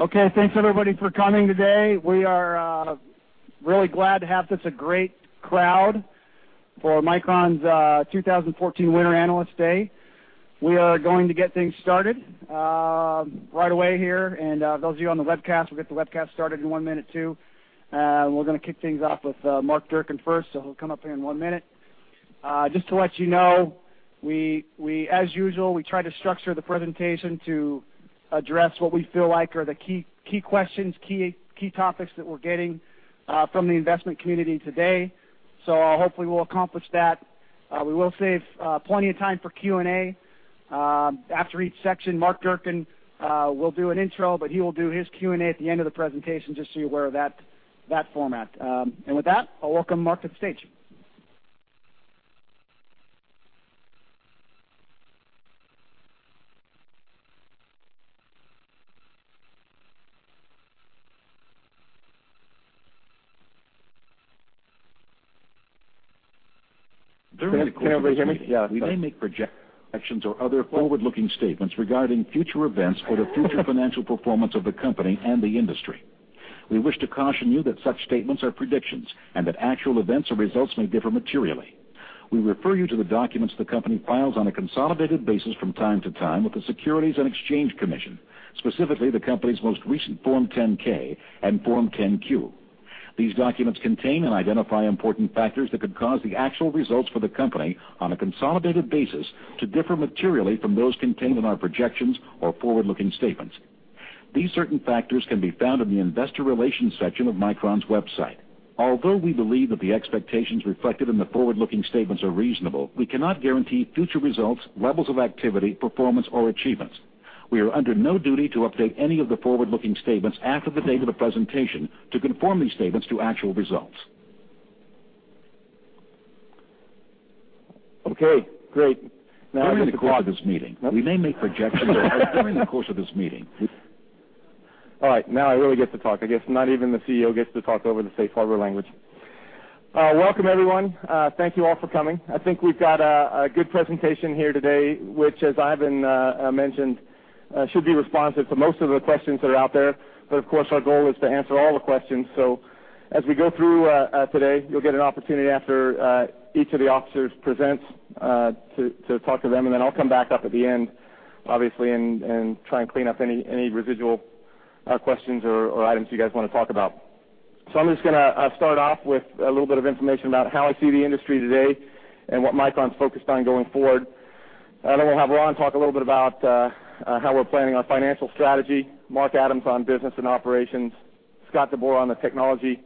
Okay, thanks everybody for coming today. We are really glad to have such a great crowd for Micron's 2014 Winter Analyst Day. We are going to get things started right away here. Those of you on the webcast, we'll get the webcast started in one minute, too. We're going to kick things off with Mark Durcan first. He'll come up here in one minute. Just to let you know, as usual, we try to structure the presentation to address what we feel like are the key questions, key topics that we're getting from the investment community today. Hopefully we'll accomplish that. We will save plenty of time for Q&A. After each section, Mark Durcan will do an intro. He will do his Q&A at the end of the presentation, just so you're aware of that format. With that, I'll welcome Mark to the stage. During the course of this meeting- Can everybody hear me? Yeah. We may make projections or other forward-looking statements regarding future events or the future financial performance of the company and the industry. We wish to caution you that such statements are predictions and that actual events or results may differ materially. We refer you to the documents the company files on a consolidated basis from time to time with the Securities and Exchange Commission, specifically the company's most recent Form 10-K and Form 10-Q. These documents contain and identify important factors that could cause the actual results for the company, on a consolidated basis, to differ materially from those contained in our projections or forward-looking statements. These certain factors can be found in the investor relations section of Micron's website. Although we believe that the expectations reflected in the forward-looking statements are reasonable, we cannot guarantee future results, levels of activity, performance, or achievements. We are under no duty to update any of the forward-looking statements after the date of the presentation to conform these statements to actual results. Okay, great. Now I get to talk. During the course of this meeting, we may make projections or other. All right, now I really get to talk. I guess not even the CEO gets to talk over the safe harbor language. Welcome, everyone. Thank you all for coming. I think we've got a good presentation here today, which as Ivan mentioned, should be responsive to most of the questions that are out there. Of course, our goal is to answer all the questions. As we go through today, you'll get an opportunity after each of the officers presents to talk to them, and then I'll come back up at the end, obviously, and try and clean up any residual questions or items you guys want to talk about. I'm just going to start off with a little bit of information about how I see the industry today and what Micron's focused on going forward. We'll have Ron talk a little bit about how we're planning our financial strategy, Mark Adams on business and operations, Scott DeBoer on the technology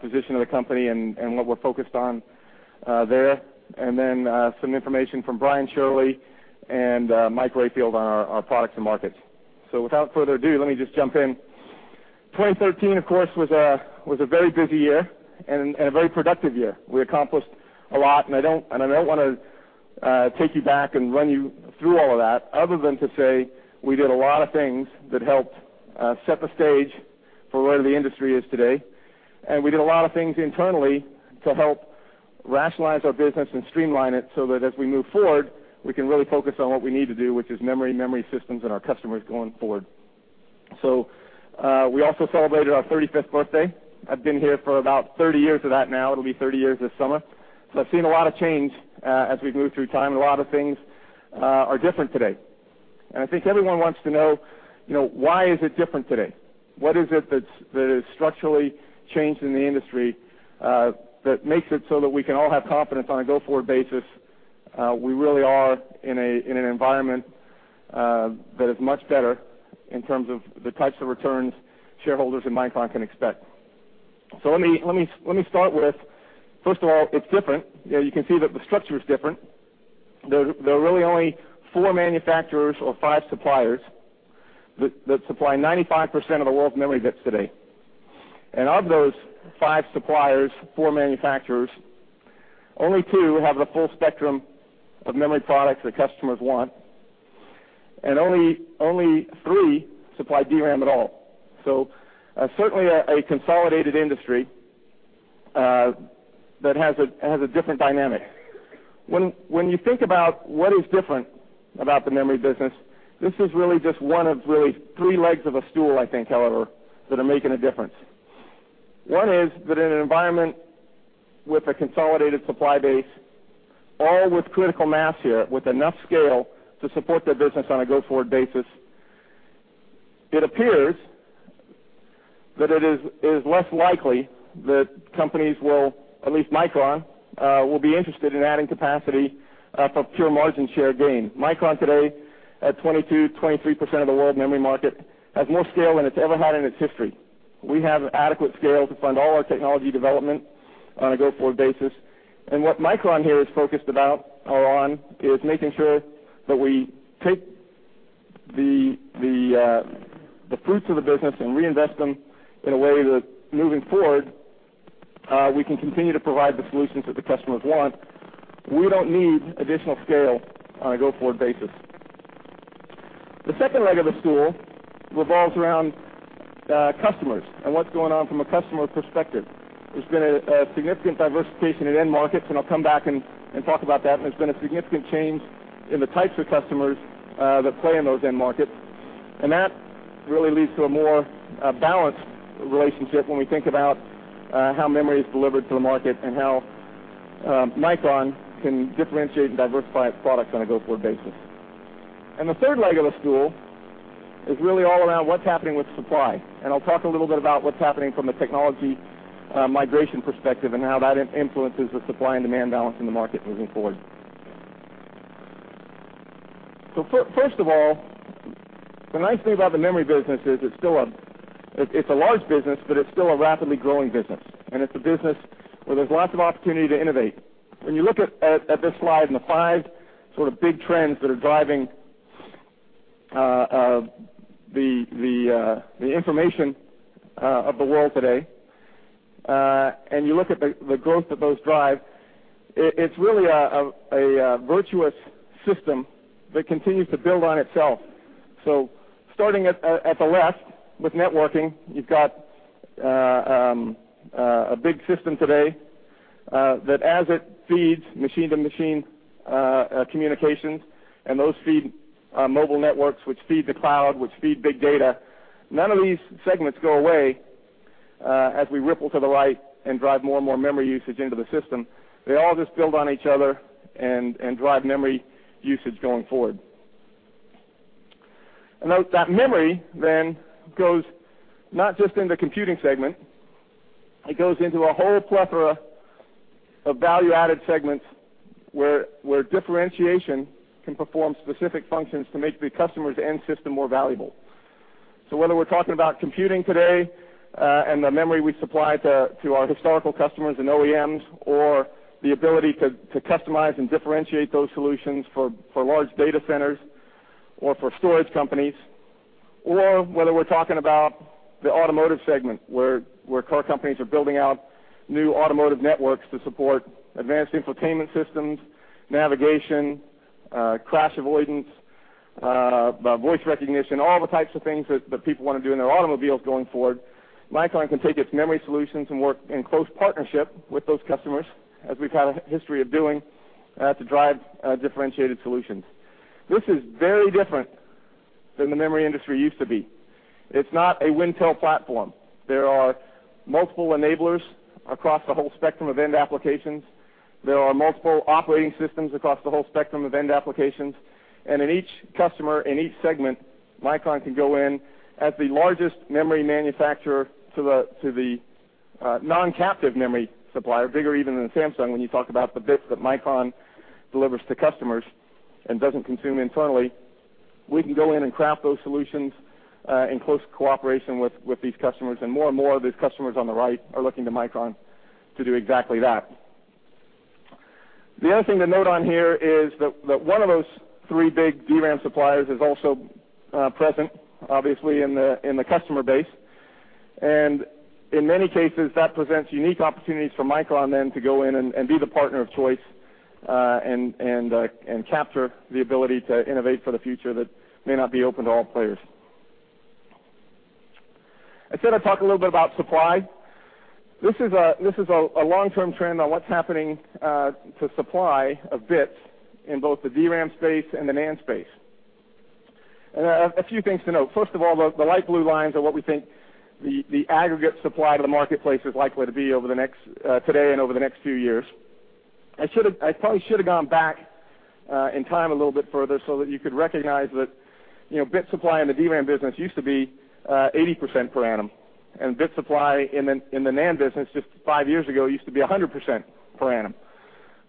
position of the company and what we're focused on there, then some information from Brian Shirley and Mike Rayfield on our products and markets. Without further ado, let me just jump in. 2013, of course, was a very busy year and a very productive year. We accomplished a lot, and I don't want to take you back and run you through all of that, other than to say we did a lot of things that helped set the stage for where the industry is today. We did a lot of things internally to help rationalize our business and streamline it so that as we move forward, we can really focus on what we need to do, which is memory systems, and our customers going forward. We also celebrated our 35th birthday. I've been here for about 30 years of that now. It'll be 30 years this summer. I've seen a lot of change as we've moved through time. A lot of things are different today. I think everyone wants to know why is it different today? What is it that is structurally changed in the industry that makes it so that we can all have confidence on a go-forward basis? We really are in an environment that is much better in terms of the types of returns shareholders in Micron can expect. Let me start with, first of all, it's different. You can see that the structure is different. There are really only 4 manufacturers or 5 suppliers that supply 95% of the world's memory bits today. Of those 5 suppliers, 4 manufacturers, only 2 have the full spectrum of memory products that customers want, and only 3 supply DRAM at all. Certainly a consolidated industry that has a different dynamic. When you think about what is different about the memory business, this is really just one of really 3 legs of a stool, I think, however, that are making a difference. One is that in an environment with a consolidated supply base, all with critical mass here, with enough scale to support their business on a go-forward basis, it appears that it is less likely that companies will, at least Micron, will be interested in adding capacity for pure margin share gain. Micron today, at 22%, 23% of the world memory market, has more scale than it's ever had in its history. We have adequate scale to fund all our technology development on a go-forward basis. What Micron here is focused about, or on, is making sure that we take the fruits of the business and reinvest them in a way that moving forward, we can continue to provide the solutions that the customers want. We don't need additional scale on a go-forward basis. The second leg of the stool revolves around customers and what's going on from a customer perspective. There's been a significant diversification in end markets, and I'll come back and talk about that, and there's been a significant change in the types of customers that play in those end markets. That really leads to a more balanced relationship when we think about how memory is delivered to the market and how Micron can differentiate and diversify its products on a go-forward basis. The third leg of the stool is really all around what's happening with supply, and I'll talk a little bit about what's happening from a technology migration perspective and how that influences the supply and demand balance in the market moving forward. First of all, the nice thing about the memory business is it's a large business, but it's still a rapidly growing business, and it's a business where there's lots of opportunity to innovate. When you look at this slide and the five sort of big trends that are driving the information of the world today, and you look at the growth that those drive, it's really a virtuous system that continues to build on itself. Starting at the left with networking, you've got a big system today that as it feeds machine-to-machine communications and those feed mobile networks, which feed the cloud, which feed big data, none of these segments go away as we ripple to the right and drive more and more memory usage into the system. They all just build on each other and drive memory usage going forward. Note that memory then goes not just in the computing segment. It goes into a whole plethora of value-added segments where differentiation can perform specific functions to make the customer's end system more valuable. Whether we're talking about computing today, and the memory we supply to our historical customers and OEMs, or the ability to customize and differentiate those solutions for large data centers or for storage companies, or whether we're talking about the automotive segment, where car companies are building out new automotive networks to support advanced infotainment systems, navigation, crash avoidance, voice recognition, all the types of things that people want to do in their automobiles going forward, Micron can take its memory solutions and work in close partnership with those customers, as we've had a history of doing to drive differentiated solutions. This is very different than the memory industry used to be. It's not a Wintel platform. There are multiple enablers across the whole spectrum of end applications. There are multiple operating systems across the whole spectrum of end applications. In each customer, in each segment, Micron can go in as the largest memory manufacturer to the non-captive memory supplier, bigger even than Samsung when you talk about the bits that Micron delivers to customers and doesn't consume internally. We can go in and craft those solutions in close cooperation with these customers. More and more of these customers on the right are looking to Micron to do exactly that. The other thing to note on here is that one of those three big DRAM suppliers is also present, obviously, in the customer base, and in many cases, that presents unique opportunities for Micron then to go in and be the partner of choice, and capture the ability to innovate for the future that may not be open to all players. I said I'd talk a little bit about supply. This is a long-term trend on what's happening to supply of bits in both the DRAM space and the NAND space. A few things to note. First of all, the light blue lines are what we think the aggregate supply to the marketplace is likely to be today and over the next few years. I probably should have gone back in time a little bit further so that you could recognize that bit supply in the DRAM business used to be 80% per annum, and bit supply in the NAND business just five years ago used to be 100% per annum.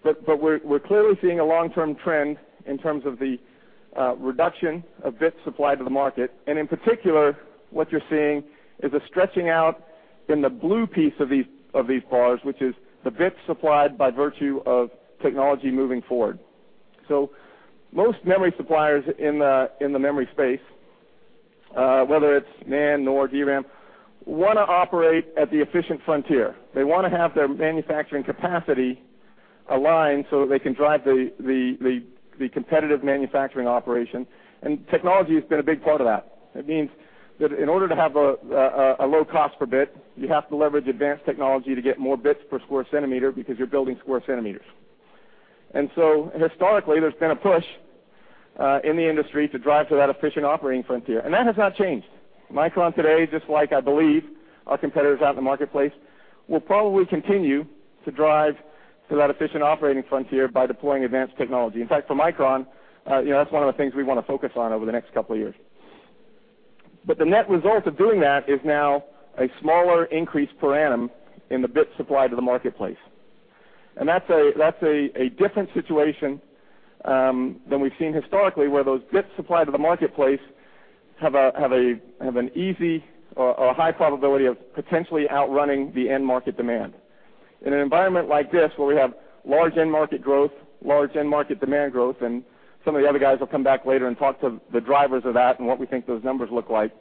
We're clearly seeing a long-term trend in terms of the reduction of bit supply to the market. In particular, what you're seeing is a stretching out in the blue piece of these bars, which is the bits supplied by virtue of technology moving forward. Most memory suppliers in the memory space whether it's NAND, NOR, DRAM, want to operate at the efficient frontier. They want to have their manufacturing capacity aligned so that they can drive the competitive manufacturing operation, and technology has been a big part of that. It means that in order to have a low cost per bit, you have to leverage advanced technology to get more bits per square centimeter because you're building square centimeters. Historically, there's been a push in the industry to drive to that efficient operating frontier, and that has not changed. Micron today, just like I believe our competitors out in the marketplace, will probably continue to drive to that efficient operating frontier by deploying advanced technology. In fact, for Micron, that's one of the things we want to focus on over the next couple of years. The net result of doing that is now a smaller increase per annum in the bit supply to the marketplace. That's a different situation than we've seen historically where those bits supplied to the marketplace have an easy or a high probability of potentially outrunning the end market demand. In an environment like this where we have large end market growth, large end market demand growth, and some of the other guys will come back later and talk to the drivers of that and what we think those numbers look like,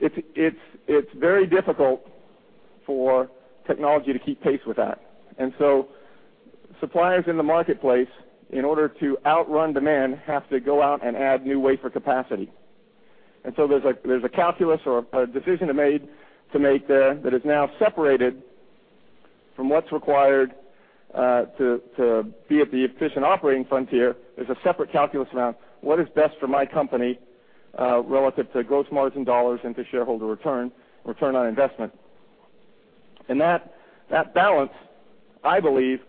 it's very difficult for technology to keep pace with that. Suppliers in the marketplace, in order to outrun demand, have to go out and add new wafer capacity. There's a calculus or a decision to make there that is now separated from what's required to be at the efficient operating frontier. There's a separate calculus around what is best for my company relative to gross margin dollars and to shareholder return on investment. That balance, I believe,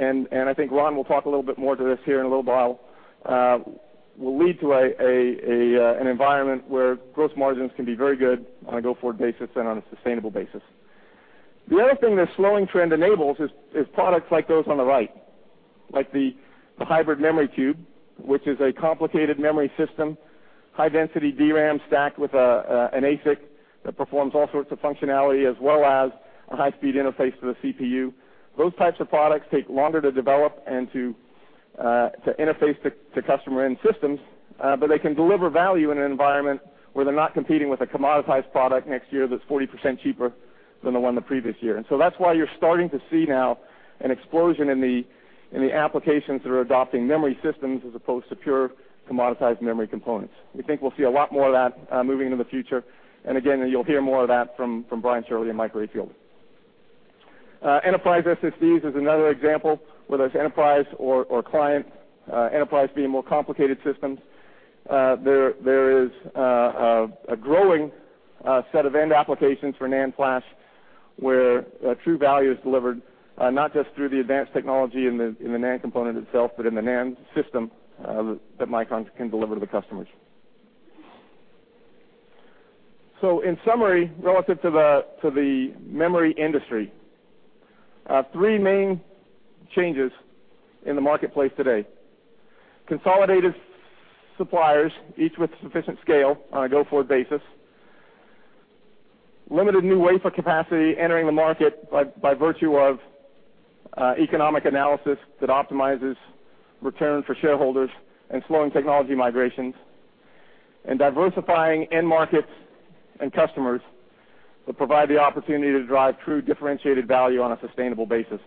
and I think Ron will talk a little bit more to this here in a little while, will lead to an environment where gross margins can be very good on a go-forward basis and on a sustainable basis. The other thing this slowing trend enables is products like those on the right, like the Hybrid Memory Cube, which is a complicated memory system, high-density DRAM stacked with an ASIC that performs all sorts of functionality, as well as a high-speed interface to the CPU. Those types of products take longer to develop and to interface to customer end systems, but they can deliver value in an environment where they're not competing with a commoditized product next year that's 40% cheaper than the one the previous year. That's why you're starting to see now an explosion in the applications that are adopting memory systems as opposed to pure commoditized memory components. We think we'll see a lot more of that moving into the future. Again, you'll hear more of that from Brian Shirley and Mike Rayfield. Enterprise SSDs is another example, whether it's enterprise or client, enterprise being more complicated systems. There is a growing set of end applications for NAND flash where true value is delivered, not just through the advanced technology in the NAND component itself, but in the NAND system that Micron can deliver to the customers. In summary, relative to the memory industry, three main changes in the marketplace today. Consolidated suppliers, each with sufficient scale on a go-forward basis. Limited new wafer capacity entering the market by virtue of economic analysis that optimizes return for shareholders and slowing technology migrations. Diversifying end markets and customers that provide the opportunity to drive true differentiated value on a sustainable basis,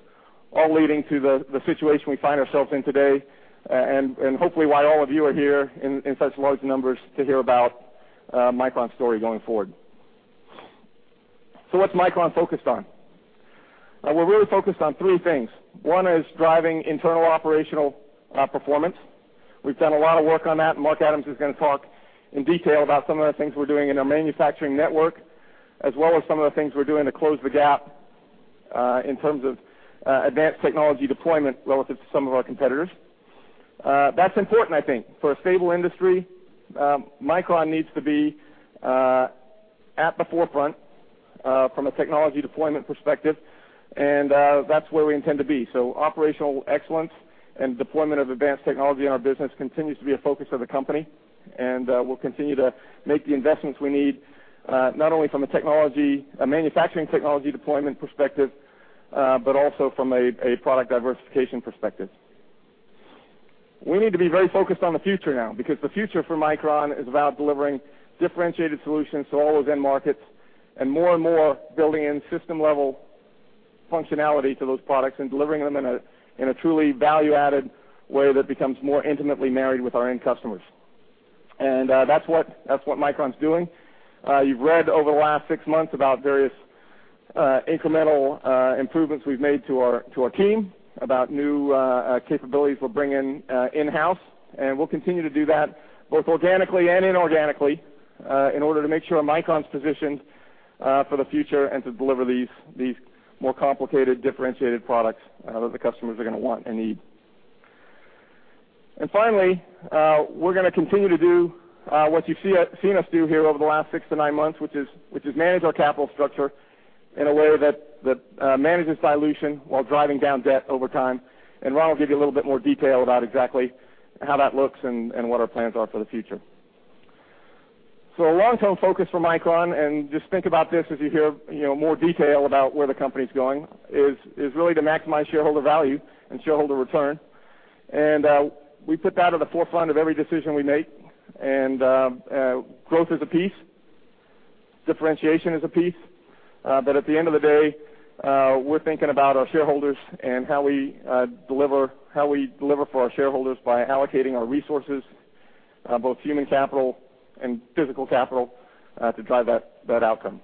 all leading to the situation we find ourselves in today, and hopefully why all of you are here in such large numbers to hear about Micron's story going forward. What's Micron focused on? We're really focused on three things. One is driving internal operational performance. We've done a lot of work on that, and Mark Adams is going to talk in detail about some of the things we're doing in our manufacturing network, as well as some of the things we're doing to close the gap in terms of advanced technology deployment relative to some of our competitors. That's important, I think. For a stable industry, Micron needs to be at the forefront from a technology deployment perspective, and that's where we intend to be. Operational excellence and deployment of advanced technology in our business continues to be a focus of the company, and we'll continue to make the investments we need, not only from a manufacturing technology deployment perspective, but also from a product diversification perspective. We need to be very focused on the future now, because the future for Micron is about delivering differentiated solutions to all those end markets and more and more building in system-level functionality to those products and delivering them in a truly value-added way that becomes more intimately married with our end customers. That's what Micron's doing. You've read over the last six months about various incremental improvements we've made to our team, about new capabilities we're bringing in-house, we'll continue to do that both organically and inorganically in order to make sure Micron's positioned for the future and to deliver these more complicated, differentiated products that the customers are going to want and need. Finally, we're going to continue to do what you've seen us do here over the last six to nine months, which is manage our capital structure in a way that manages dilution while driving down debt over time. Ron will give you a little bit more detail about exactly how that looks and what our plans are for the future. A long-term focus for Micron, and just think about this as you hear more detail about where the company's going, is really to maximize shareholder value and shareholder return, we put that at the forefront of every decision we make. Growth is a piece, differentiation is a piece, but at the end of the day, we're thinking about our shareholders and how we deliver for our shareholders by allocating our resources, both human capital and physical capital, to drive that outcome.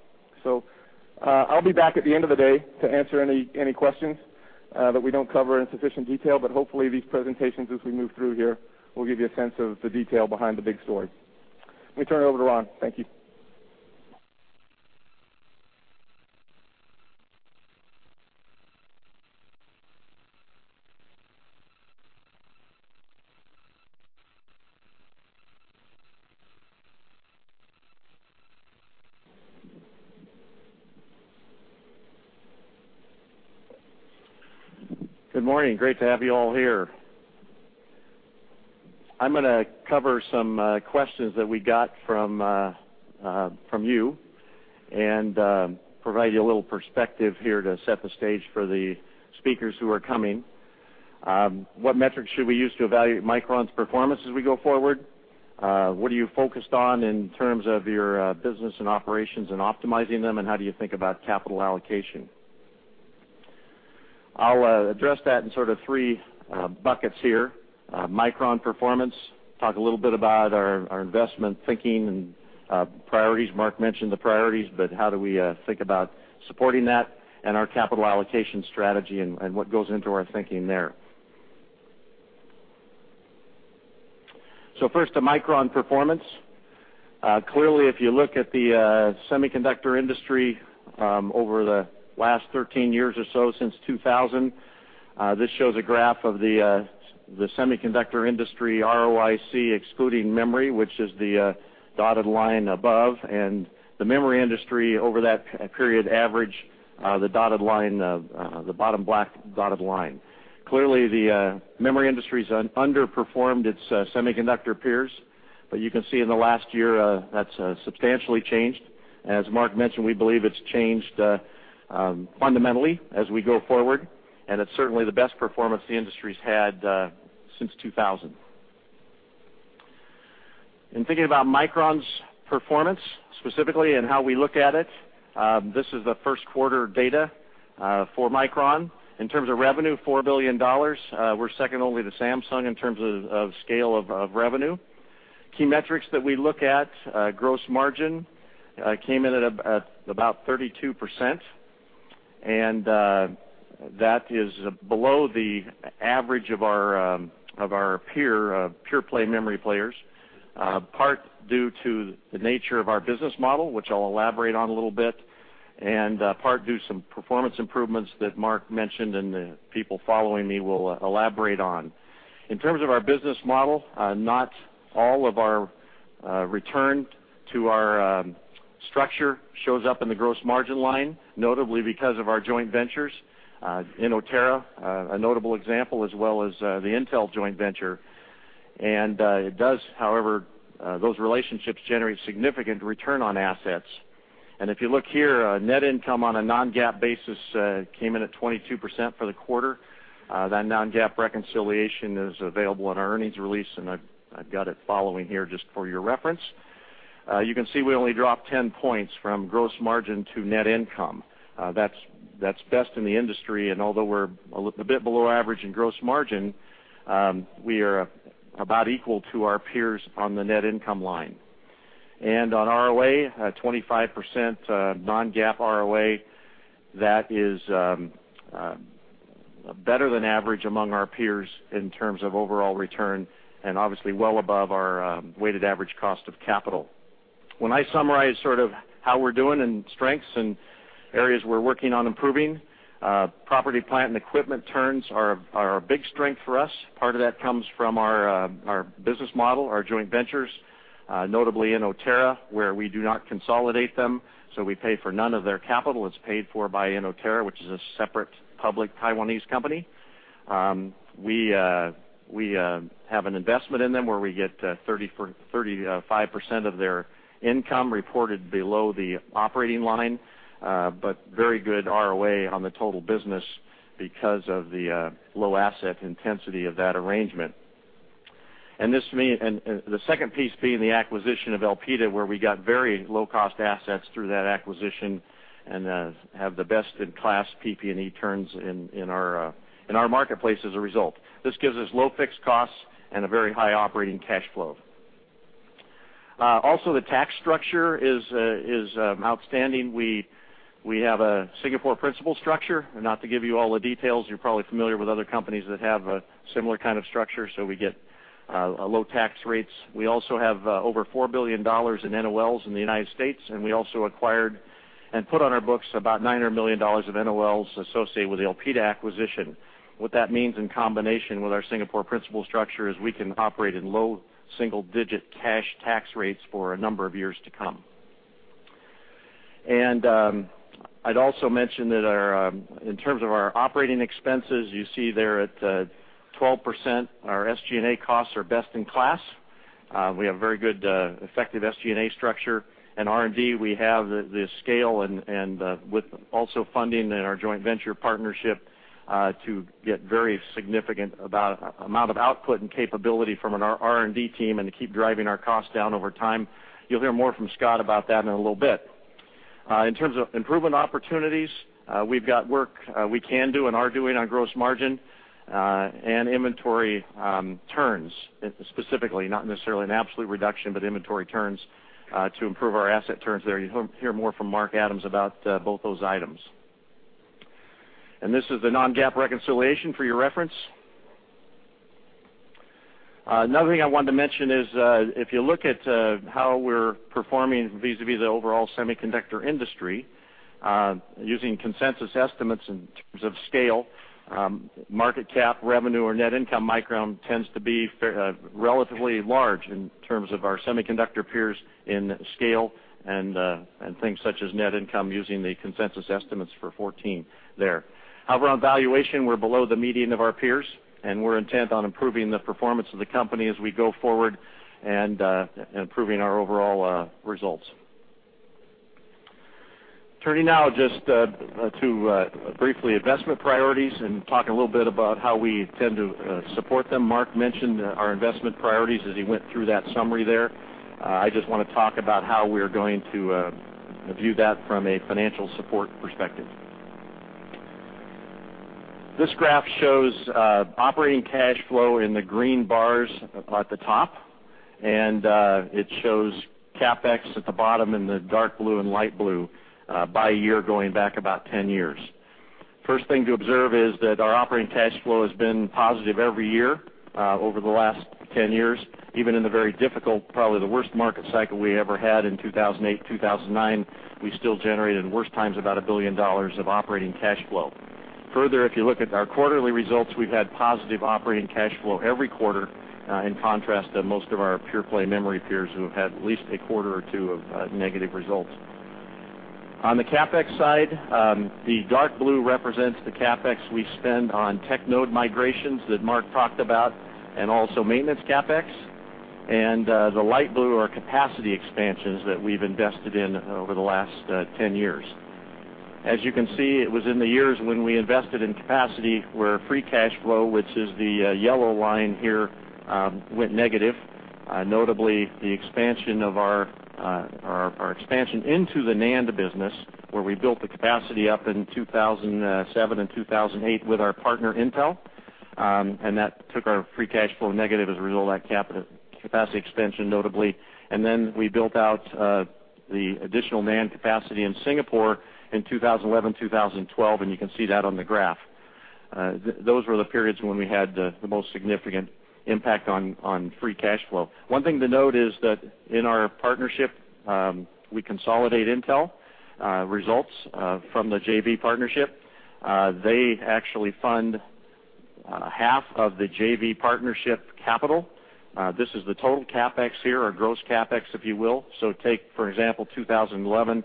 I'll be back at the end of the day to answer any questions that we don't cover in sufficient detail, but hopefully these presentations, as we move through here, will give you a sense of the detail behind the big story. Let me turn it over to Ron. Thank you. Good morning. Great to have you all here. I'm going to cover some questions that we got from you and provide you a little perspective here to set the stage for the speakers who are coming. What metrics should we use to evaluate Micron's performance as we go forward? What are you focused on in terms of your business and operations and optimizing them, and how do you think about capital allocation? I'll address that in sort of three buckets here. Micron performance, talk a little bit about our investment thinking and priorities. Mark mentioned the priorities, but how do we think about supporting that and our capital allocation strategy and what goes into our thinking there. First, to Micron performance. Clearly, if you look at the semiconductor industry over the last 13 years or so, since 2000, this shows a graph of the semiconductor industry ROIC, excluding memory, which is the dotted line above, and the memory industry over that period average, the bottom black dotted line. Clearly, the memory industry's underperformed its semiconductor peers. You can see in the last year, that's substantially changed. As Mark mentioned, we believe it's changed fundamentally as we go forward, and it's certainly the best performance the industry's had since 2000. In thinking about Micron's performance specifically and how we look at it, this is the first quarter data for Micron. In terms of revenue, $4 billion. We're second only to Samsung in terms of scale of revenue. Key metrics that we look at, gross margin came in at about 32%, that is below the average of our peer play memory players, part due to the nature of our business model, which I'll elaborate on a little bit, and part due to some performance improvements that Mark mentioned and the people following me will elaborate on. In terms of our business model, not all of our return to our structure shows up in the gross margin line, notably because of our joint ventures. Inotera, a notable example, as well as the Intel joint venture. It does, however, those relationships generate significant return on assets. If you look here, net income on a non-GAAP basis came in at 22% for the quarter. That non-GAAP reconciliation is available in our earnings release, and I've got it following here just for your reference. You can see we only dropped 10 points from gross margin to net income. That's best in the industry, and although we're a bit below average in gross margin, we are about equal to our peers on the net income line. On ROA, at 25% non-GAAP ROA, that is better than average among our peers in terms of overall return and obviously well above our weighted average cost of capital. When I summarize how we're doing and strengths and areas we're working on improving, property, plant, and equipment turns are a big strength for us. Part of that comes from our business model, our joint ventures, notably Inotera, where we do not consolidate them, so we pay for none of their capital. It's paid for by Inotera, which is a separate public Taiwanese company. We have an investment in them where we get 35% of their income reported below the operating line, but very good ROA on the total business because of the low asset intensity of that arrangement. The second piece being the acquisition of Elpida, where we got very low-cost assets through that acquisition and have the best-in-class PP&E turns in our marketplace as a result. This gives us low fixed costs and a very high operating cash flow. Also, the tax structure is outstanding. We have a Singapore principal structure. Not to give you all the details, you're probably familiar with other companies that have a similar kind of structure, so we get low tax rates. We also have over $4 billion in NOLs in the U.S., and we also acquired and put on our books about $900 million of NOLs associated with the Elpida acquisition. What that means in combination with our Singapore principal structure is we can operate in low single-digit cash tax rates for a number of years to come. I'd also mention that in terms of our operating expenses, you see there at 12%, our SG&A costs are best in class. We have very good effective SG&A structure. In R&D, we have the scale and with also funding in our joint venture partnership, to get very significant amount of output and capability from our R&D team and to keep driving our costs down over time. You'll hear more from Scott about that in a little bit. In terms of improvement opportunities, we've got work we can do and are doing on gross margin and inventory turns, specifically, not necessarily an absolute reduction, but inventory turns to improve our asset turns there. You'll hear more from Mark Adams about both those items. This is the non-GAAP reconciliation for your reference. Another thing I wanted to mention is if you look at how we're performing vis-à-vis the overall semiconductor industry, using consensus estimates in terms of scale, market cap, revenue, or net income, Micron tends to be relatively large in terms of our semiconductor peers in scale and things such as net income using the consensus estimates for 2014 there. However, on valuation, we're below the median of our peers, and we're intent on improving the performance of the company as we go forward and improving our overall results. Turning now just to, briefly, investment priorities and talk a little bit about how we intend to support them. Mark mentioned our investment priorities as he went through that summary there. I just want to talk about how we're going to view that from a financial support perspective. This graph shows operating cash flow in the green bars at the top. It shows CapEx at the bottom in the dark blue and light blue by year going back about 10 years. First thing to observe is that our operating cash flow has been positive every year over the last 10 years, even in the very difficult, probably the worst market cycle we ever had in 2008, 2009. We still generated, at worst times, about $1 billion of operating cash flow. Further, if you look at our quarterly results, we've had positive operating cash flow every quarter, in contrast to most of our pure-play memory peers who have had at least a quarter or two of negative results. On the CapEx side, the dark blue represents the CapEx we spend on tech node migrations that Mark talked about, and also maintenance CapEx. The light blue are capacity expansions that we've invested in over the last 10 years. As you can see, it was in the years when we invested in capacity where free cash flow, which is the yellow line here, went negative. Notably, our expansion into the NAND business, where we built the capacity up in 2007 and 2008 with our partner, Intel. That took our free cash flow negative as a result of that capacity expansion, notably. Then we built out the additional NAND capacity in Singapore in 2011, 2012, and you can see that on the graph. Those were the periods when we had the most significant impact on free cash flow. One thing to note is that in our partnership, we consolidate Intel results from the JV partnership. They actually fund half of the JV partnership capital. This is the total CapEx here, or gross CapEx, if you will. Take, for example, 2011.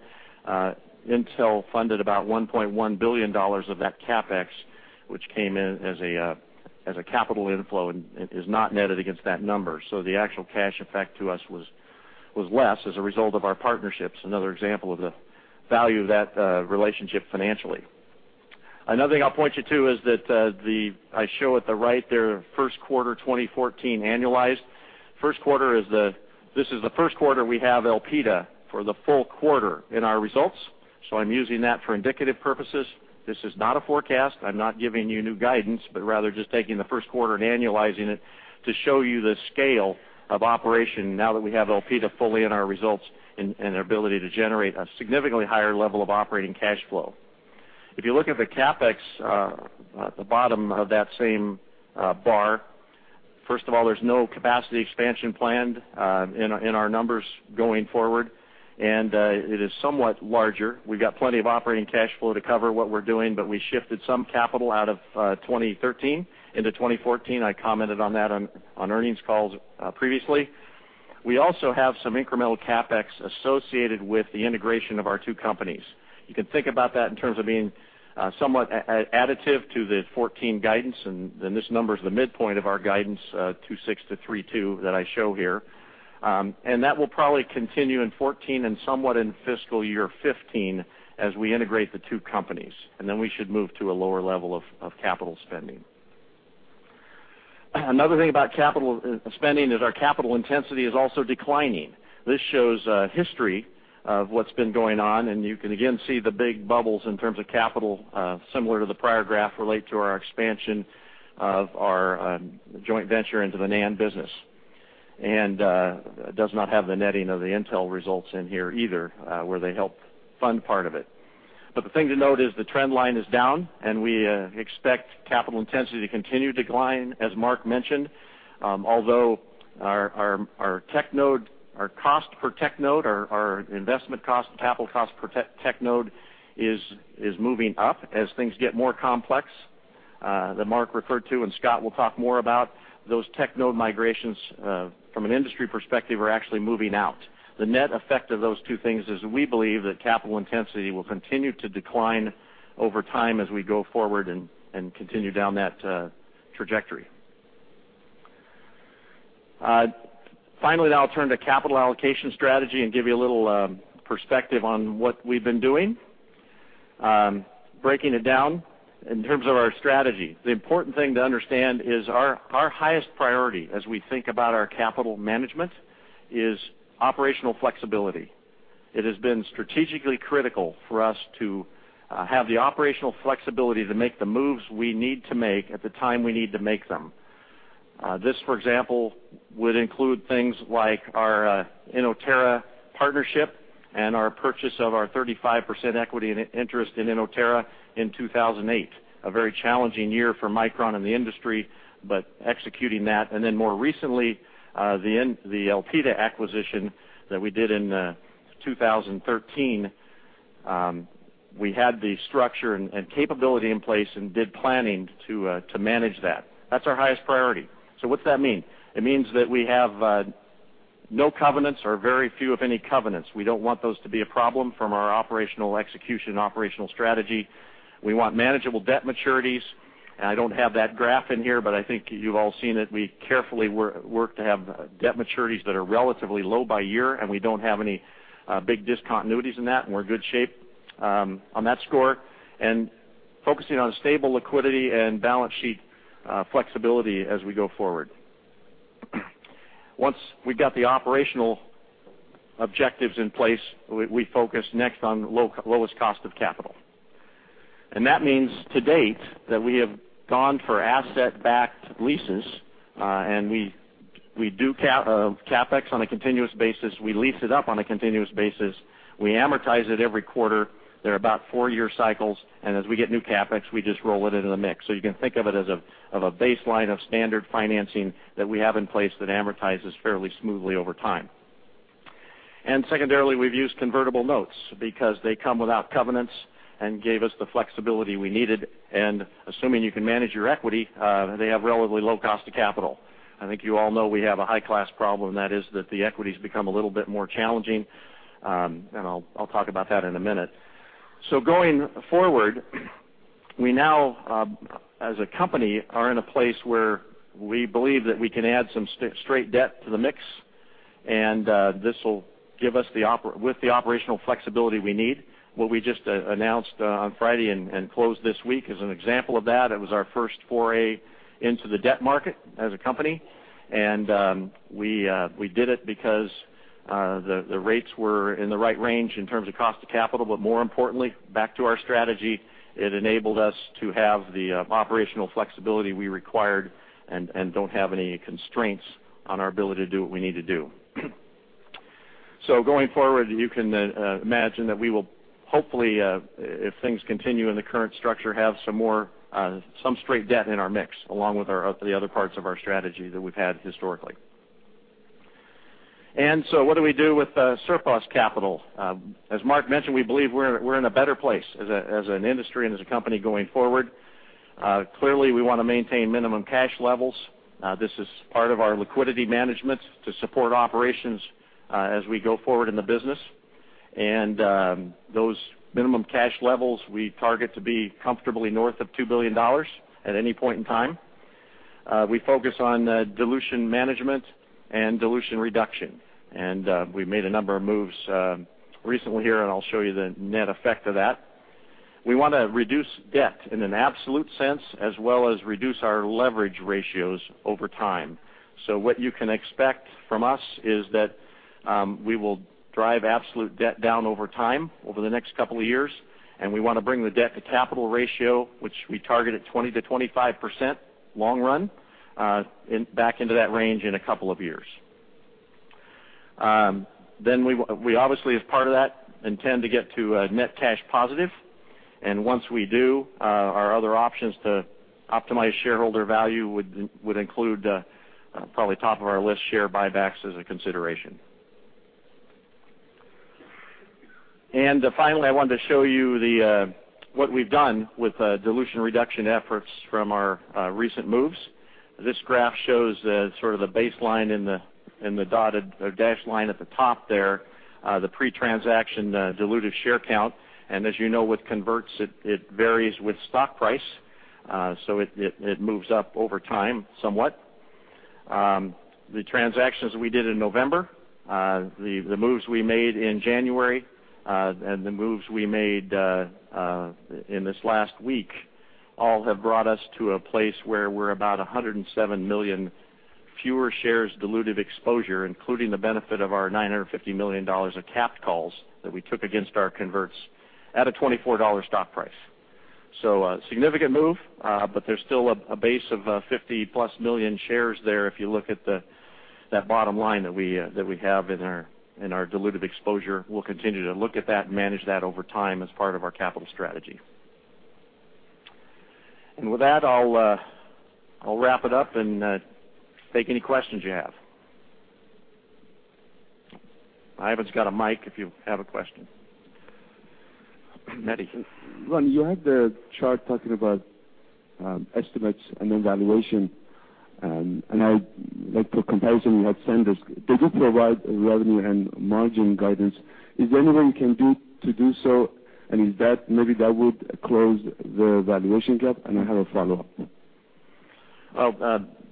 Intel funded about $1.1 billion of that CapEx, which came in as a capital inflow and is not netted against that number. The actual cash effect to us was less as a result of our partnerships, another example of the value of that relationship financially. Another thing I'll point you to is that I show at the right there, first quarter 2014 annualized. This is the first quarter we have Elpida for the full quarter in our results, so I'm using that for indicative purposes. This is not a forecast. I'm not giving you new guidance, but rather just taking the first quarter and annualizing it to show you the scale of operation now that we have Elpida fully in our results, and our ability to generate a significantly higher level of operating cash flow. If you look at the CapEx at the bottom of that same bar, first of all, there's no capacity expansion planned in our numbers going forward, and it is somewhat larger. We've got plenty of operating cash flow to cover what we're doing, but we shifted some capital out of 2013 into 2014. I commented on that on earnings calls previously. We also have some incremental CapEx associated with the integration of our two companies. You can think about that in terms of being somewhat additive to the 2014 guidance, and this number's the midpoint of our guidance, $2.6 billion-$3.2 billion, that I show here. That will probably continue in 2014 and somewhat in fiscal year 2015 as we integrate the two companies, then we should move to a lower level of capital spending. Another thing about capital spending is our capital intensity is also declining. This shows a history of what's been going on, and you can again see the big bubbles in terms of capital, similar to the prior graph, relate to our expansion of our joint venture into the NAND business. It does not have the netting of the Intel results in here either, where they help fund part of it. The thing to note is the trend line is down, and we expect capital intensity to continue to decline, as Mark mentioned. Although our cost per tech node, our investment cost and capital cost per tech node is moving up as things get more complex, that Mark referred to and Scott will talk more about. Those tech node migrations, from an industry perspective, are actually moving out. The net effect of those two things is we believe that capital intensity will continue to decline over time as we go forward and continue down that trajectory. Finally, now I'll turn to capital allocation strategy and give you a little perspective on what we've been doing. Breaking it down in terms of our strategy, the important thing to understand is our highest priority as we think about our capital management is operational flexibility. It has been strategically critical for us to have the operational flexibility to make the moves we need to make at the time we need to make them. This, for example, would include things like our Inotera partnership and our purchase of our 35% equity interest in Inotera in 2008, a very challenging year for Micron and the industry, but executing that. Then more recently, the Elpida acquisition that we did in 2013. We had the structure and capability in place and did planning to manage that. That's our highest priority. What does that mean? It means that we have no covenants or very few, if any, covenants. We don't want those to be a problem from our operational execution and operational strategy. We want manageable debt maturities. I don't have that graph in here, but I think you've all seen it. We carefully work to have debt maturities that are relatively low by year, and we don't have any big discontinuities in that, and we're in good shape on that score. Focusing on stable liquidity and balance sheet flexibility as we go forward. Once we got the operational objectives in place, we focused next on lowest cost of capital. That means to date that we have gone for asset-backed leases, and we do CapEx on a continuous basis. We lease it up on a continuous basis. We amortize it every quarter. They're about four-year cycles, and as we get new CapEx, we just roll it into the mix. You can think of it as a baseline of standard financing that we have in place that amortizes fairly smoothly over time. Secondarily, we've used convertible notes because they come without covenants and gave us the flexibility we needed. Assuming you can manage your equity, they have relatively low cost of capital. I think you all know we have a high-class problem, and that is that the equity's become a little bit more challenging. I'll talk about that in a minute. Going forward, we now as a company are in a place where we believe that we can add some straight debt to the mix, and this will give us the operational flexibility we need. What we just announced on Friday and closed this week is an example of that. It was our first foray into the debt market as a company. We did it because the rates were in the right range in terms of cost of capital, but more importantly, back to our strategy, it enabled us to have the operational flexibility we required and don't have any constraints on our ability to do what we need to do. Going forward, you can imagine that we will hopefully, if things continue in the current structure, have some straight debt in our mix, along with the other parts of our strategy that we've had historically. What do we do with surplus capital? As Mark mentioned, we believe we're in a better place as an industry and as a company going forward. Clearly, we want to maintain minimum cash levels. This is part of our liquidity management to support operations as we go forward in the business. Those minimum cash levels we target to be comfortably north of $2 billion at any point in time. We focus on dilution management and dilution reduction. We've made a number of moves recently here, and I'll show you the net effect of that. We want to reduce debt in an absolute sense, as well as reduce our leverage ratios over time. What you can expect from us is that we will drive absolute debt down over time over the next couple of years, and we want to bring the debt to capital ratio, which we target at 20%-25% long run, back into that range in a couple of years. We obviously, as part of that, intend to get to net cash positive. Once we do, our other options to optimize shareholder value would include probably top of our list share buybacks as a consideration. Finally, I wanted to show you what we've done with dilution reduction efforts from our recent moves. This graph shows sort of the baseline in the dashed line at the top there, the pre-transaction diluted share count. As you know, with converts, it varies with stock price, it moves up over time somewhat. The transactions we did in November, the moves we made in January, and the moves we made in this last week all have brought us to a place where we're about 107 million fewer shares diluted exposure, including the benefit of our $950 million of capped calls that we took against our converts at a $24 stock price. A significant move, but there's still a base of 50-plus million shares there if you look at that bottom line that we have in our diluted exposure. We'll continue to look at that and manage that over time as part of our capital strategy. With that, I'll wrap it up and take any questions you have. Ivan's got a mic if you have a question. Mehdi. Ron, you had the chart talking about estimates and then valuation. I would like for comparison, you had [senders]. They do provide revenue and margin guidance. Is there any way you can do to do so? Maybe that would close the valuation gap. I have a follow-up.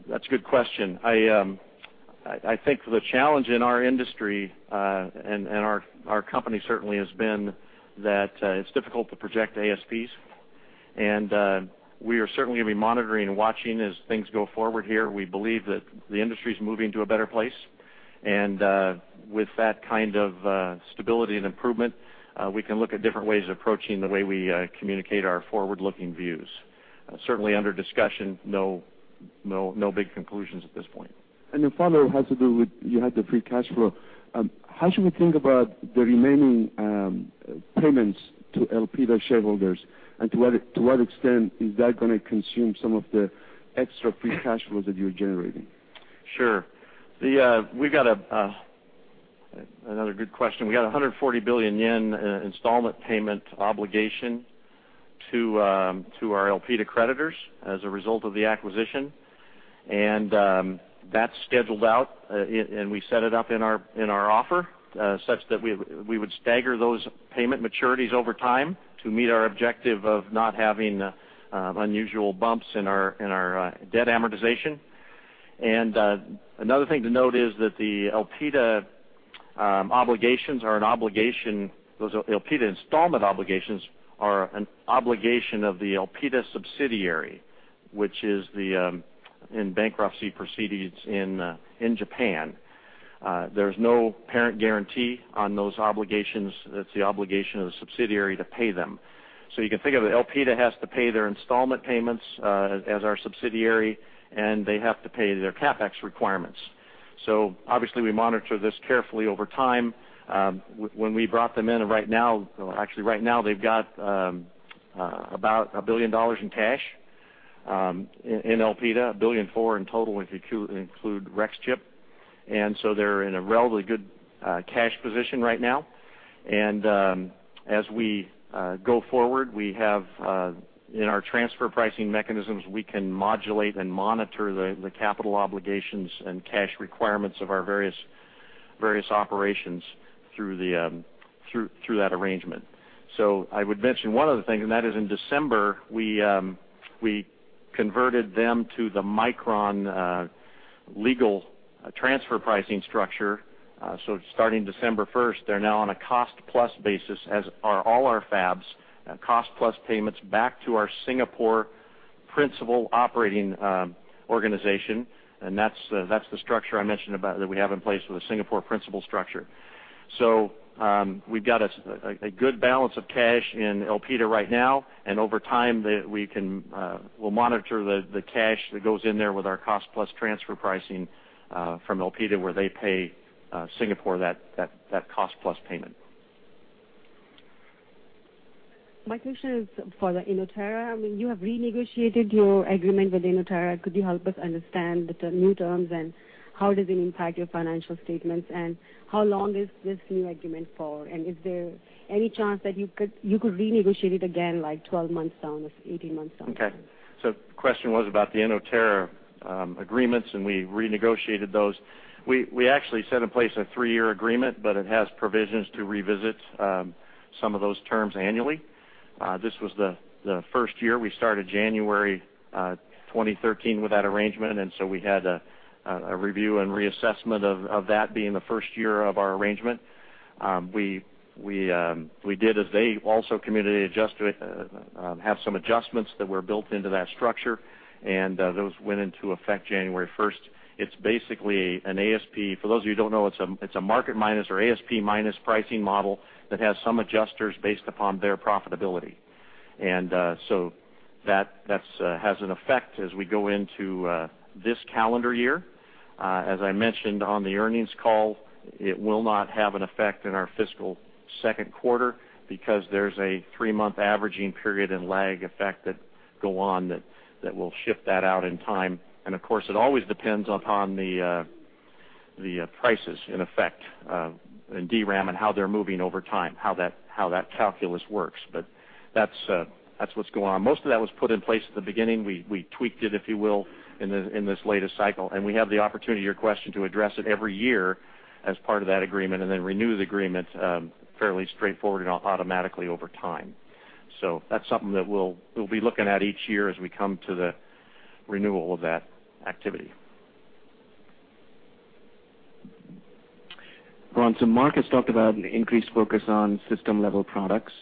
That's a good question. I think the challenge in our industry, and our company certainly has been that it's difficult to project ASPs. We are certainly going to be monitoring and watching as things go forward here. We believe that the industry's moving to a better place. With that kind of stability and improvement, we can look at different ways of approaching the way we communicate our forward-looking views. Certainly under discussion, no big conclusions at this point. The follow-up has to do with, you had the free cash flow. How should we think about the remaining payments to Elpida shareholders? To what extent is that going to consume some of the extra free cash flows that you're generating? Sure. Another good question. We got 140 billion yen installment payment obligation to our Elpida creditors as a result of the acquisition. That's scheduled out, and we set it up in our offer such that we would stagger those payment maturities over time to meet our objective of not having unusual bumps in our debt amortization. Another thing to note is that those Elpida installment obligations are an obligation of the Elpida subsidiary, which is in bankruptcy proceedings in Japan. There's no parent guarantee on those obligations. That's the obligation of the subsidiary to pay them. You can think of it, Elpida has to pay their installment payments, as our subsidiary, and they have to pay their CapEx requirements. Obviously, we monitor this carefully over time. When we brought them in, actually right now, they've got about $1 billion in cash, in Elpida, $1.4 billion in total, if you include Rexchip. They're in a relatively good cash position right now. As we go forward, in our transfer pricing mechanisms, we can modulate and monitor the capital obligations and cash requirements of our various operations through that arrangement. I would mention one other thing, and that is in December, we converted them to the Micron legal transfer pricing structure. Starting December 1st, they're now on a cost-plus basis, as are all our fabs, cost-plus payments back to our Singapore principal operating organization. That's the structure I mentioned about that we have in place with a Singapore principal structure. We've got a good balance of cash in Elpida right now, and over time, we'll monitor the cash that goes in there with our cost-plus transfer pricing, from Elpida, where they pay Singapore that cost-plus payment. My question is for the Inotera. You have renegotiated your agreement with Inotera. Could you help us understand the new terms, how does it impact your financial statements, how long is this new agreement for? Is there any chance that you could renegotiate it again, like 12 months down or 18 months down the line? Okay. The question was about the Inotera agreements. We renegotiated those. We actually set in place a three-year agreement. It has provisions to revisit some of those terms annually. This was the first year. We started January 2013 with that arrangement. We had a review and reassessment of that being the first year of our arrangement. We did, as they also committed, have some adjustments that were built into that structure. Those went into effect January 1st. It's basically an ASP. For those of you who don't know, it's a market minus or ASP-minus pricing model that has some adjusters based upon their profitability. That has an effect as we go into this calendar year. As I mentioned on the earnings call, it will not have an effect in our fiscal second quarter because there's a three-month averaging period and lag effect that go on that will shift that out in time. Of course, it always depends upon the prices in effect, in DRAM and how they're moving over time, how that calculus works. That's what's going on. Most of that was put in place at the beginning. We tweaked it, if you will, in this latest cycle. We have the opportunity, to your question, to address it every year as part of that agreement and then renew the agreement, fairly straightforward and automatically over time. That's something that we'll be looking at each year as we come to the renewal of that activity. Ron, Mark has talked about an increased focus on system-level products.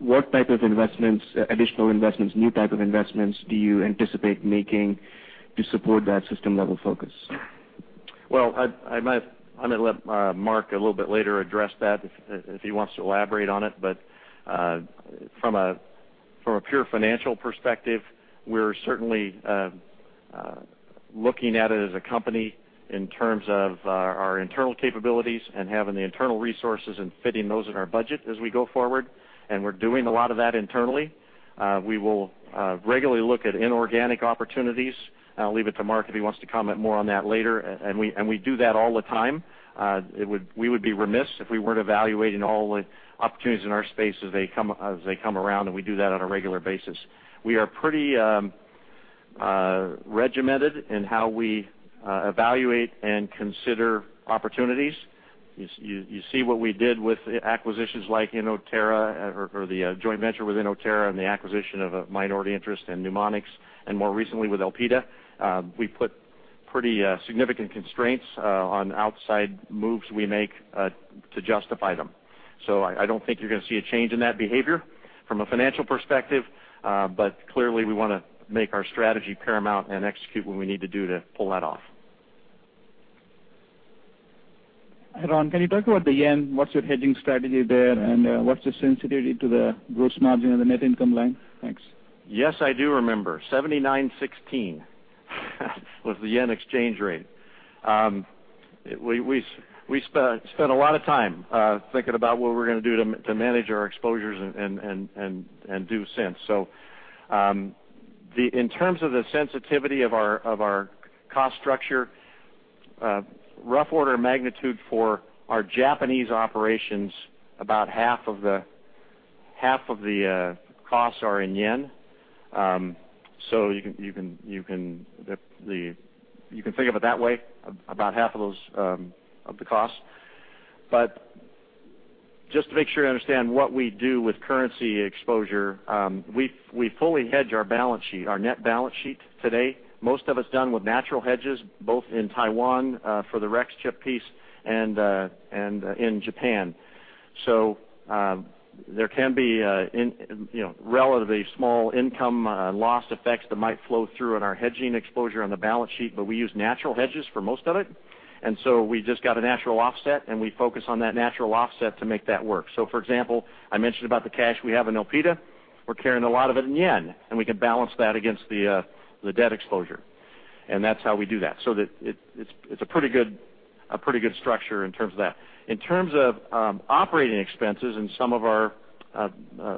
What type of additional investments, new type of investments, do you anticipate making to support that system-level focus? Well, I'm going to let Mark a little bit later address that if he wants to elaborate on it. From a pure financial perspective, we're certainly looking at it as a company in terms of our internal capabilities and having the internal resources and fitting those in our budget as we go forward. We're doing a lot of that internally. We will regularly look at inorganic opportunities. I'll leave it to Mark if he wants to comment more on that later. We do that all the time. We would be remiss if we weren't evaluating all the opportunities in our space as they come around. We do that on a regular basis. We are pretty regimented in how we evaluate and consider opportunities. You see what we did with acquisitions like Inotera, or the joint venture with Inotera and the acquisition of a minority interest in Numonyx, and more recently with Elpida. We put pretty significant constraints on outside moves we make to justify them. I don't think you're going to see a change in that behavior from a financial perspective. Clearly, we want to make our strategy paramount and execute what we need to do to pull that off. Ron, can you talk about the yen? What's your hedging strategy there, and what's the sensitivity to the gross margin and the net income line? Thanks. Yes, I do remember, 79.16 was the yen exchange rate. We spent a lot of time thinking about what we were going to do to manage our exposures and do since. In terms of the sensitivity of our cost structure, rough order of magnitude for our Japanese operations, about half of the costs are in yen. You can think of it that way, about half of the cost. Just to make sure I understand what we do with currency exposure, we fully hedge our net balance sheet today. Most of it's done with natural hedges, both in Taiwan for the Rexchip piece and in Japan. There can be relatively small income loss effects that might flow through on our hedging exposure on the balance sheet, but we use natural hedges for most of it. We just got a natural offset, and we focus on that natural offset to make that work. For example, I mentioned about the cash we have in Elpida. We're carrying a lot of it in yen, and we can balance that against the debt exposure. That's how we do that. It's a pretty good structure in terms of that. In terms of operating expenses and some of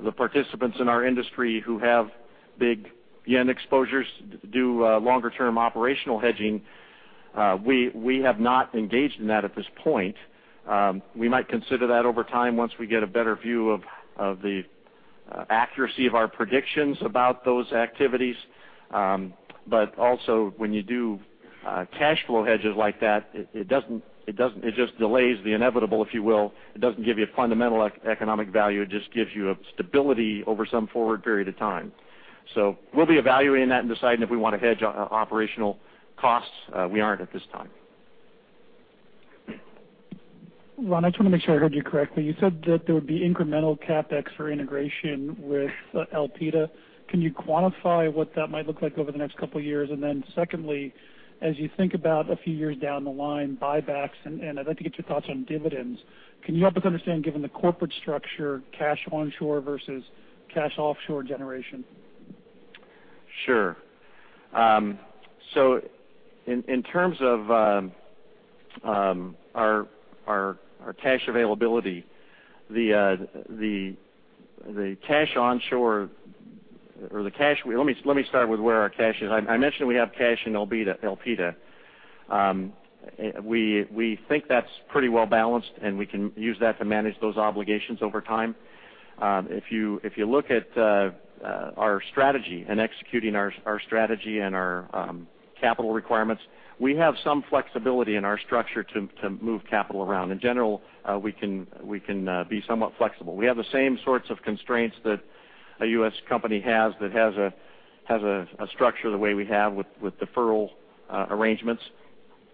the participants in our industry who have big yen exposures do longer-term operational hedging. We have not engaged in that at this point. We might consider that over time once we get a better view of the accuracy of our predictions about those activities. Also when you do cash flow hedges like that, it just delays the inevitable, if you will. It doesn't give you fundamental economic value, it just gives you stability over some forward period of time. We'll be evaluating that and deciding if we want to hedge our operational costs. We aren't at this time. Ron, I just want to make sure I heard you correctly. You said that there would be incremental CapEx for integration with Elpida. Can you quantify what that might look like over the next couple of years? Secondly, as you think about a few years down the line, buybacks, and I'd like to get your thoughts on dividends. Can you help us understand, given the corporate structure, cash onshore versus cash offshore generation? Sure. In terms of our cash availability, let me start with where our cash is. I mentioned we have cash in Elpida. We think that's pretty well-balanced, and we can use that to manage those obligations over time. If you look at our strategy and executing our strategy and our capital requirements, we have some flexibility in our structure to move capital around. In general, we can be somewhat flexible. We have the same sorts of constraints that a U.S. company has that has a structure the way we have with deferral arrangements.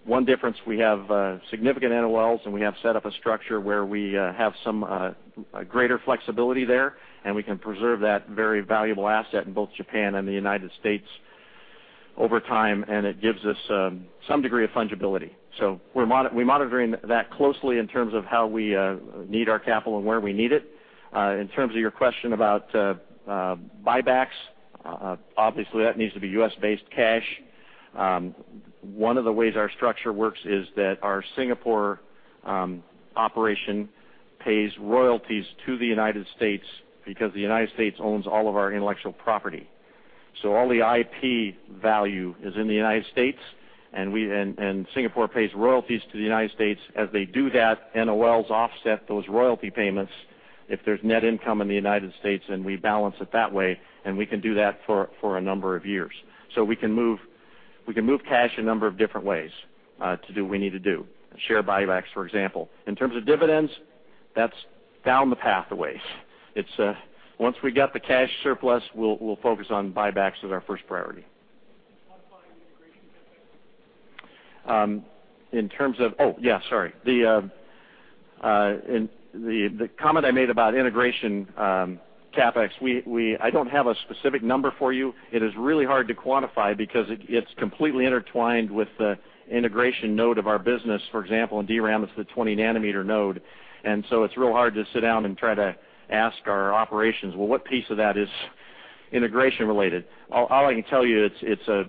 One difference, we have significant NOLs, and we have set up a structure where we have some greater flexibility there, and we can preserve that very valuable asset in both Japan and the United States over time, and it gives us some degree of fungibility. We're monitoring that closely in terms of how we need our capital and where we need it. In terms of your question about buybacks, obviously, that needs to be U.S.-based cash. One of the ways our structure works is that our Singapore operation pays royalties to the United States because the United States owns all of our intellectual property. All the IP value is in the United States, and Singapore pays royalties to the United States. As they do that, NOLs offset those royalty payments if there's net income in the United States, and we balance it that way, and we can do that for a number of years. We can move cash a number of different ways to do what we need to do. Share buybacks, for example. In terms of dividends, that's down the pathway. Once we get the cash surplus, we'll focus on buybacks as our first priority. Can you quantify the integration CapEx? The comment I made about integration CapEx, I don't have a specific number for you. It is really hard to quantify because it's completely intertwined with the integration node of our business. For example, in DRAM, it's the 20-nanometer node. It's real hard to sit down and try to ask our operations, "Well, what piece of that is integration-related?" All I can tell you, it's a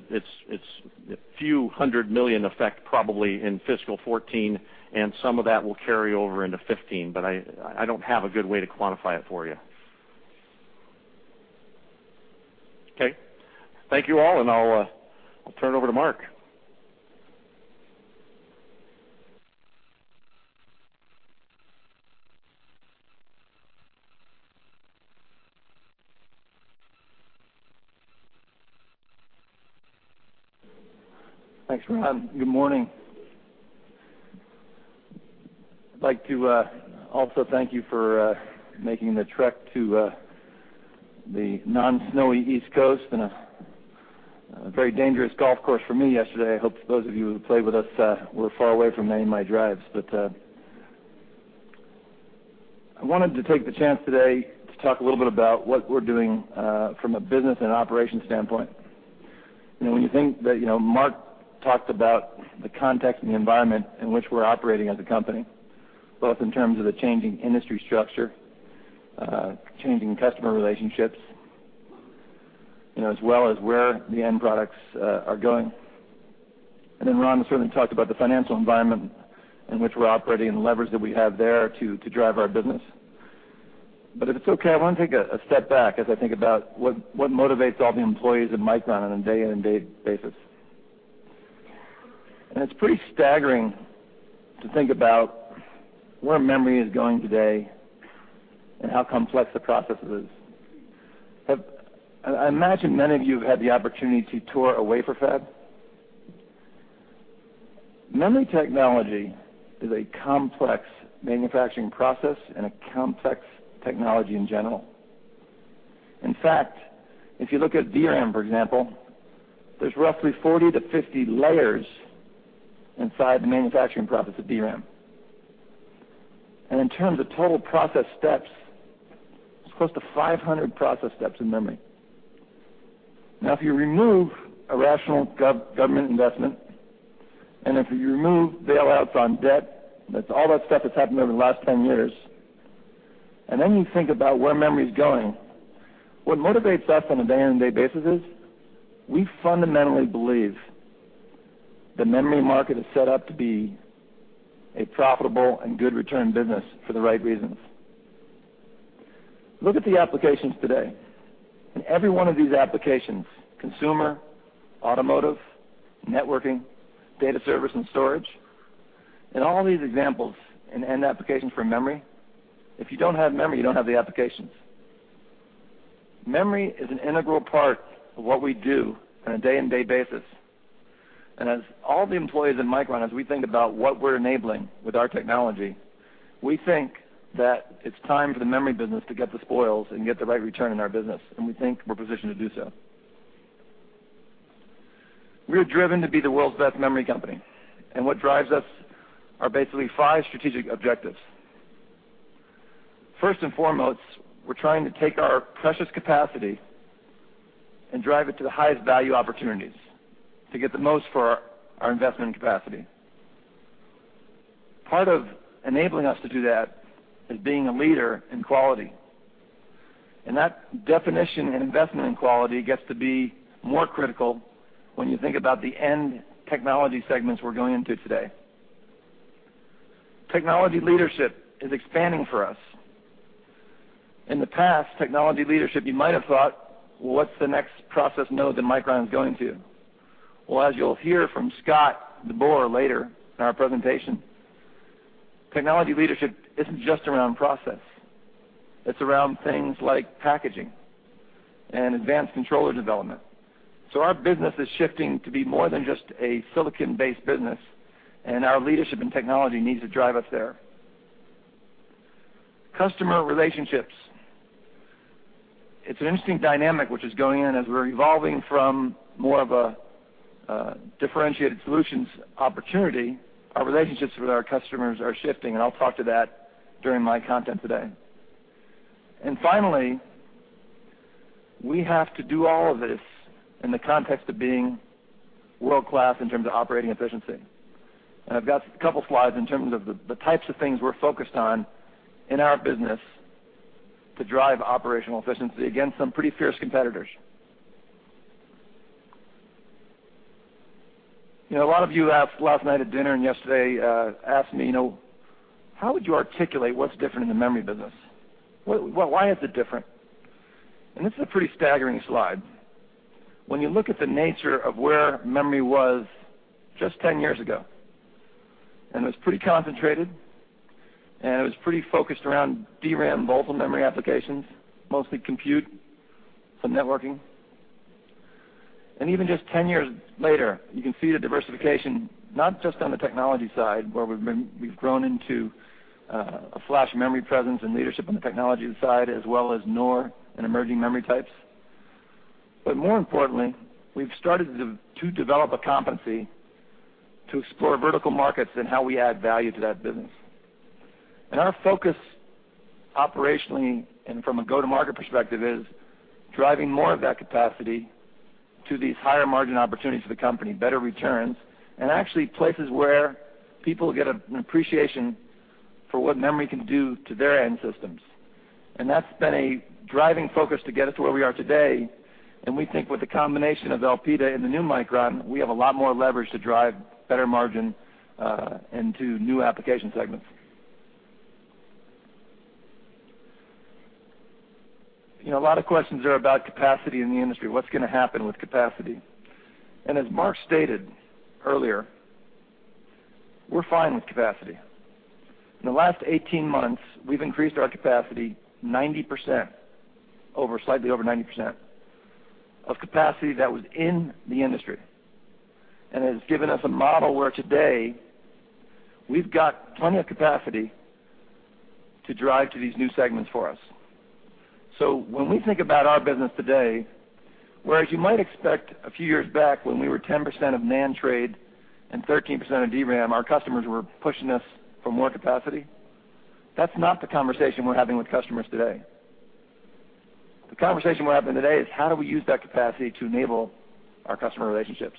few hundred million effect probably in fiscal 2014, and some of that will carry over into 2015. I don't have a good way to quantify it for you. Okay. Thank you all. I'll turn it over to Mark. Thanks, Ron. Good morning. I'd like to also thank you for making the trek to the non-snowy East Coast and a very dangerous golf course for me yesterday. I hope those of you who played with us were far away from many of my drives. I wanted to take the chance today to talk a little bit about what we're doing from a business and operations standpoint. Mark talked about the context and the environment in which we're operating as a company, both in terms of the changing industry structure, changing customer relationships, as well as where the end products are going. Ron has certainly talked about the financial environment in which we're operating and the leverage that we have there to drive our business. If it's okay, I want to take a step back as I think about what motivates all the employees at Micron on a day-in and day basis. It's pretty staggering to think about where memory is going today and how complex the process is. I imagine many of you have had the opportunity to tour a wafer fab. Memory technology is a complex manufacturing process and a complex technology in general. In fact, if you look at DRAM, for example, there's roughly 40-50 layers inside the manufacturing process of DRAM. In terms of total process steps, it's close to 500 process steps in memory. If you remove irrational government investment, if you remove bailouts on debt, that's all that stuff that's happened over the last 10 years, then you think about where memory is going, what motivates us on a day-in-day basis is we fundamentally believe the memory market is set up to be a profitable and good return business for the right reasons. Look at the applications today. In every one of these applications, consumer, automotive, networking, data service and storage, in all these examples in end applications for memory, if you don't have memory, you don't have the applications. Memory is an integral part of what we do on a day-in-day basis, as all the employees in Micron, as we think about what we're enabling with our technology, we think that it's time for the memory business to get the spoils and get the right return on our business, we think we're positioned to do so. We are driven to be the world's best memory company, what drives us are basically five strategic objectives. First and foremost, we're trying to take our precious capacity and drive it to the highest value opportunities to get the most for our investment in capacity. Part of enabling us to do that is being a leader in quality. That definition and investment in quality gets to be more critical when you think about the end technology segments we're going into today. Technology leadership is expanding for us. In the past, technology leadership, you might have thought, what's the next process node that Micron's going to? Well, as you'll hear from Scott DeBoer later in our presentation, technology leadership isn't just around process. It's around things like packaging and advanced controller development. Our business is shifting to be more than just a silicon-based business, our leadership and technology needs to drive us there. Customer relationships. It's an interesting dynamic which is going in as we're evolving from more of a differentiated solutions opportunity. Our relationships with our customers are shifting, I'll talk to that during my content today. Finally, we have to do all of this in the context of being world-class in terms of operating efficiency. I've got a couple slides in terms of the types of things we're focused on in our business to drive operational efficiency against some pretty fierce competitors. A lot of you asked last night at dinner and yesterday, asked me, how would you articulate what's different in the memory business? Why is it different? This is a pretty staggering slide. When you look at the nature of where memory was just 10 years ago, it was pretty concentrated, and it was pretty focused around DRAM, volatile memory applications, mostly compute, some networking. Even just 10 years later, you can see the diversification, not just on the technology side, where we've grown into a flash memory presence and leadership on the technology side, as well as NOR and emerging memory types. More importantly, we've started to develop a competency to explore vertical markets and how we add value to that business. Our focus operationally and from a go-to-market perspective is driving more of that capacity to these higher-margin opportunities for the company, better returns, and actually places where people get an appreciation for what memory can do to their end systems. That's been a driving focus to get us to where we are today, and we think with the combination of Elpida and the new Micron, we have a lot more leverage to drive better margin into new application segments. A lot of questions are about capacity in the industry. What's going to happen with capacity? As Mark stated earlier, we're fine with capacity. In the last 18 months, we've increased our capacity 90%, slightly over 90%, of capacity that was in the industry. It has given us a model where today we've got plenty of capacity to drive to these new segments for us. When we think about our business today, whereas you might expect a few years back when we were 10% of NAND trade and 13% of DRAM, our customers were pushing us for more capacity, that's not the conversation we're having with customers today. The conversation we're having today is how do we use that capacity to enable our customer relationships?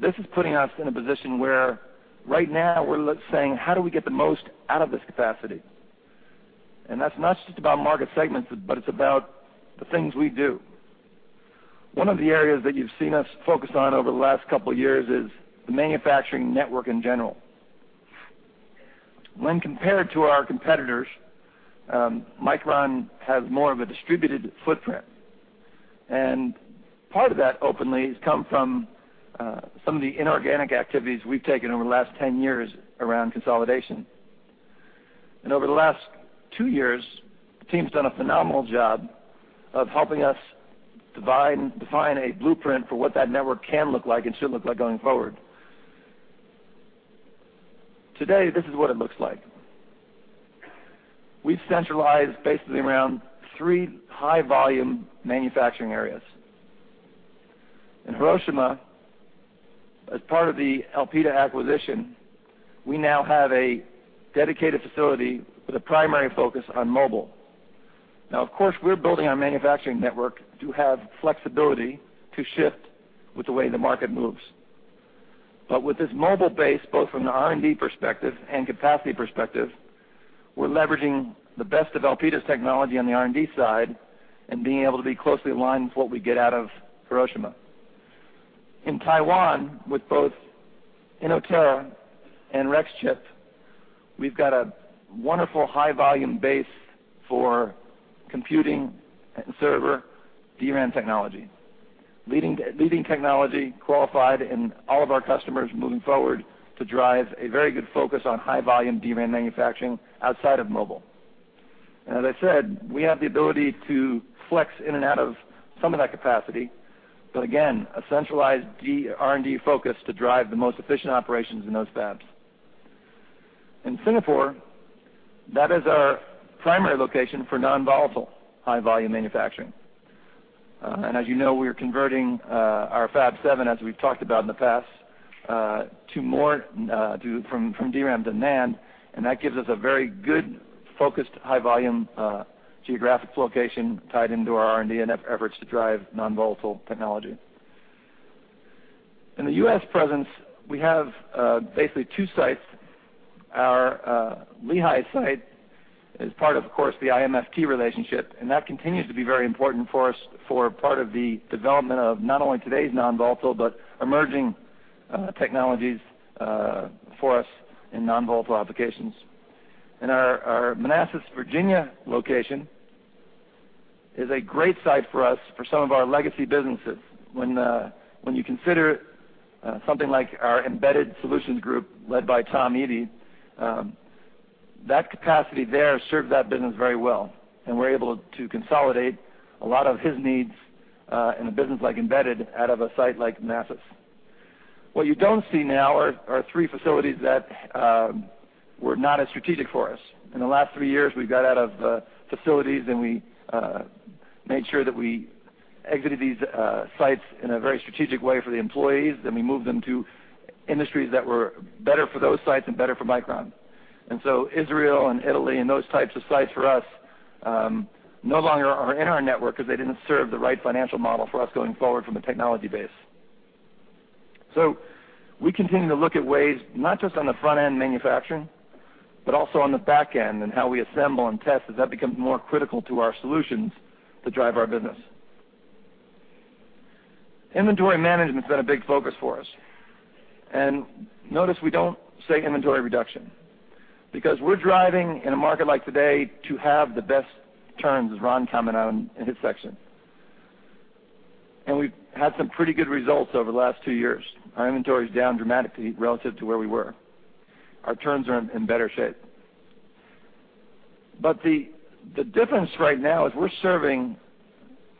This is putting us in a position where right now we're saying, how do we get the most out of this capacity? That's not just about market segments, but it's about the things we do. One of the areas that you've seen us focus on over the last couple of years is the manufacturing network in general. When compared to our competitors, Micron has more of a distributed footprint, and part of that openly has come from some of the inorganic activities we've taken over the last 10 years around consolidation. Over the last two years, the team's done a phenomenal job of helping us define a blueprint for what that network can look like and should look like going forward. Today, this is what it looks like. We've centralized basically around three high-volume manufacturing areas. In Hiroshima, as part of the Elpida acquisition, we now have a dedicated facility with a primary focus on mobile. Of course, we're building our manufacturing network to have flexibility to shift with the way the market moves. With this mobile base, both from the R&D perspective and capacity perspective, we're leveraging the best of Elpida's technology on the R&D side and being able to be closely aligned with what we get out of Hiroshima. In Taiwan, with both Inotera and Rexchip, we've got a wonderful high-volume base for computing and server DRAM technology, leading technology qualified in all of our customers moving forward to drive a very good focus on high-volume DRAM manufacturing outside of mobile. As I said, we have the ability to flex in and out of some of that capacity, but again, a centralized R&D focus to drive the most efficient operations in those fabs. In Singapore, that is our primary location for non-volatile high-volume manufacturing. As you know, we are converting our Fab 7, as we've talked about in the past, from DRAM to NAND, that gives us a very good focused high-volume geographic location tied into our R&D and efforts to drive non-volatile technology. The U.S. presence, we have basically two sites. Our Lehi site is part of course, the IMFT relationship, that continues to be very important for us for part of the development of not only today's non-volatile, but emerging technologies for us in non-volatile applications. Our Manassas, Virginia location is a great site for us for some of our legacy businesses. When you consider something like our Embedded Solutions Group led by Tom Eby, that capacity there serves that business very well, and we're able to consolidate a lot of his needs in a business like Embedded out of a site like Manassas. What you don't see now are our three facilities that were not as strategic for us. In the last three years, we got out of facilities, and we made sure that we exited these sites in a very strategic way for the employees, then we moved them to industries that were better for those sites and better for Micron. Israel and Italy and those types of sites for us no longer are in our network because they didn't serve the right financial model for us going forward from a technology base. We continue to look at ways, not just on the front-end manufacturing, but also on the back end and how we assemble and test, as that becomes more critical to our solutions to drive our business. Inventory management's been a big focus for us. Notice we don't say inventory reduction, because we're driving in a market like today to have the best terms, as Ron commented on in his section. We've had some pretty good results over the last two years. Our inventory's down dramatically relative to where we were. Our terms are in better shape. The difference right now is we're serving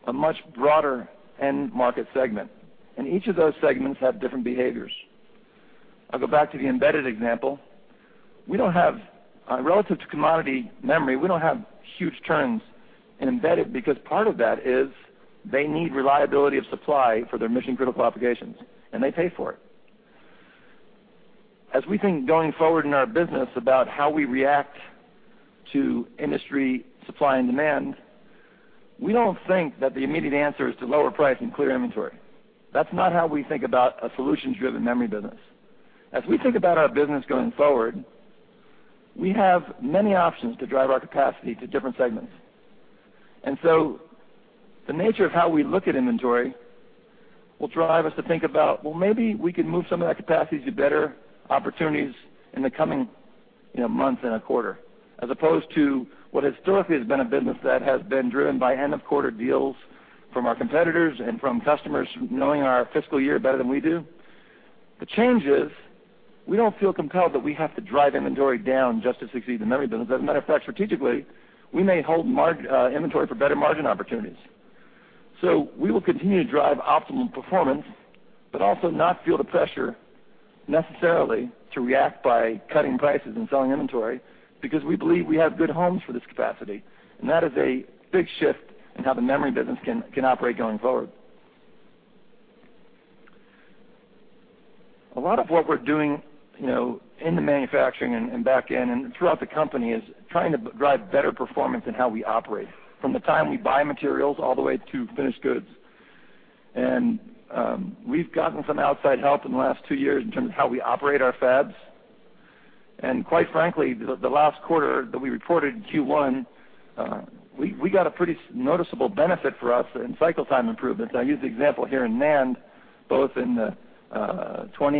a much broader end market segment, and each of those segments have different behaviors. I'll go back to the Embedded example. Relative to commodity memory, we don't have huge turns in Embedded because part of that is they need reliability of supply for their mission-critical applications, and they pay for it. As we think going forward in our business about how we react to industry supply and demand, we don't think that the immediate answer is to lower price and clear inventory. That's not how we think about a solutions-driven memory business. As we think about our business going forward, we have many options to drive our capacity to different segments. The nature of how we look at inventory will drive us to think about, well, maybe we could move some of that capacity to better opportunities in the coming month and a quarter, as opposed to what historically has been a business that has been driven by end-of-quarter deals from our competitors and from customers knowing our fiscal year better than we do. The change is we don't feel compelled that we have to drive inventory down just to succeed in the memory business. As a matter of fact, strategically, we may hold inventory for better margin opportunities. We will continue to drive optimum performance, but also not feel the pressure necessarily to react by cutting prices and selling inventory because we believe we have good homes for this capacity, and that is a big shift in how the memory business can operate going forward. A lot of what we're doing in the manufacturing and back end and throughout the company is trying to drive better performance in how we operate, from the time we buy materials all the way to finished goods. We've gotten some outside help in the last two years in terms of how we operate our fabs. Quite frankly, the last quarter that we reported, Q1, we got a pretty noticeable benefit for us in cycle time improvements. I use the example here in NAND, both in the 20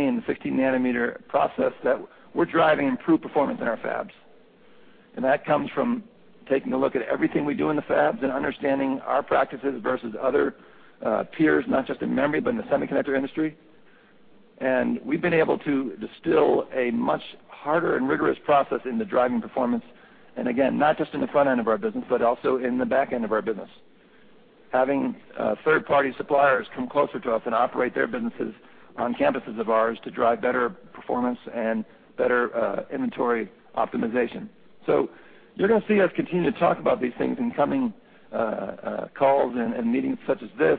and the 16 nanometer process, that we're driving improved performance in our fabs. That comes from taking a look at everything we do in the fabs and understanding our practices versus other peers, not just in memory, but in the semiconductor industry. We've been able to distill a much harder and rigorous process into driving performance. Again, not just in the front end of our business, but also in the back end of our business. Having third-party suppliers come closer to us and operate their businesses on campuses of ours to drive better performance and better inventory optimization. You're going to see us continue to talk about these things in coming calls and meetings such as this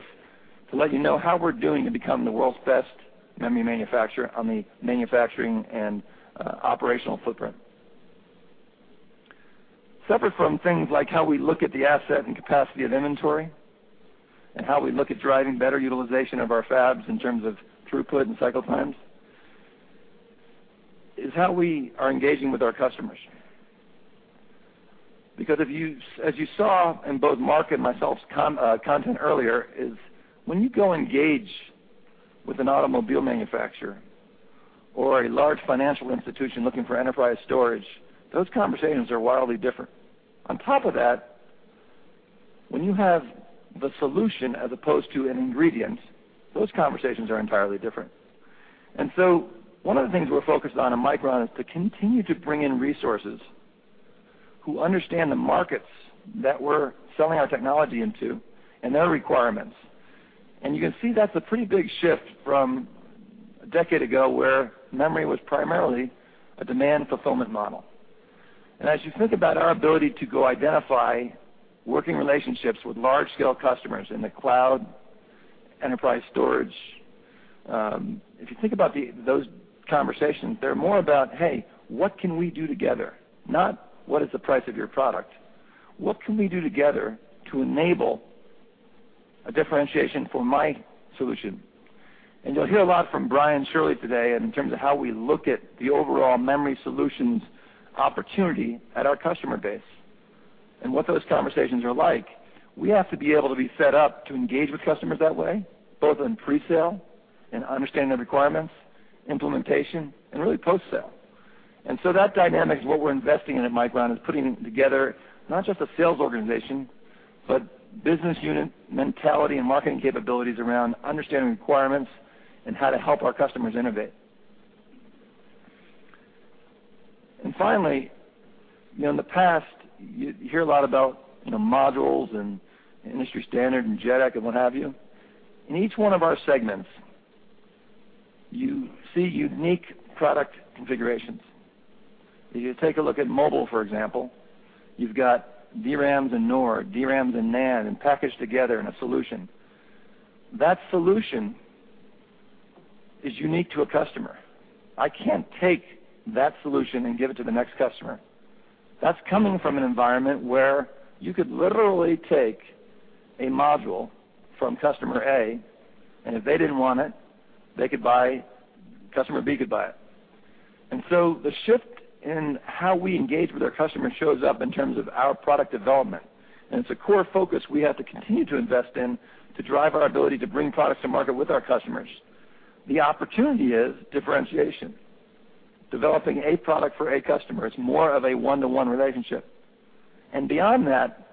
to let you know how we're doing to become the world's best memory manufacturer on the manufacturing and operational footprint. Separate from things like how we look at the asset and capacity of inventory, and how we look at driving better utilization of our fabs in terms of throughput and cycle times, is how we are engaging with our customers. As you saw in both Mark and myself's content earlier, is when you go engage with an automobile manufacturer or a large financial institution looking for enterprise storage, those conversations are wildly different. On top of that, when you have the solution as opposed to an ingredient, those conversations are entirely different. One of the things we're focused on at Micron is to continue to bring in resources who understand the markets that we're selling our technology into and their requirements. You can see that's a pretty big shift from a decade ago, where memory was primarily a demand fulfillment model. As you think about our ability to go identify working relationships with large-scale customers in the cloud, enterprise storage, if you think about those conversations, they're more about, hey, what can we do together? Not what is the price of your product. What can we do together to enable a differentiation for my solution? You'll hear a lot from Brian Shirley today in terms of how we look at the overall memory solutions opportunity at our customer base and what those conversations are like. We have to be able to be set up to engage with customers that way, both in pre-sale and understanding their requirements, implementation, and really post-sale. That dynamic is what we're investing in at Micron, is putting together not just a sales organization, but business unit mentality and marketing capabilities around understanding requirements and how to help our customers innovate. Finally, in the past, you hear a lot about modules and industry standard and JEDEC and what have you. In each one of our segments, you see unique product configurations. If you take a look at mobile, for example, you've got DRAMs and NOR, DRAMs and NAND, and packaged together in a solution. That solution is unique to a customer. I can't take that solution and give it to the next customer. That's coming from an environment where you could literally take a module from customer A, and if they didn't want it, customer B could buy it. The shift in how we engage with our customers shows up in terms of our product development, and it's a core focus we have to continue to invest in to drive our ability to bring products to market with our customers. The opportunity is differentiation, developing a product for a customer. It's more of a one-to-one relationship. Beyond that,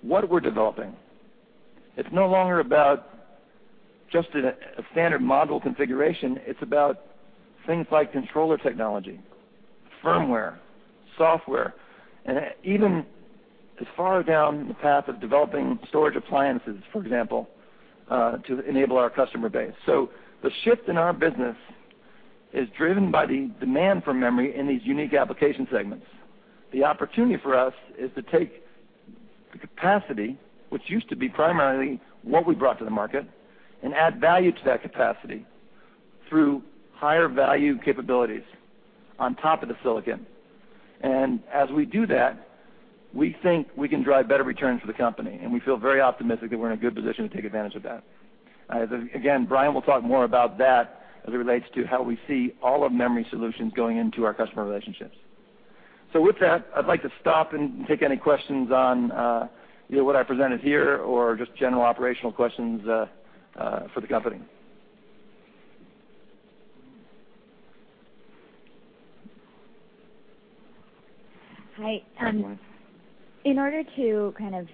what we're developing, it's no longer about just a standard module configuration. It's about things like controller technology, firmware, software, and even as far down the path of developing storage appliances, for example, to enable our customer base. The shift in our business is driven by the demand for memory in these unique application segments. The opportunity for us is to take the capacity, which used to be primarily what we brought to the market, and add value to that capacity through higher-value capabilities on top of the silicon. As we do that, we think we can drive better returns for the company, and we feel very optimistic that we're in a good position to take advantage of that. Again, Brian will talk more about that as it relates to how we see all of memory solutions going into our customer relationships. With that, I'd like to stop and take any questions on what I presented here or just general operational questions for the company. Hi. Hi, Joyce. In order to kind of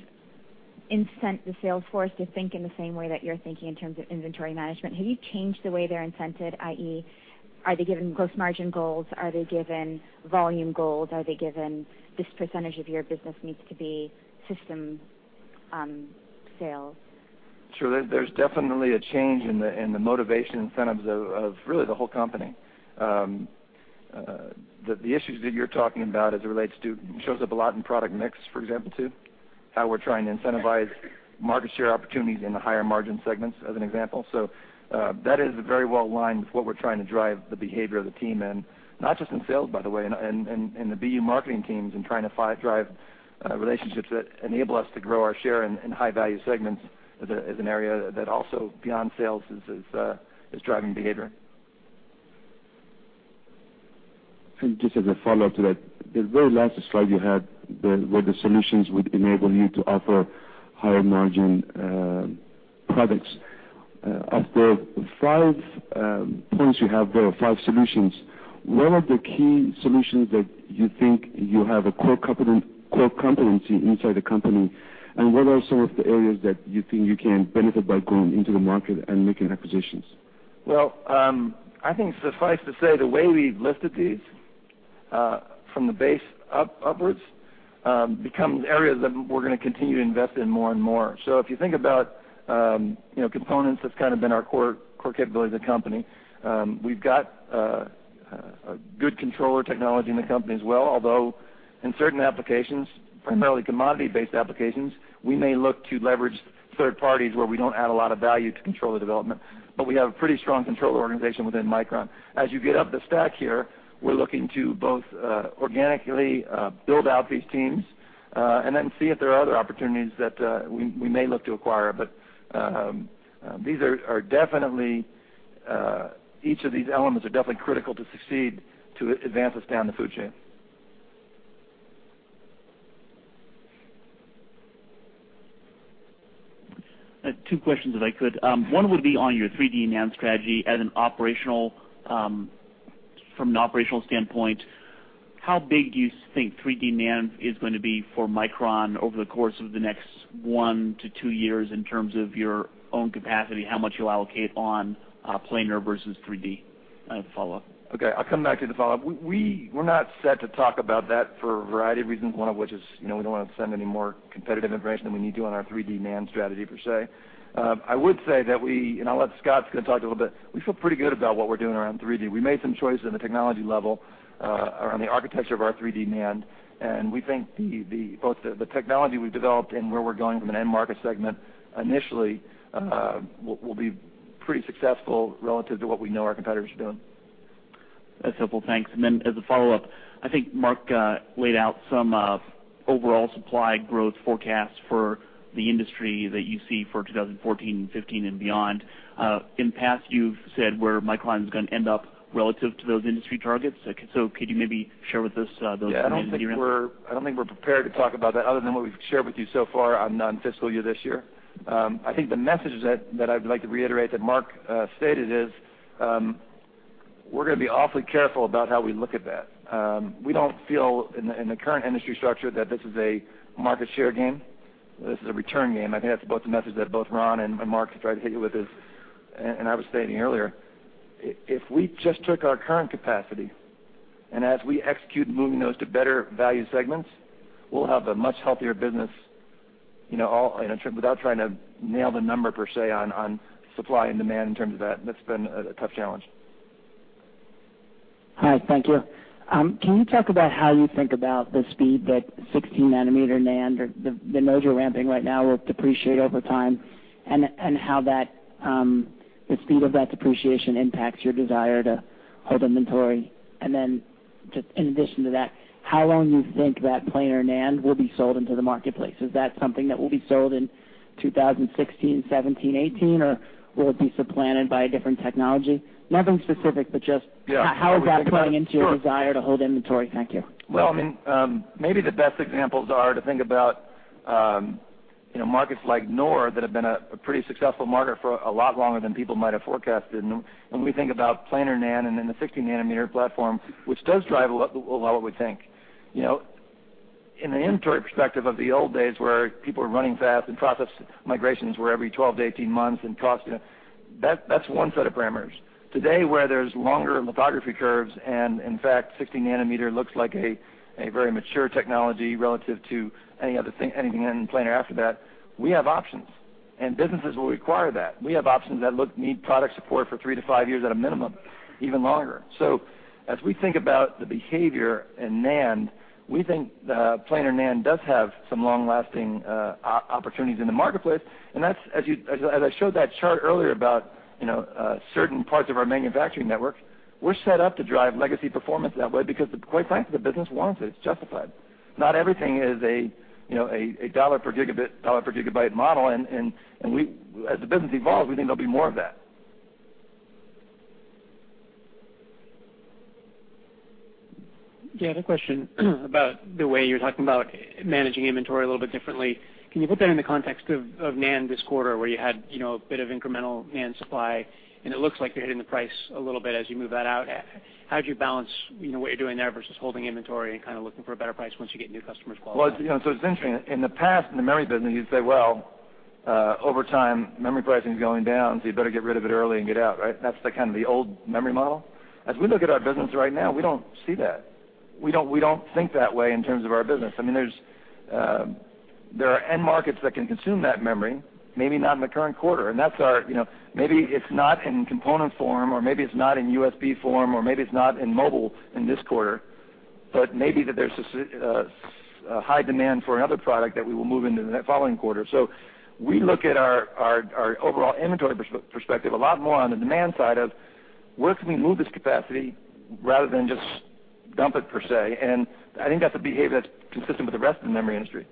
incent the sales force to think in the same way that you're thinking in terms of inventory management, have you changed the way they're incented, i.e., are they given gross margin goals? Are they given volume goals? Are they given this percentage of your business needs to be system sales? Sure. There's definitely a change in the motivation incentives of really the whole company. The issues that you're talking about as it relates to, shows up a lot in product mix, for example, too, how we're trying to incentivize market share opportunities in the higher-margin segments, as an example. That is very well aligned with what we're trying to drive the behavior of the team in, not just in sales, by the way, and the BU marketing teams in trying to drive relationships that enable us to grow our share in high-value segments as an area that also beyond sales is driving behavior. Just as a follow-up to that, the very last slide you had, where the solutions would enable you to offer higher-margin products. Of the five points you have there, five solutions. What are the key solutions that you think you have a core competency inside the company, and what are some of the areas that you think you can benefit by going into the market and making acquisitions? I think suffice it to say, the way we've listed these, from the base upwards, become areas that we're going to continue to invest in more and more. If you think about components, that's kind of been our core capability of the company. We've got good controller technology in the company as well. Although, in certain applications, primarily commodity-based applications, we may look to leverage third parties where we don't add a lot of value to controller development. We have a pretty strong controller organization within Micron. As you get up the stack here, we're looking to both organically build out these teams, and then see if there are other opportunities that we may look to acquire. Each of these elements are definitely critical to succeed to advance us down the food chain. I have two questions, if I could. One would be on your 3D NAND strategy. From an operational standpoint, how big do you think 3D NAND is going to be for Micron over the course of the next one to two years in terms of your own capacity? How much you allocate on planar versus 3D? I have a follow-up. Okay, I'll come back to the follow-up. We're not set to talk about that for a variety of reasons, one of which is, we don't want to send any more competitive information than we need to on our 3D NAND strategy, per se. I will let Scott talk a little bit. We feel pretty good about what we're doing around 3D. We made some choices at the technology level, on the architecture of our 3D NAND, and we think both the technology we've developed and where we're going from an end market segment initially, will be pretty successful relative to what we know our competitors are doing. That's helpful. Thanks. As a follow-up, I think Mark laid out some overall supply growth forecasts for the industry that you see for 2014 and 2015 and beyond. In the past, you've said where Micron is going to end up relative to those industry targets. Could you maybe share with us those- I don't think we're prepared to talk about that other than what we've shared with you so far on fiscal year this year. I think the message that I'd like to reiterate that Mark stated is, we're going to be awfully careful about how we look at that. We don't feel, in the current industry structure, that this is a market share game. This is a return game. I think that's both the message that both Ron and Mark have tried to hit you with is, and I was stating earlier, if we just took our current capacity, and as we execute moving those to better value segments, we'll have a much healthier business, without trying to nail the number per se on supply and demand in terms of that. That's been a tough challenge. Hi, thank you. Can you talk about how you think about the speed that 16-nanometer NAND, the nodes you're ramping right now, will depreciate over time, and how the speed of that depreciation impacts your desire to hold inventory? Just in addition to that, how long you think that planar NAND will be sold into the marketplace. Is that something that will be sold in 2016, 2017, 2018, or will it be supplanted by a different technology? Nothing specific. Yeah. How is that playing into? Sure your desire to hold inventory? Thank you. Well, maybe the best examples are to think about markets like NOR that have been a pretty successful market for a lot longer than people might have forecasted. When we think about planar NAND and then the 16-nanometer platform, which does drive a lot what we think. In the inventory perspective of the old days where people were running fast and process migrations were every 12 to 18 months, and costing, that's one set of parameters. Today where there's longer lithography curves, and in fact, 16-nanometer looks like a very mature technology relative to anything NAND planar after that, we have options, and businesses will require that. We have options that need product support for 3 to 5 years at a minimum, even longer. As we think about the behavior in NAND, we think the planar NAND does have some long-lasting opportunities in the marketplace. As I showed that chart earlier about certain parts of our manufacturing network, we're set up to drive legacy performance that way because, quite frankly, the business wants it. It's justified. Not everything is a $ per gigabyte model, and as the business evolves, we think there'll be more of that. Yeah, I have a question about the way you're talking about managing inventory a little bit differently. Can you put that in the context of NAND this quarter, where you had a bit of incremental NAND supply, and it looks like you're hitting the price a little bit as you move that out. How'd you balance what you're doing there versus holding inventory and kind of looking for a better price once you get new customers qualified? Well, it's interesting. In the past, in the memory business, you'd say, well, over time, memory pricing's going down, so you better get rid of it early and get out, right? That's kind of the old memory model. As we look at our business right now, we don't see that. We don't think that way in terms of our business. There are end markets that can consume that memory, maybe not in the current quarter. Maybe it's not in component form, or maybe it's not in USB form, or maybe it's not in mobile in this quarter, but maybe that there's a high demand for another product that we will move into the following quarter. We look at our overall inventory perspective a lot more on the demand side of where can we move this capacity rather than just dump it, per se. I think that's a behavior that's consistent with the rest of the memory industry.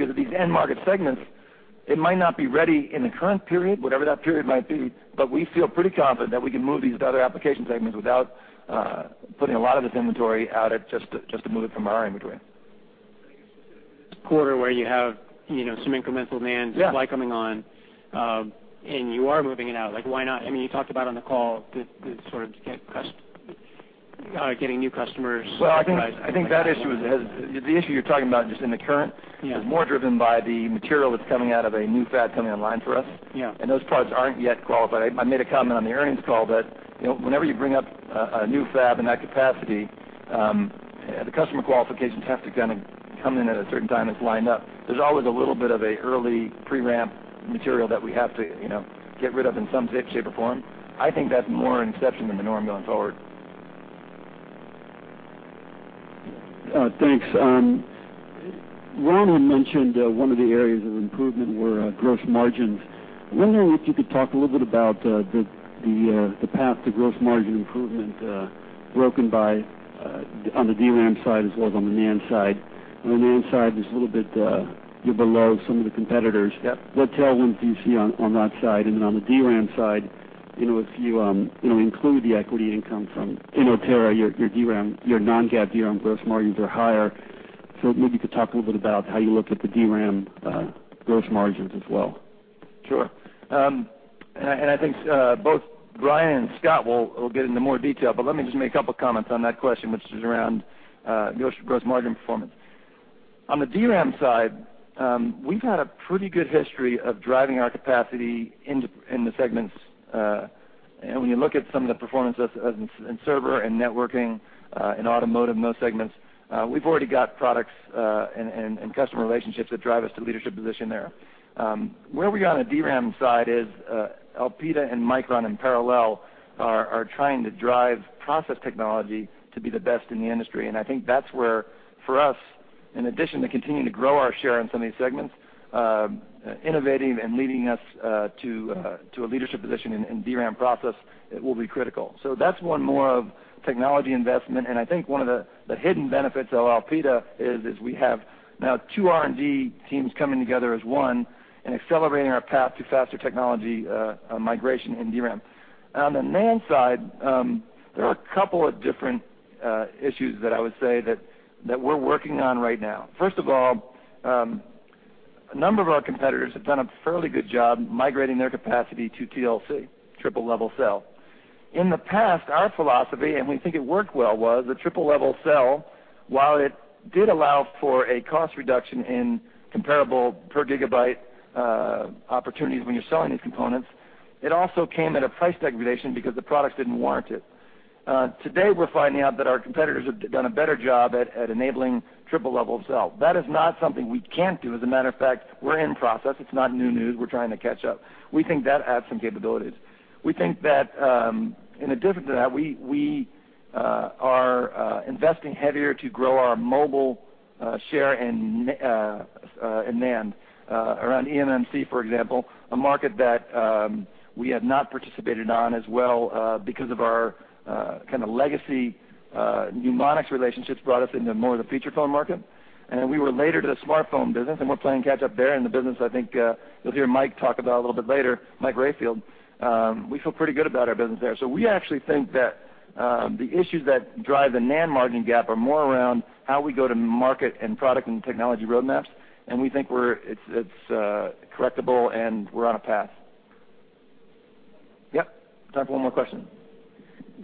At these end market segments, it might not be ready in the current period, whatever that period might be, but we feel pretty confident that we can move these to other application segments without putting a lot of this inventory out just to move it from our inventory. quarter where you have some incremental NAND- Yeah supply coming on, you are moving it out. Why not? You talked about on the call the sort of getting new customers Well, I think the issue you're talking about just in the current- Yeah is more driven by the material that's coming out of a new fab coming online for us. Yeah. Those products aren't yet qualified. I made a comment on the earnings call that whenever you bring up a new fab in that capacity, the customer qualifications have to kind of come in at a certain time that's lined up. There's always a little bit of an early pre-ramp material that we have to get rid of in some shape, way, or form. I think that's more an exception than the norm going forward. Thanks. Ron had mentioned one of the areas of improvement were gross margins. I'm wondering if you could talk a little bit about the path to gross margin improvement, broken by on the DRAM side as well as on the NAND side. On the NAND side, just a little bit, you're below some of the competitors. Yep. What tailwinds do you see on that side? On the DRAM side, if you include the equity income from Inotera, your non-GAAP DRAM gross margins are higher. Maybe you could talk a little bit about how you look at the DRAM gross margins as well. Sure. I think both Brian and Scott will get into more detail, but let me just make a couple comments on that question, which is around gross margin performance. On the DRAM side, we've had a pretty good history of driving our capacity in the segments. When you look at some of the performance in server and networking, in automotive, in those segments, we've already got products and customer relationships that drive us to a leadership position there. Where we are on the DRAM side is Elpida and Micron in parallel are trying to drive process technology to be the best in the industry. I think that's where, for us, in addition to continuing to grow our share in some of these segments, innovating and leading us to a leadership position in DRAM process, it will be critical. That's one more of technology investment, and I think one of the hidden benefits of Elpida is, we have now two R&D teams coming together as one and accelerating our path to faster technology migration in DRAM. On the NAND side, there are a couple of different issues that I would say that we're working on right now. First of all, a number of our competitors have done a fairly good job migrating their capacity to TLC, triple-level cell. In the past, our philosophy, and we think it worked well, was the triple-level cell, while it did allow for a cost reduction in comparable per gigabyte opportunities when you're selling these components, it also came at a price degradation because the products didn't warrant it. Today, we're finding out that our competitors have done a better job at enabling triple-level cell. That is not something we can't do. As a matter of fact, we're in process. It's not new news. We're trying to catch up. We think that has some capabilities. We think that in addition to that, we are investing heavier to grow our mobile share in NAND. Around eMMC, for example, a market that we have not participated on as well because of our kind of legacy Numonyx relationships brought us into more of the feature phone market. Then we were later to the smartphone business, and we're playing catch up there in the business, I think you'll hear Mike talk about a little bit later, Mike Rayfield. We feel pretty good about our business there. We actually think that the issues that drive the NAND margin gap are more around how we go to market and product and technology roadmaps, and we think it's correctable, and we're on a path. Yep. Time for one more question.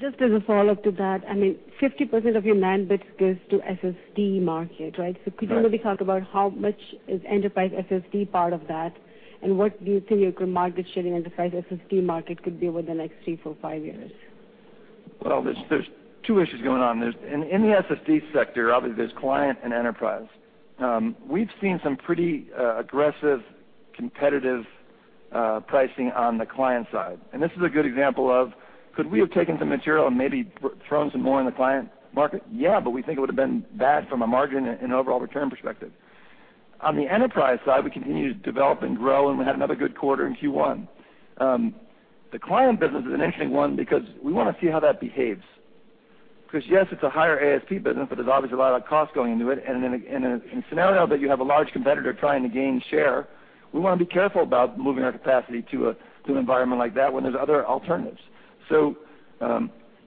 Just as a follow-up to that, 50% of your NAND bits goes to SSD market, right? Right. Could you maybe talk about how much is enterprise SSD part of that, and what do you think your market share in enterprise SSD market could be over the next three, four, five years? Well, there's two issues going on. In the SSD sector, obviously, there's client and enterprise. We've seen some pretty aggressive, competitive pricing on the client side. This is a good example of could we have taken some material and maybe thrown some more in the client market? Yeah, we think it would've been bad from a margin and overall return perspective. On the enterprise side, we continue to develop and grow, and we had another good quarter in Q1. The client business is an interesting one because we want to see how that behaves. Because, yes, it's a higher ASP business, but there's obviously a lot of cost going into it, and in a scenario that you have a large competitor trying to gain share, we want to be careful about moving our capacity to an environment like that when there's other alternatives.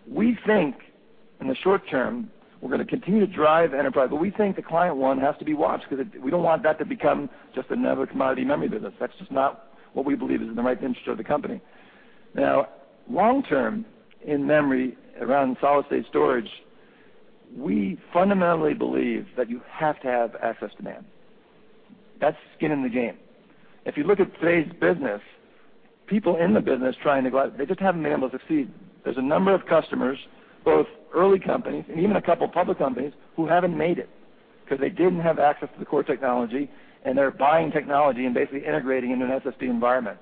We think in the short term, we're going to continue to drive enterprise, but we think the client one has to be watched because we don't want that to become just another commodity memory business. That's just not what we believe is in the right interest of the company. Now, long term in memory around solid state storage, we fundamentally believe that you have to have access to NAND. That's skin in the game. If you look at today's business, people in the business trying to go out, they just haven't been able to succeed. There's a number of customers, both early companies and even a couple public companies, who haven't made it because they didn't have access to the core technology, and they're buying technology and basically integrating it in an SSD environment.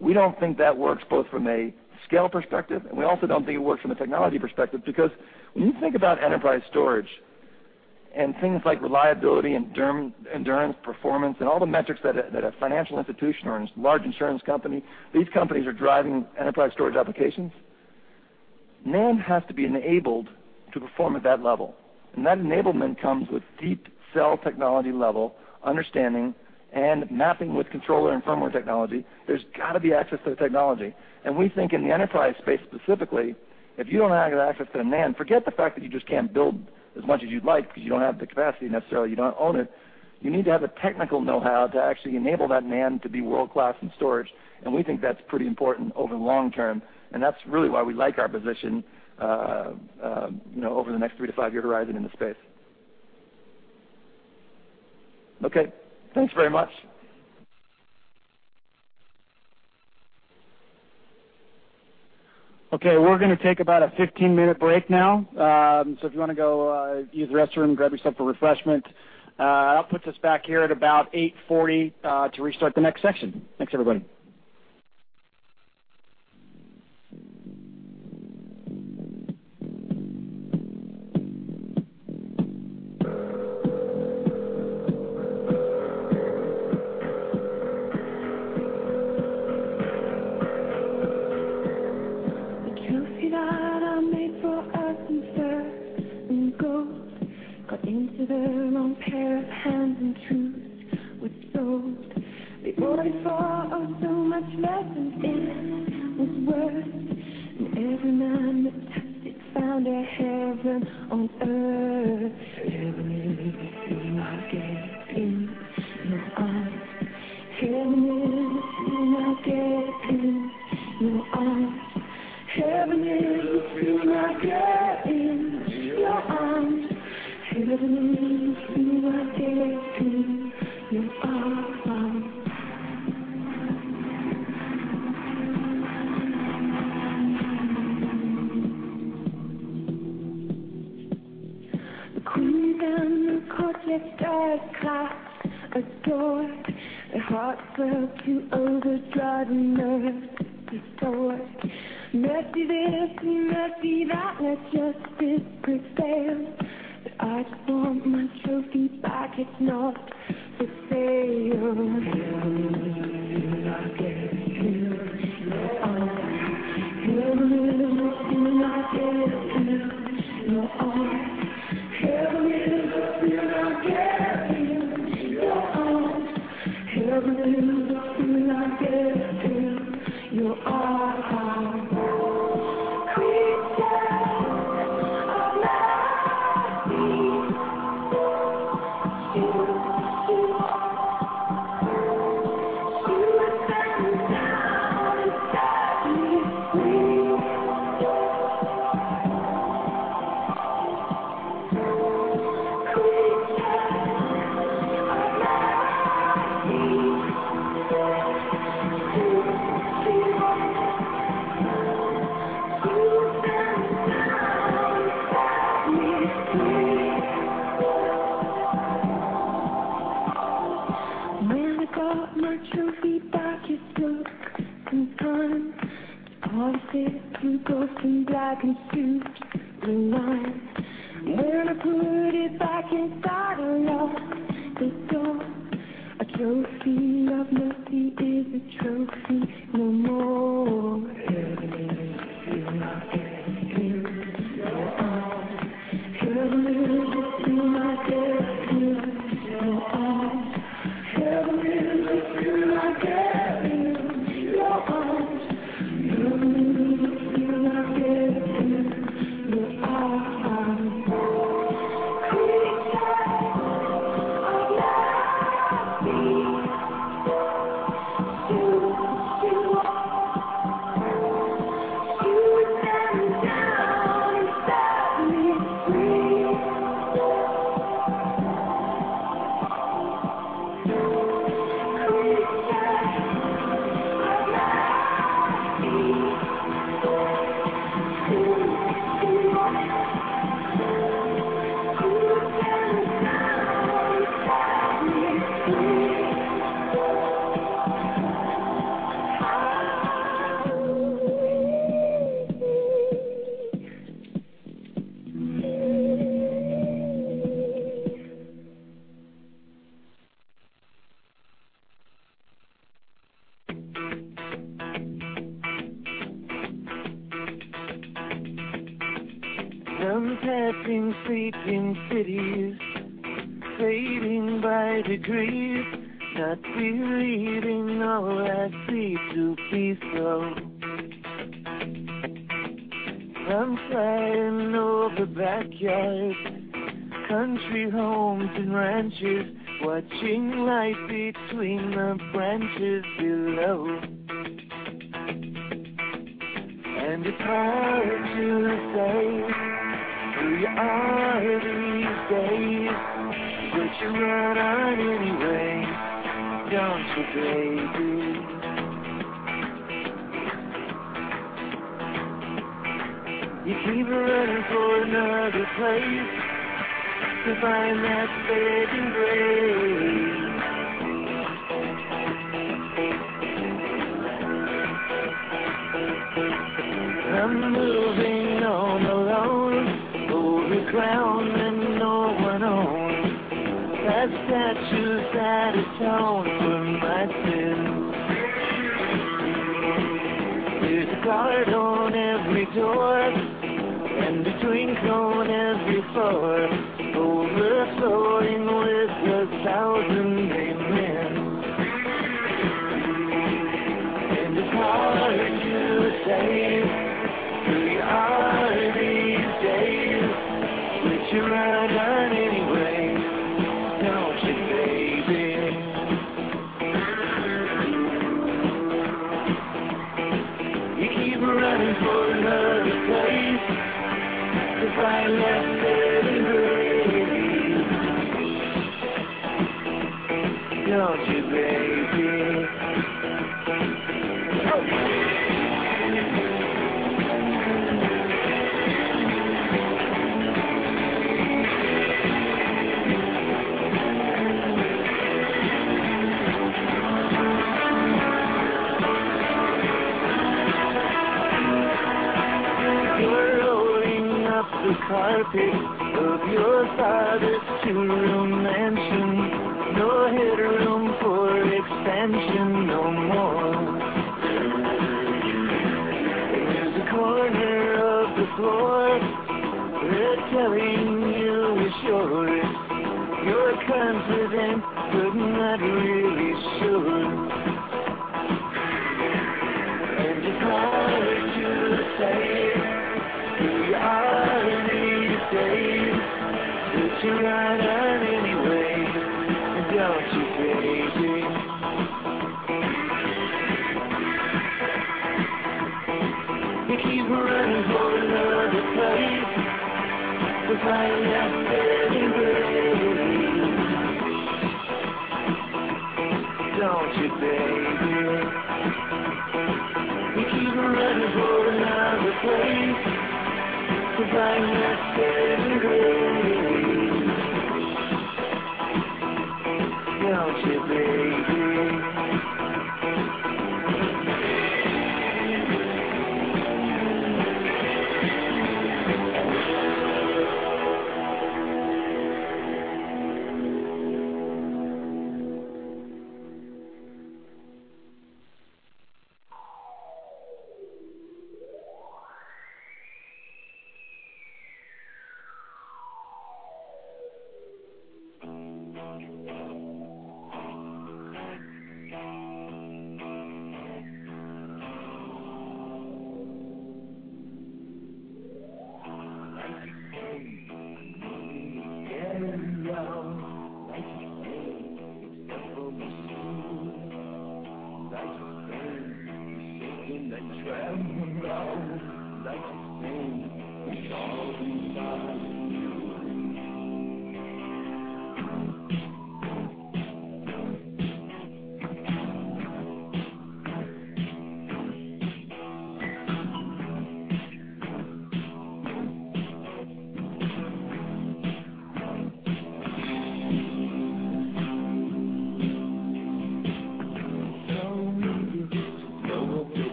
We don't think that works both from a scale perspective, and we also don't think it works from a technology perspective because when you think about enterprise storage and things like reliability and endurance, performance, and all the metrics that a financial institution or a large insurance company, these companies are driving enterprise storage applications NAND has to be enabled to perform at that level, and that enablement comes with deep cell technology level understanding and mapping with controller and firmware technology. There's got to be access to the technology. We think in the enterprise space specifically, if you don't have access to a NAND, forget the fact that you just can't build as much as you'd like because you don't have the capacity necessarily, you don't own it. You need to have the technical know-how to actually enable that NAND to be world-class in storage, and we think that's pretty important over the long term, and that's really why we like our position over the next three to five-year horizon in the space. Okay, thanks very much. Okay, we're going to take about a 15-minute break now. If you want to go use the restroom, grab yourself a refreshment. That puts us back here at about 8:40 to restart the next session. Thanks everybody. The trophy that I made for earth and fur and gold. Got into the wrong pair of hands and truth was sold. We bought it for oh so much less and it was worth. Every man that touched it found a heaven on earth. Heaven is a feeling I get in your arms. Heaven is a feeling I get in your arms. Heaven is a feeling I get in your arms. Heaven is a feeling I get in your arms. The queen and the court, yes, their clocks adored. Their hearts fell to overdrive and nerves distraught. Mercy this and mercy that, let justice prevail. I just want my trophy back, it's not for sale. Heaven is a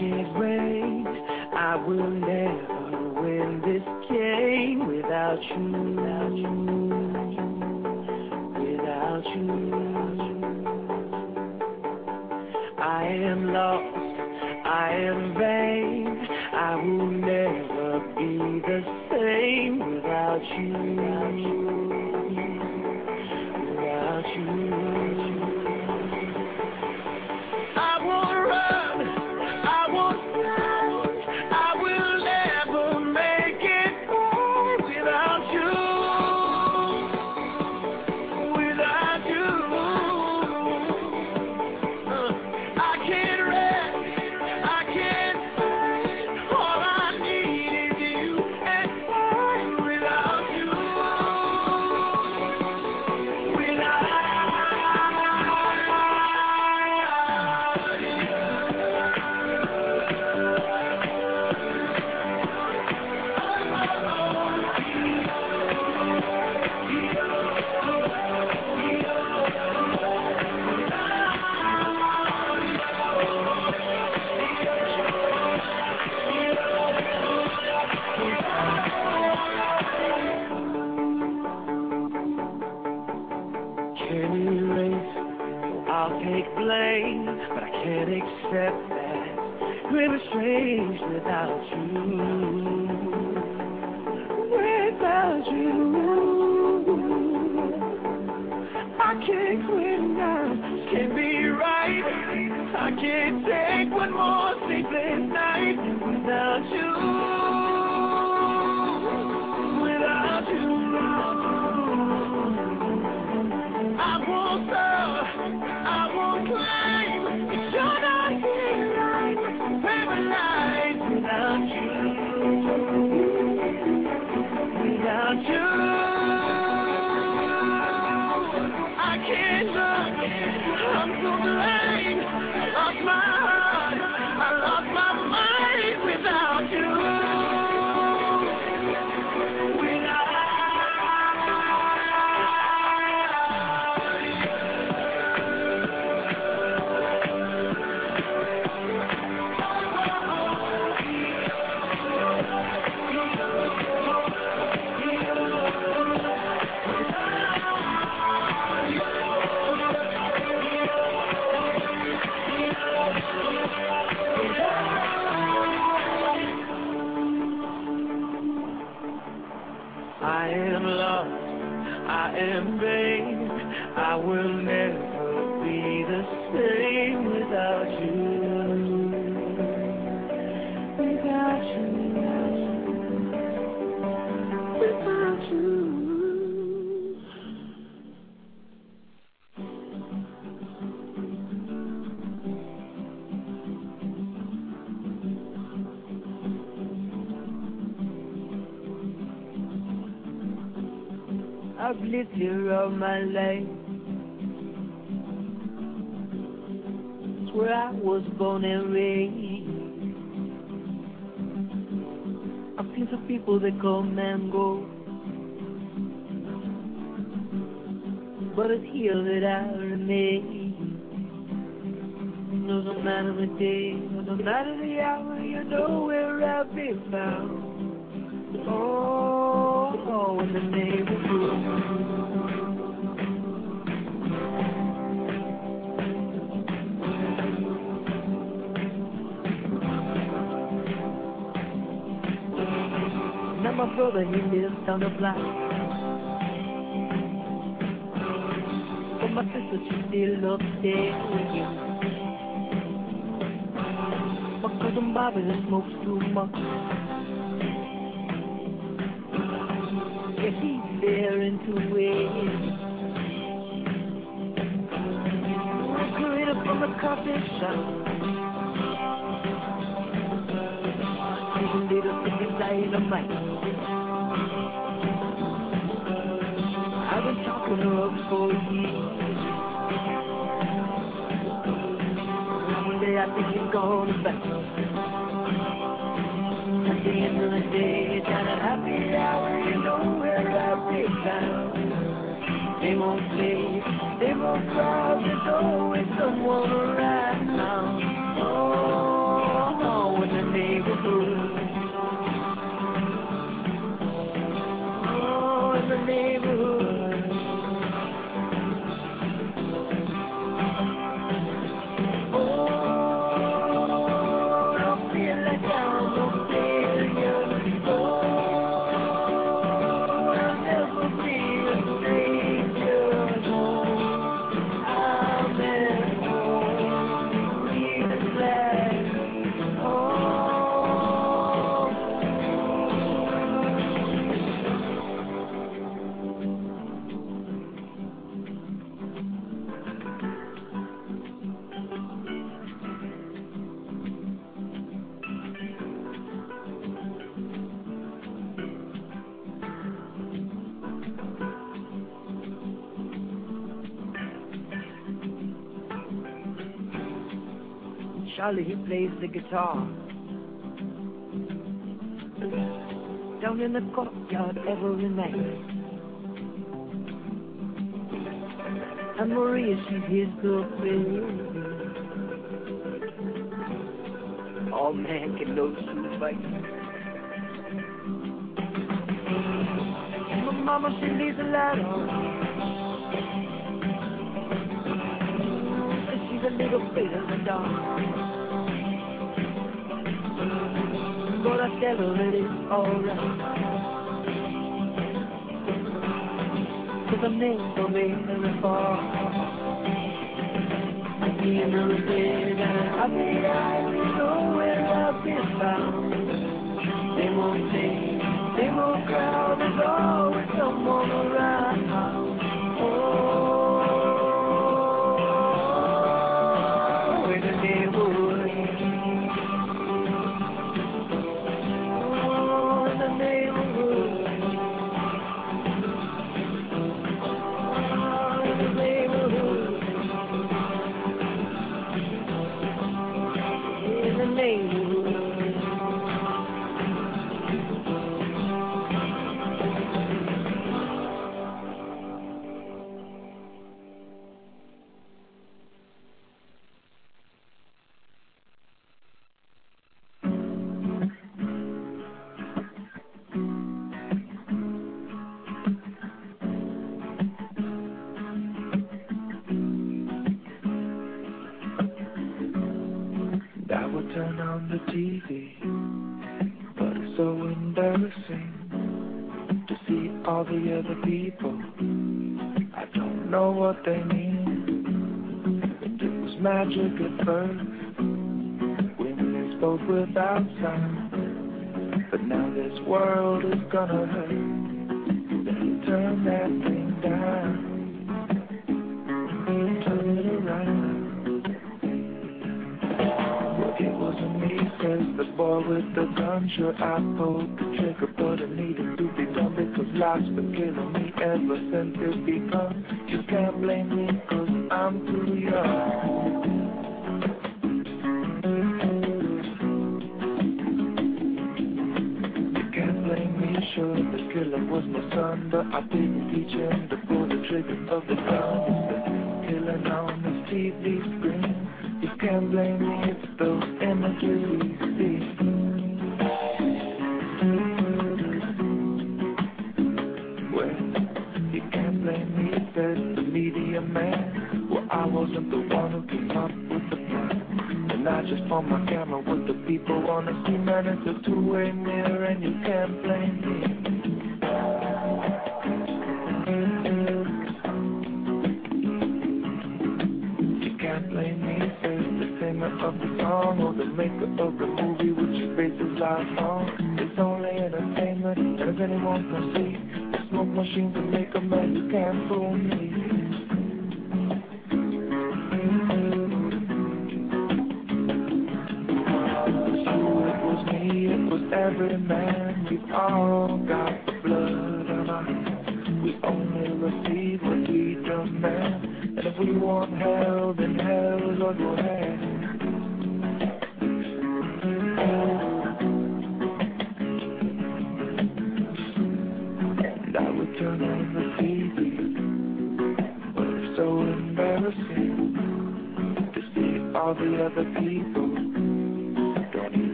feeling I get of my life. It's where I was born and raised. A piece of people they come and go. It's here that I remain. You know no matter the day, no matter the hour, you know where I'll be found. Oh, in the neighborhood. Down my road I hear the sound of glass. From my sister, she's still upstairs with you. My cousin Bobby smokes too much. Guess he's there in two ways. Ooh, Loretta from the coffee shop. She's a little piece of dynamite. I've been talking to her for years I think it's going back. At the end of the day, down at happy hour, you know where I'll be found. Same old scene, same old crowd, there's always someone around. Oh, in the neighborhood. Oh, in the neighborhood. Oh, I feel like I'm a million. Oh, I'll never be a stranger. Home, I've been home. Feels like home. Charlie, he plays the guitar. Down in the courtyard every night. Maria, she's his girlfriend. All I can notice in a fight. My mama she needs a lot of. She's a little afraid of the dark. We go together and it's all right. 'Cause I'm named for me and I fall. At the end of the day, down at happy hour, you know where I'll be found. Same old scene, same old crowd, there's always someone around. Oh, in the neighborhood. Oh, in the neighborhood. Oh, in the neighborhood. In the neighborhood. I would turn on the TV. It's so embarrassing. To see all the other people. I don't know what they mean. It was magic at first. We spoke without sound. Now this world is gonna hurt. You better turn that thing down. Turn it around. "Well, it wasn't me," says the boy with the gun. "Sure, I pulled the trigger, but it needed to be done. Life's been killing me ever since it begun. You can't blame me 'cause I'm too young." "You can't blame me," sure the killer was my son. I didn't teach him to pull the trigger of the gun. It's the killing on the TV screen. You can't blame me, it's those images seen. Well, "You can't blame me," says the media man. Well, I wasn't the one who came up with the plan. I just point my camera where the people want to see. Man, it's a two-way mirror, and you can't blame me. "You can't blame me," says the singer of the song. The maker of the movie which your faces I hung. It's only entertainment, as anyone can see. The smoke machines will make 'em, but you can't fool me.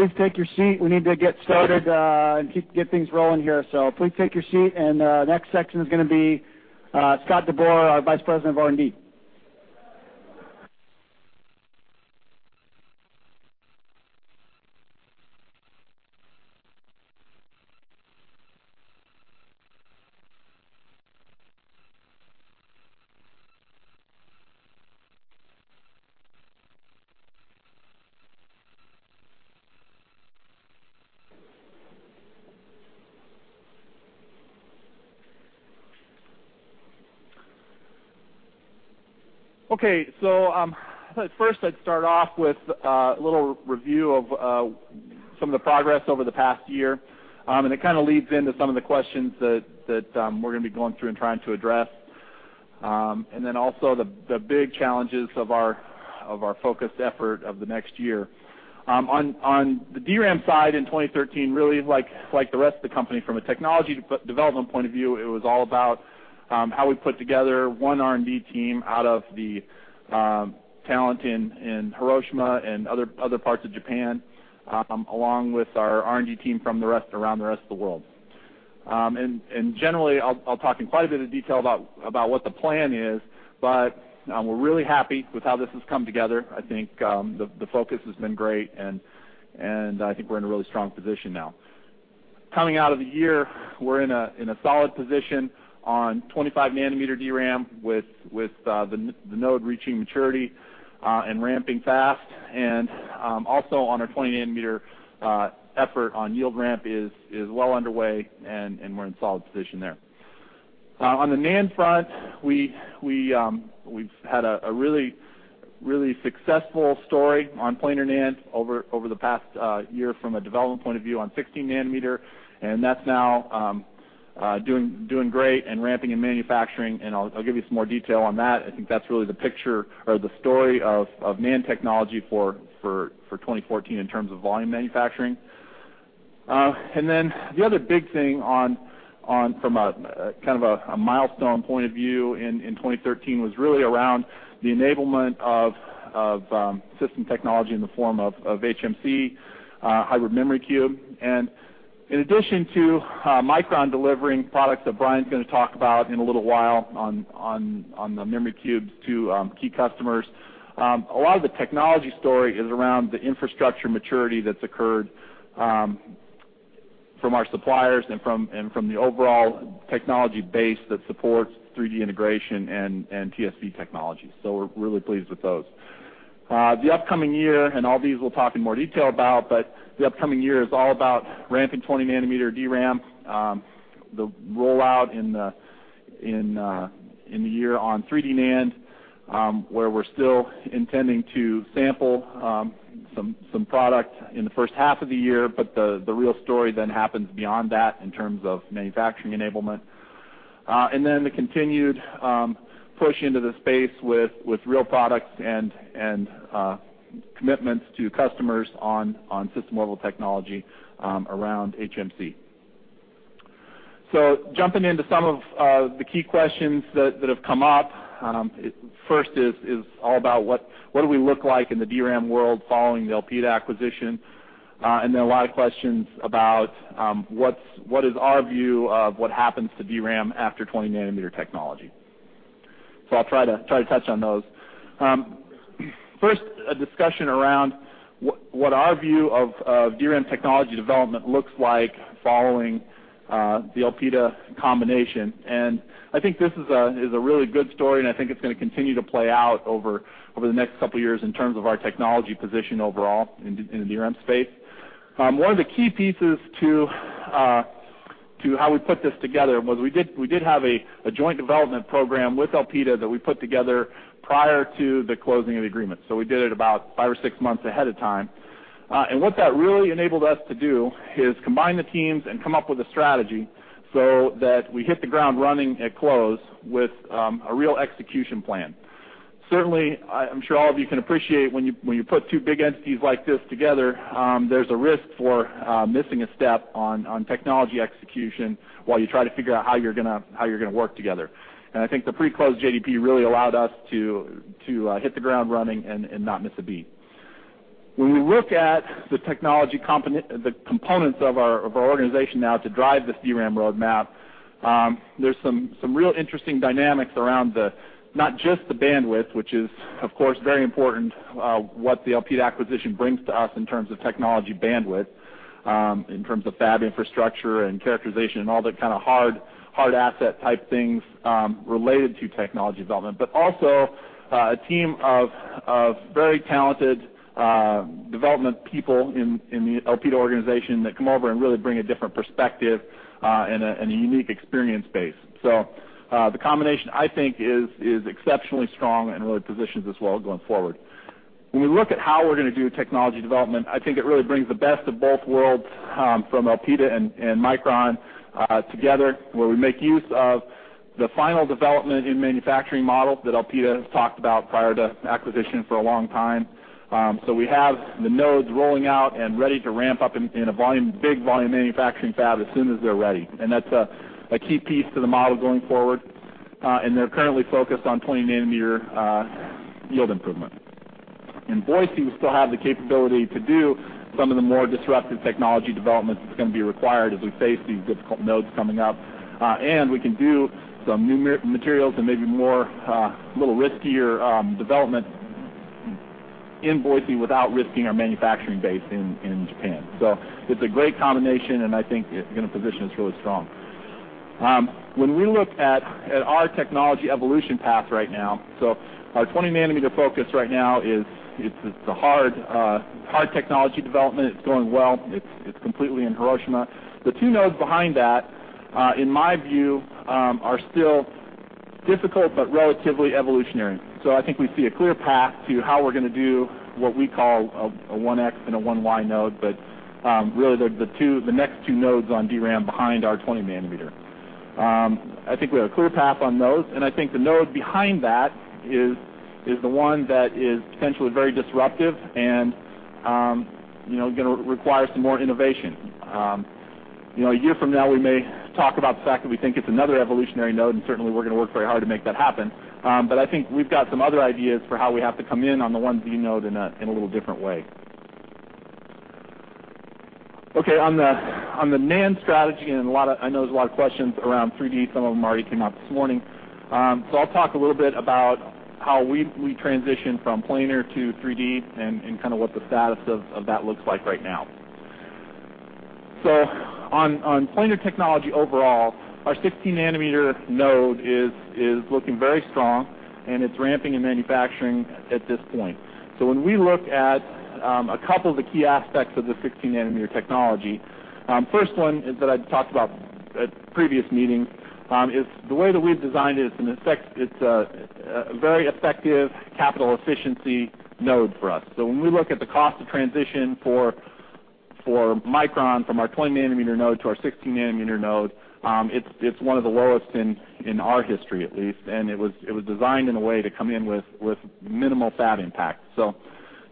please take your seat, we need to get started and get things rolling here. Please take your seat, and the next section is going to be Scott DeBoer, Vice President of R&D. Okay. First, I'd start off with a little review of some of the progress over the past year, and it kind of leads into some of the questions that we're going to be going through and trying to address, and then also the big challenges of our focused effort of the next year. On the DRAM side in 2013, really like the rest of the company from a technology development point of view, it was all about how we put together one R&D team out of the talent in Hiroshima and other parts of Japan, along with our R&D team from around the rest of the world. Generally, I'll talk in quite a bit of detail about what the plan is, but we're really happy with how this has come together. I think the focus has been great. I think we're in a really strong position now. Coming out of the year, we're in a solid position on 25-nanometer DRAM with the node reaching maturity and ramping fast. Also on our 20-nanometer effort on yield ramp is well underway, and we're in a solid position there. On the NAND front, we've had a really successful story on planar NAND over the past year from a development point of view on 16 nanometer. That's now doing great and ramping in manufacturing. I'll give you some more detail on that. That's really the picture or the story of NAND technology for 2014 in terms of volume manufacturing. The other big thing from a kind of a milestone point of view in 2013 was really around the enablement of system technology in the form of HMC, Hybrid Memory Cube. In addition to Micron delivering products that Brian's going to talk about in a little while on the memory cubes to key customers, a lot of the technology story is around the infrastructure maturity that's occurred from our suppliers and from the overall technology base that supports 3D integration and TSV technology. We're really pleased with those. The upcoming year, and all these we'll talk in more detail about, the upcoming year is all about ramping 20-nanometer DRAM, the rollout in the year on 3D NAND, where we're still intending to sample some product in the first half of the year. The real story then happens beyond that in terms of manufacturing enablement. The continued push into the space with real products and commitments to customers on system-level technology around HMC. Jumping into some of the key questions that have come up, first is all about what do we look like in the DRAM world following the Elpida acquisition? A lot of questions about what is our view of what happens to DRAM after 20-nanometer technology. I'll try to touch on those. First, a discussion around what our view of DRAM technology development looks like following the Elpida combination. I think this is a really good story. I think it's going to continue to play out over the next couple of years in terms of our technology position overall in the DRAM space. One of the key pieces to how we put this together was we did have a joint development program with Elpida that we put together prior to the closing of the agreement. We did it about five or six months ahead of time. What that really enabled us to do is combine the teams and come up with a strategy so that we hit the ground running at close with a real execution plan. Certainly, I'm sure all of you can appreciate when you put two big entities like this together, there's a risk for missing a step on technology execution while you try to figure out how you're going to work together. I think the pre-close JDP really allowed us to hit the ground running and not miss a beat. When we look at the components of our organization now to drive this DRAM roadmap, there's some real interesting dynamics around not just the bandwidth, which is, of course, very important, what the Elpida acquisition brings to us in terms of technology bandwidth, in terms of fab infrastructure and characterization, and all the kind of hard asset type things related to technology development. But also a team of very talented development people in the Elpida organization that come over and really bring a different perspective and a unique experience base. The combination, I think, is exceptionally strong and really positions us well going forward. When we look at how we're going to do technology development, I think it really brings the best of both worlds from Elpida and Micron together, where we make use of the final development in manufacturing model that Elpida has talked about prior to acquisition for a long time. We have the nodes rolling out and ready to ramp up in a big volume manufacturing fab as soon as they're ready, and that's a key piece to the model going forward. And they're currently focused on 20-nanometer yield improvement. In Boise, we still have the capability to do some of the more disruptive technology developments that's going to be required as we face these difficult nodes coming up. And we can do some new materials and maybe more little riskier development in Boise without risking our manufacturing base in Japan. It's a great combination, and I think it's going to position us really strong. When we look at our technology evolution path right now, our 20-nanometer focus right now is it's a hard technology development. It's going well. It's completely in Hiroshima. The two nodes behind that, in my view, are still difficult, but relatively evolutionary. I think we see a clear path to how we're going to do what we call a 1X and a 1Y node, but really they're the next two nodes on DRAM behind our 20-nanometer. I think we have a clear path on those, and I think the node behind that is the one that is potentially very disruptive and going to require some more innovation. A year from now, we may talk about the fact that we think it's another evolutionary node, and certainly we're going to work very hard to make that happen. But I think we've got some other ideas for how we have to come in on the 1Z node in a little different way. Okay, on the NAND strategy, and I know there's a lot of questions around 3D, some of them already came out this morning. I'll talk a little bit about how we transition from planar to 3D and kind of what the status of that looks like right now. On planar technology overall, our 16-nanometer node is looking very strong and it's ramping in manufacturing at this point. When we look at a couple of the key aspects of the 16-nanometer technology, the first one is that I've talked about at previous meetings, is the way that we've designed it's a very effective capital efficiency node for us. When we look at the cost of transition for Micron from our 20-nanometer node to our 16-nanometer node, it's one of the lowest in our history, at least. It was designed in a way to come in with minimal fab impact.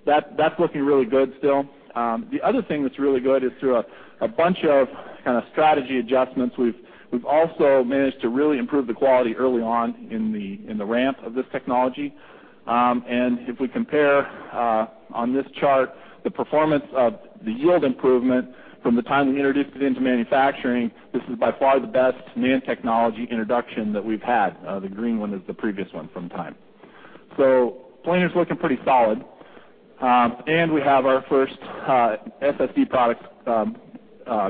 That's looking really good still. The other thing that's really good is through a bunch of kind of strategy adjustments, we've also managed to really improve the quality early on in the ramp of this technology. If we compare on this chart the performance of the yield improvement from the time we introduced it into manufacturing, this is by far the best NAND technology introduction that we've had. The green one is the previous one from time. Planar's looking pretty solid. We have our first SSD product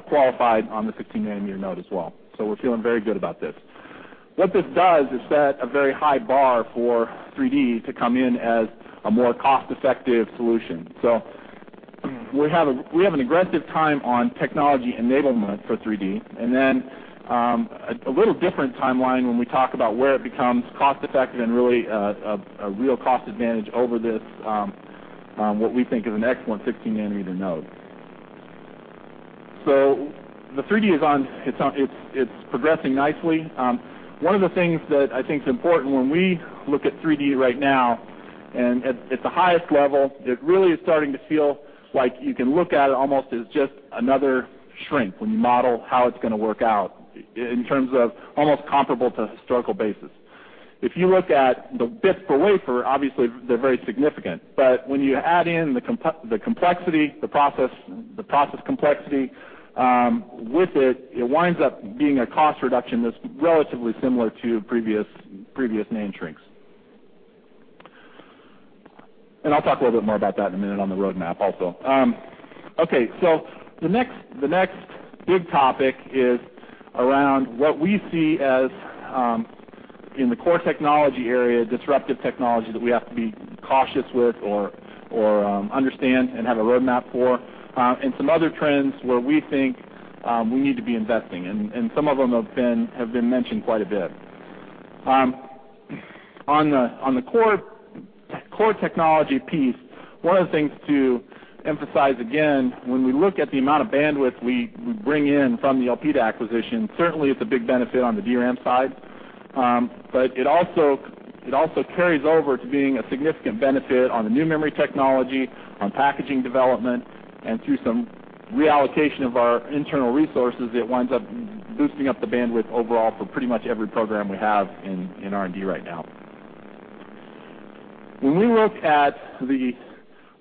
qualified on the 16-nanometer node as well. We're feeling very good about this. What this does is set a very high bar for 3D to come in as a more cost-effective solution. We have an aggressive time on technology enablement for 3D, and then a little different timeline when we talk about where it becomes cost-effective and really a real cost advantage over this, what we think is the next 116-nanometer node. The 3D is progressing nicely. One of the things that I think is important when we look at 3D right now, at the highest level, it really is starting to feel like you can look at it almost as just another shrink when you model how it's going to work out in terms of almost comparable to historical basis. If you look at the bits per wafer, obviously they're very significant. When you add in the complexity, the process complexity with it winds up being a cost reduction that's relatively similar to previous main shrinks. I'll talk a little bit more about that in a minute on the roadmap also. The next big topic is around what we see as in the core technology area, disruptive technology that we have to be cautious with or understand and have a roadmap for, and some other trends where we think we need to be investing, and some of them have been mentioned quite a bit. On the core technology piece, one of the things to emphasize, again, when we look at the amount of bandwidth we bring in from the Elpida acquisition, certainly it's a big benefit on the DRAM side. It also carries over to being a significant benefit on the new memory technology, on packaging development, and through some reallocation of our internal resources, it winds up boosting up the bandwidth overall for pretty much every program we have in R&D right now. When we look at the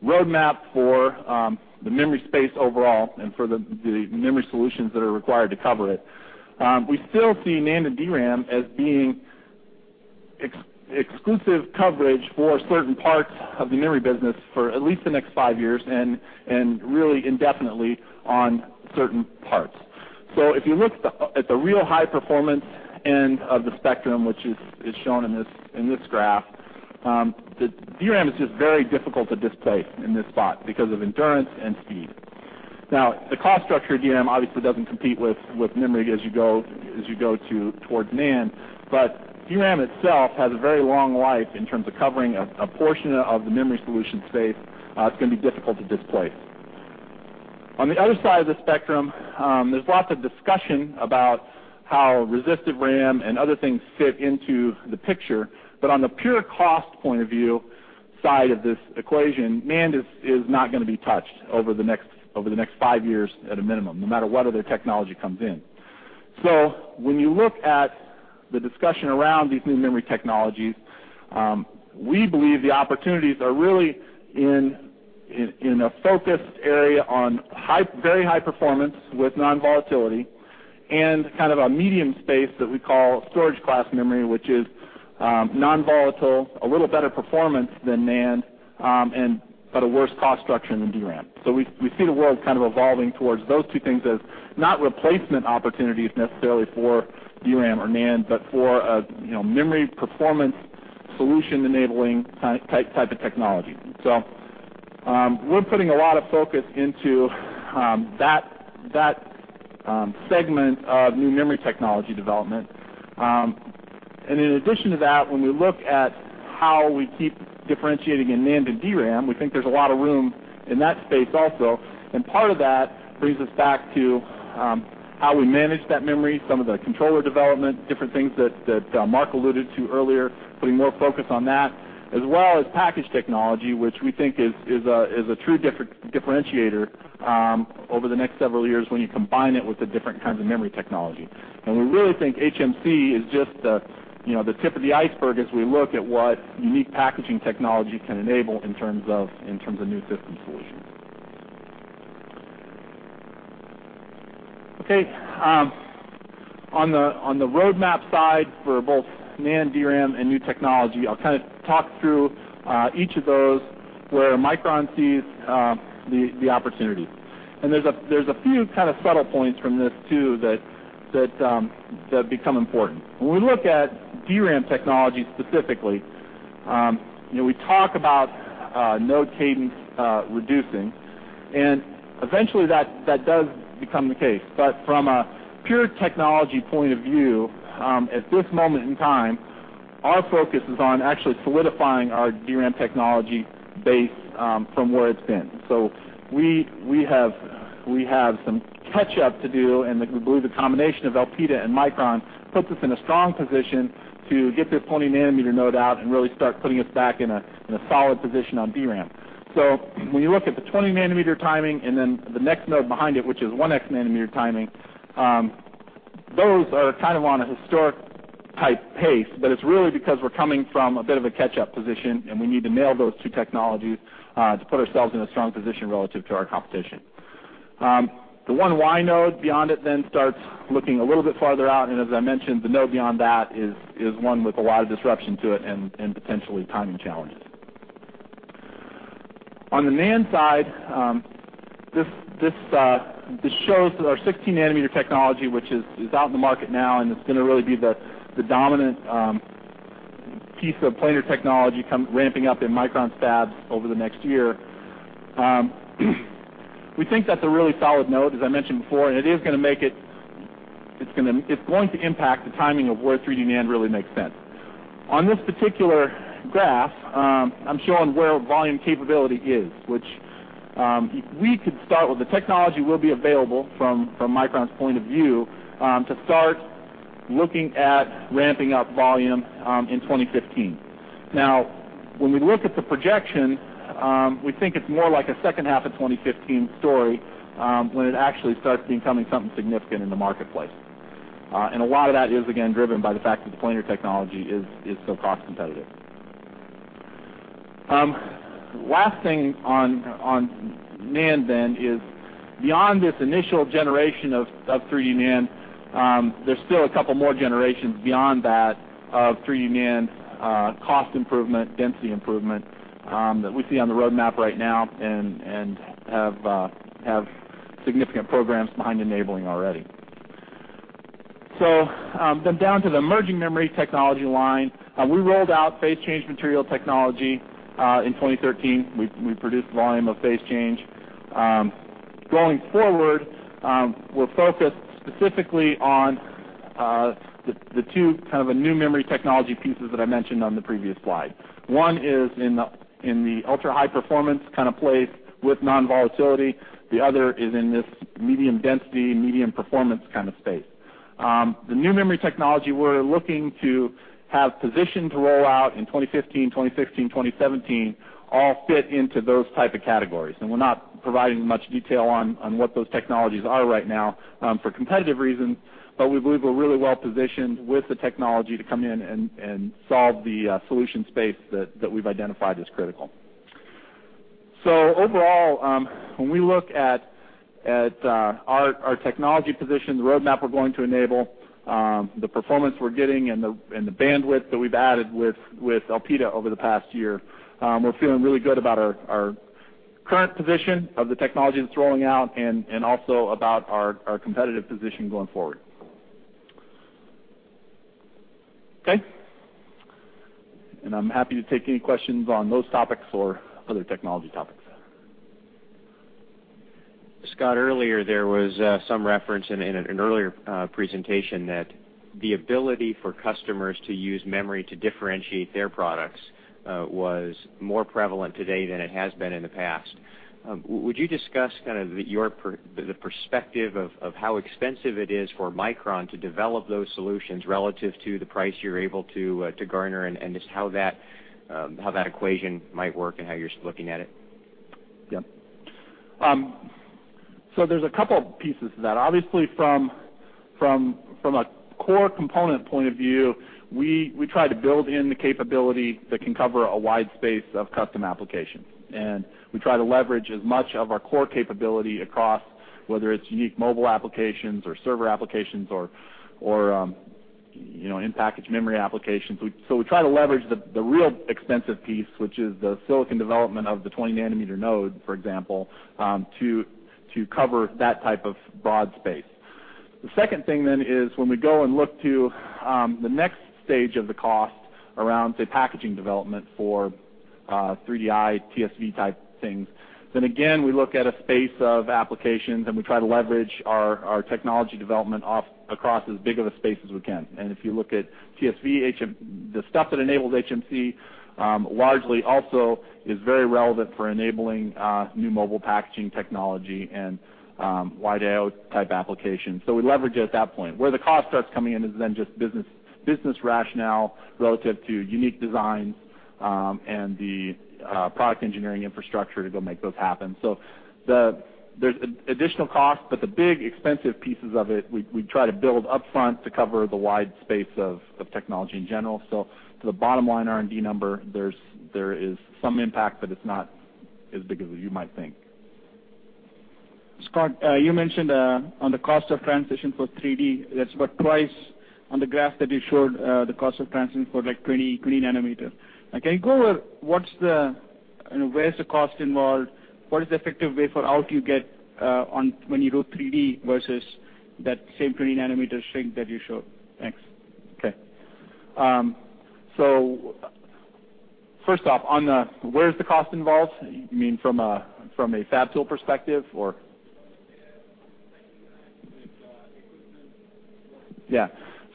roadmap for the memory space overall and for the memory solutions that are required to cover it, we still see NAND and DRAM as being exclusive coverage for certain parts of the memory business for at least the next 5 years and really indefinitely on certain parts. If you look at the real high-performance end of the spectrum, which is shown in this graph, the DRAM is just very difficult to displace in this spot because of endurance and speed. Now, the cost structure of DRAM obviously doesn't compete with NAND as you go towards NAND, but DRAM itself has a very long life in terms of covering a portion of the memory solution space. It's going to be difficult to displace. On the other side of the spectrum, there's lots of discussion about how Resistive RAM and other things fit into the picture, but on the pure cost point of view side of this equation, NAND is not going to be touched over the next 5 years at a minimum, no matter whether the technology comes in. When you look at the discussion around these new memory technologies, we believe the opportunities are really in a focused area on very high performance with non-volatility and kind of a medium space that we call Storage Class Memory, which is non-volatile, a little better performance than NAND, but a worse cost structure than DRAM. We see the world kind of evolving towards those two things as not replacement opportunities necessarily for DRAM or NAND, but for a memory performance solution-enabling type of technology. We're putting a lot of focus into that segment of new memory technology development. In addition to that, when we look at how we keep differentiating in NAND and DRAM, we think there's a lot of room in that space also. Part of that brings us back to how we manage that memory, some of the controller development, different things that Mark alluded to earlier, putting more focus on that, as well as package technology, which we think is a true differentiator over the next several years when you combine it with the different kinds of memory technology. We really think HMC is just the tip of the iceberg as we look at what unique packaging technology can enable in terms of new system solutions. Okay. On the roadmap side for both NAND, DRAM and new technology, I'll kind of talk through each of those, where Micron sees the opportunity. There's a few kind of subtle points from this too that become important. When we look at DRAM technology specifically, we talk about node cadence reducing, and eventually that does become the case. From a pure technology point of view, at this moment in time, our focus is on actually solidifying our DRAM technology base from where it's been. We have some catch up to do, and we believe the combination of Elpida and Micron puts us in a strong position to get this 20 nanometer node out and really start putting us back in a solid position on DRAM. When you look at the 20 nanometer timing, then the next node behind it, which is 1X nanometer timing, those are kind of on a historic type pace, it's really because we're coming from a bit of a catch-up position, we need to nail those two technologies to put ourselves in a strong position relative to our competition. The 1Y node beyond it then starts looking a little bit farther out, as I mentioned, the node beyond that is one with a lot of disruption to it potentially timing challenges. On the NAND side, this shows our 16 nanometer technology, which is out in the market now, it's going to really be the dominant piece of planar technology ramping up in Micron's fabs over the next year. We think that's a really solid node, as I mentioned before, it is going to impact the timing of where 3D NAND really makes sense. On this particular graph, I'm showing where volume capability is, which we could start with. The technology will be available from Micron's point of view to start looking at ramping up volume in 2015. When we look at the projection, we think it's more like a second half of 2015 story, when it actually starts becoming something significant in the marketplace. A lot of that is, again, driven by the fact that the planar technology is so cost competitive. Last thing on NAND is beyond this initial generation of 3D NAND, there's still a couple more generations beyond that of 3D NAND cost improvement, density improvement, that we see on the roadmap right now and have significant programs behind enabling already. Down to the emerging memory technology line. We rolled out phase-change material technology in 2013. We produced volume of phase change. Going forward, we're focused specifically on the two kind of new memory technology pieces that I mentioned on the previous slide. One is in the ultra-high performance kind of place with non-volatility. The other is in this medium density, medium performance kind of space. The new memory technology we're looking to have positioned to roll out in 2015, 2016, 2017, all fit into those type of categories. We're not providing much detail on what those technologies are right now for competitive reasons, we believe we're really well-positioned with the technology to come in and solve the solution space that we've identified as critical. Overall, when we look at our technology position, the roadmap we're going to enable, the performance we're getting the bandwidth that we've added with Elpida over the past year, we're feeling really good about our current position of the technologies that's rolling out also about our competitive position going forward. Okay. I'm happy to take any questions on those topics or other technology topics. Scott, earlier there was some reference in an earlier presentation that the ability for customers to use memory to differentiate their products was more prevalent today than it has been in the past. Would you discuss kind of the perspective of how expensive it is for Micron to develop those solutions relative to the price you're able to garner and just how that equation might work and how you're looking at it? Yep. There's a couple pieces to that. Obviously, from a core component point of view, we try to build in the capability that can cover a wide space of custom applications. We try to leverage as much of our core capability across, whether it's unique mobile applications or server applications or in package memory applications. We try to leverage the real expensive piece, which is the silicon development of the 20 nanometer node, for example, to cover that type of broad space. The second thing is when we go and look to the next stage of the cost around, say, packaging development for 3D-IC, TSV type things, again, we look at a space of applications, and we try to leverage our technology development across as big of a space as we can. If you look at TSV, the stuff that enables HMC, largely also is very relevant for enabling new mobile packaging technology and Wide I/O type applications. We leverage it at that point. Where the cost starts coming in is just business rationale relative to unique designs, and the product engineering infrastructure to go make those happen. There's additional costs, but the big expensive pieces of it, we try to build upfront to cover the wide space of technology in general. To the bottom line R&D number, there is some impact, but it's not as big as you might think. Scott, you mentioned on the cost of transition for 3D, that's about twice on the graph that you showed the cost of transition for 20 nanometer. Can you go over where is the cost involved? What is the effective way for how do you get when you go 3D versus that same 20 nanometer shrink that you showed? Thanks. Okay. First off, on where is the cost involved, you mean from a fab tool perspective or? Yeah.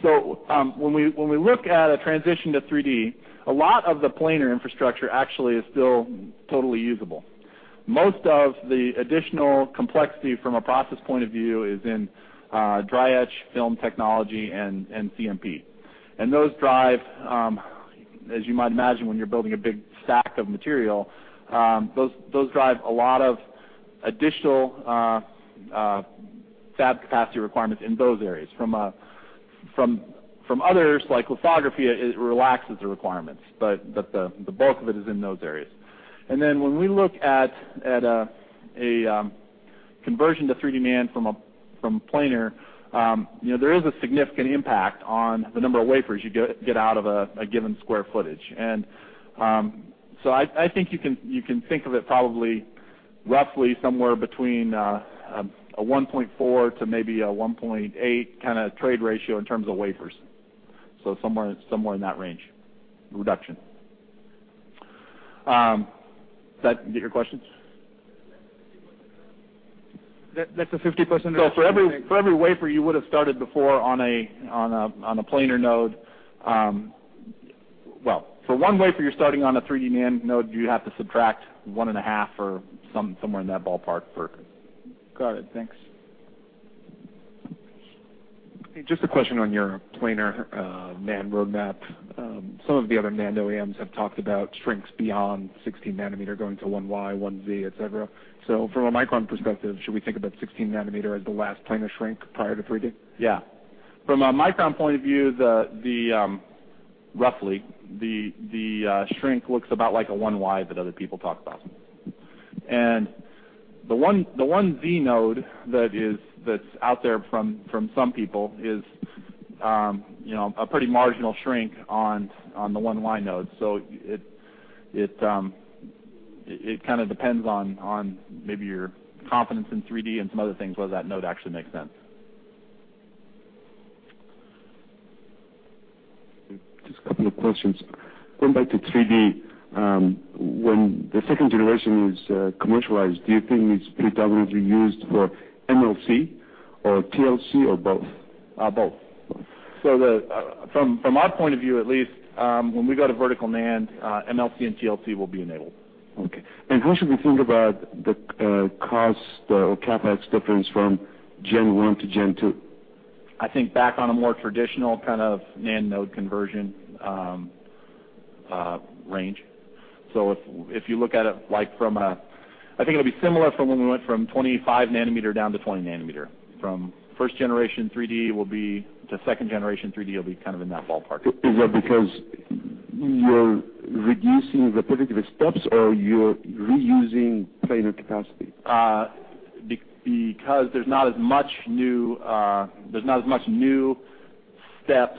When we look at a transition to 3D, a lot of the planar infrastructure actually is still totally usable. Most of the additional complexity from a process point of view is in dry etch film technology and CMP. Those drive, as you might imagine, when you're building a big stack of material, those drive a lot of additional fab capacity requirements in those areas. From others, like lithography, it relaxes the requirements. The bulk of it is in those areas. When we look at a conversion to 3D NAND from planar, there is a significant impact on the number of wafers you get out of a given square footage. I think you can think of it probably roughly somewhere between a 1.4 to maybe a 1.8 kind of trade ratio in terms of wafers. Somewhere in that range of reduction. Does that get your questions? That's a 50%. For every wafer you would've started before on a planar node, well, for one wafer you're starting on a 3D NAND node, you have to subtract one and a half or somewhere in that ballpark for. Got it. Thanks. Just a question on your planar NAND roadmap. Some of the other NAND OEMs have talked about shrinks beyond 16 nanometer going to 1Y, 1Z, et cetera. From a Micron perspective, should we think about 16 nanometer as the last planar shrink prior to 3D? Yeah. From a Micron point of view, roughly, the shrink looks about like a 1Y that other people talk about. The 1Z node that's out there from some people is a pretty marginal shrink on the 1Y node. It kind of depends on maybe your confidence in 3D and some other things, whether that node actually makes sense. Just a couple of questions. Going back to 3D, when the second generation is commercialized, do you think it's predominantly used for MLC or TLC or both? Both. Both. From our point of view, at least, when we go to vertical NAND, MLC and TLC will be enabled. Okay. How should we think about the cost or CapEx difference from gen one to gen two? I think back on a more traditional kind of NAND node conversion range. If you look at it, I think it'll be similar from when we went from 25 nanometer down to 20 nanometer. From first generation 3D to second generation 3D, it'll be kind of in that ballpark. Is that because you're reducing repetitive steps, or you're reusing planar capacity? There's not as much new steps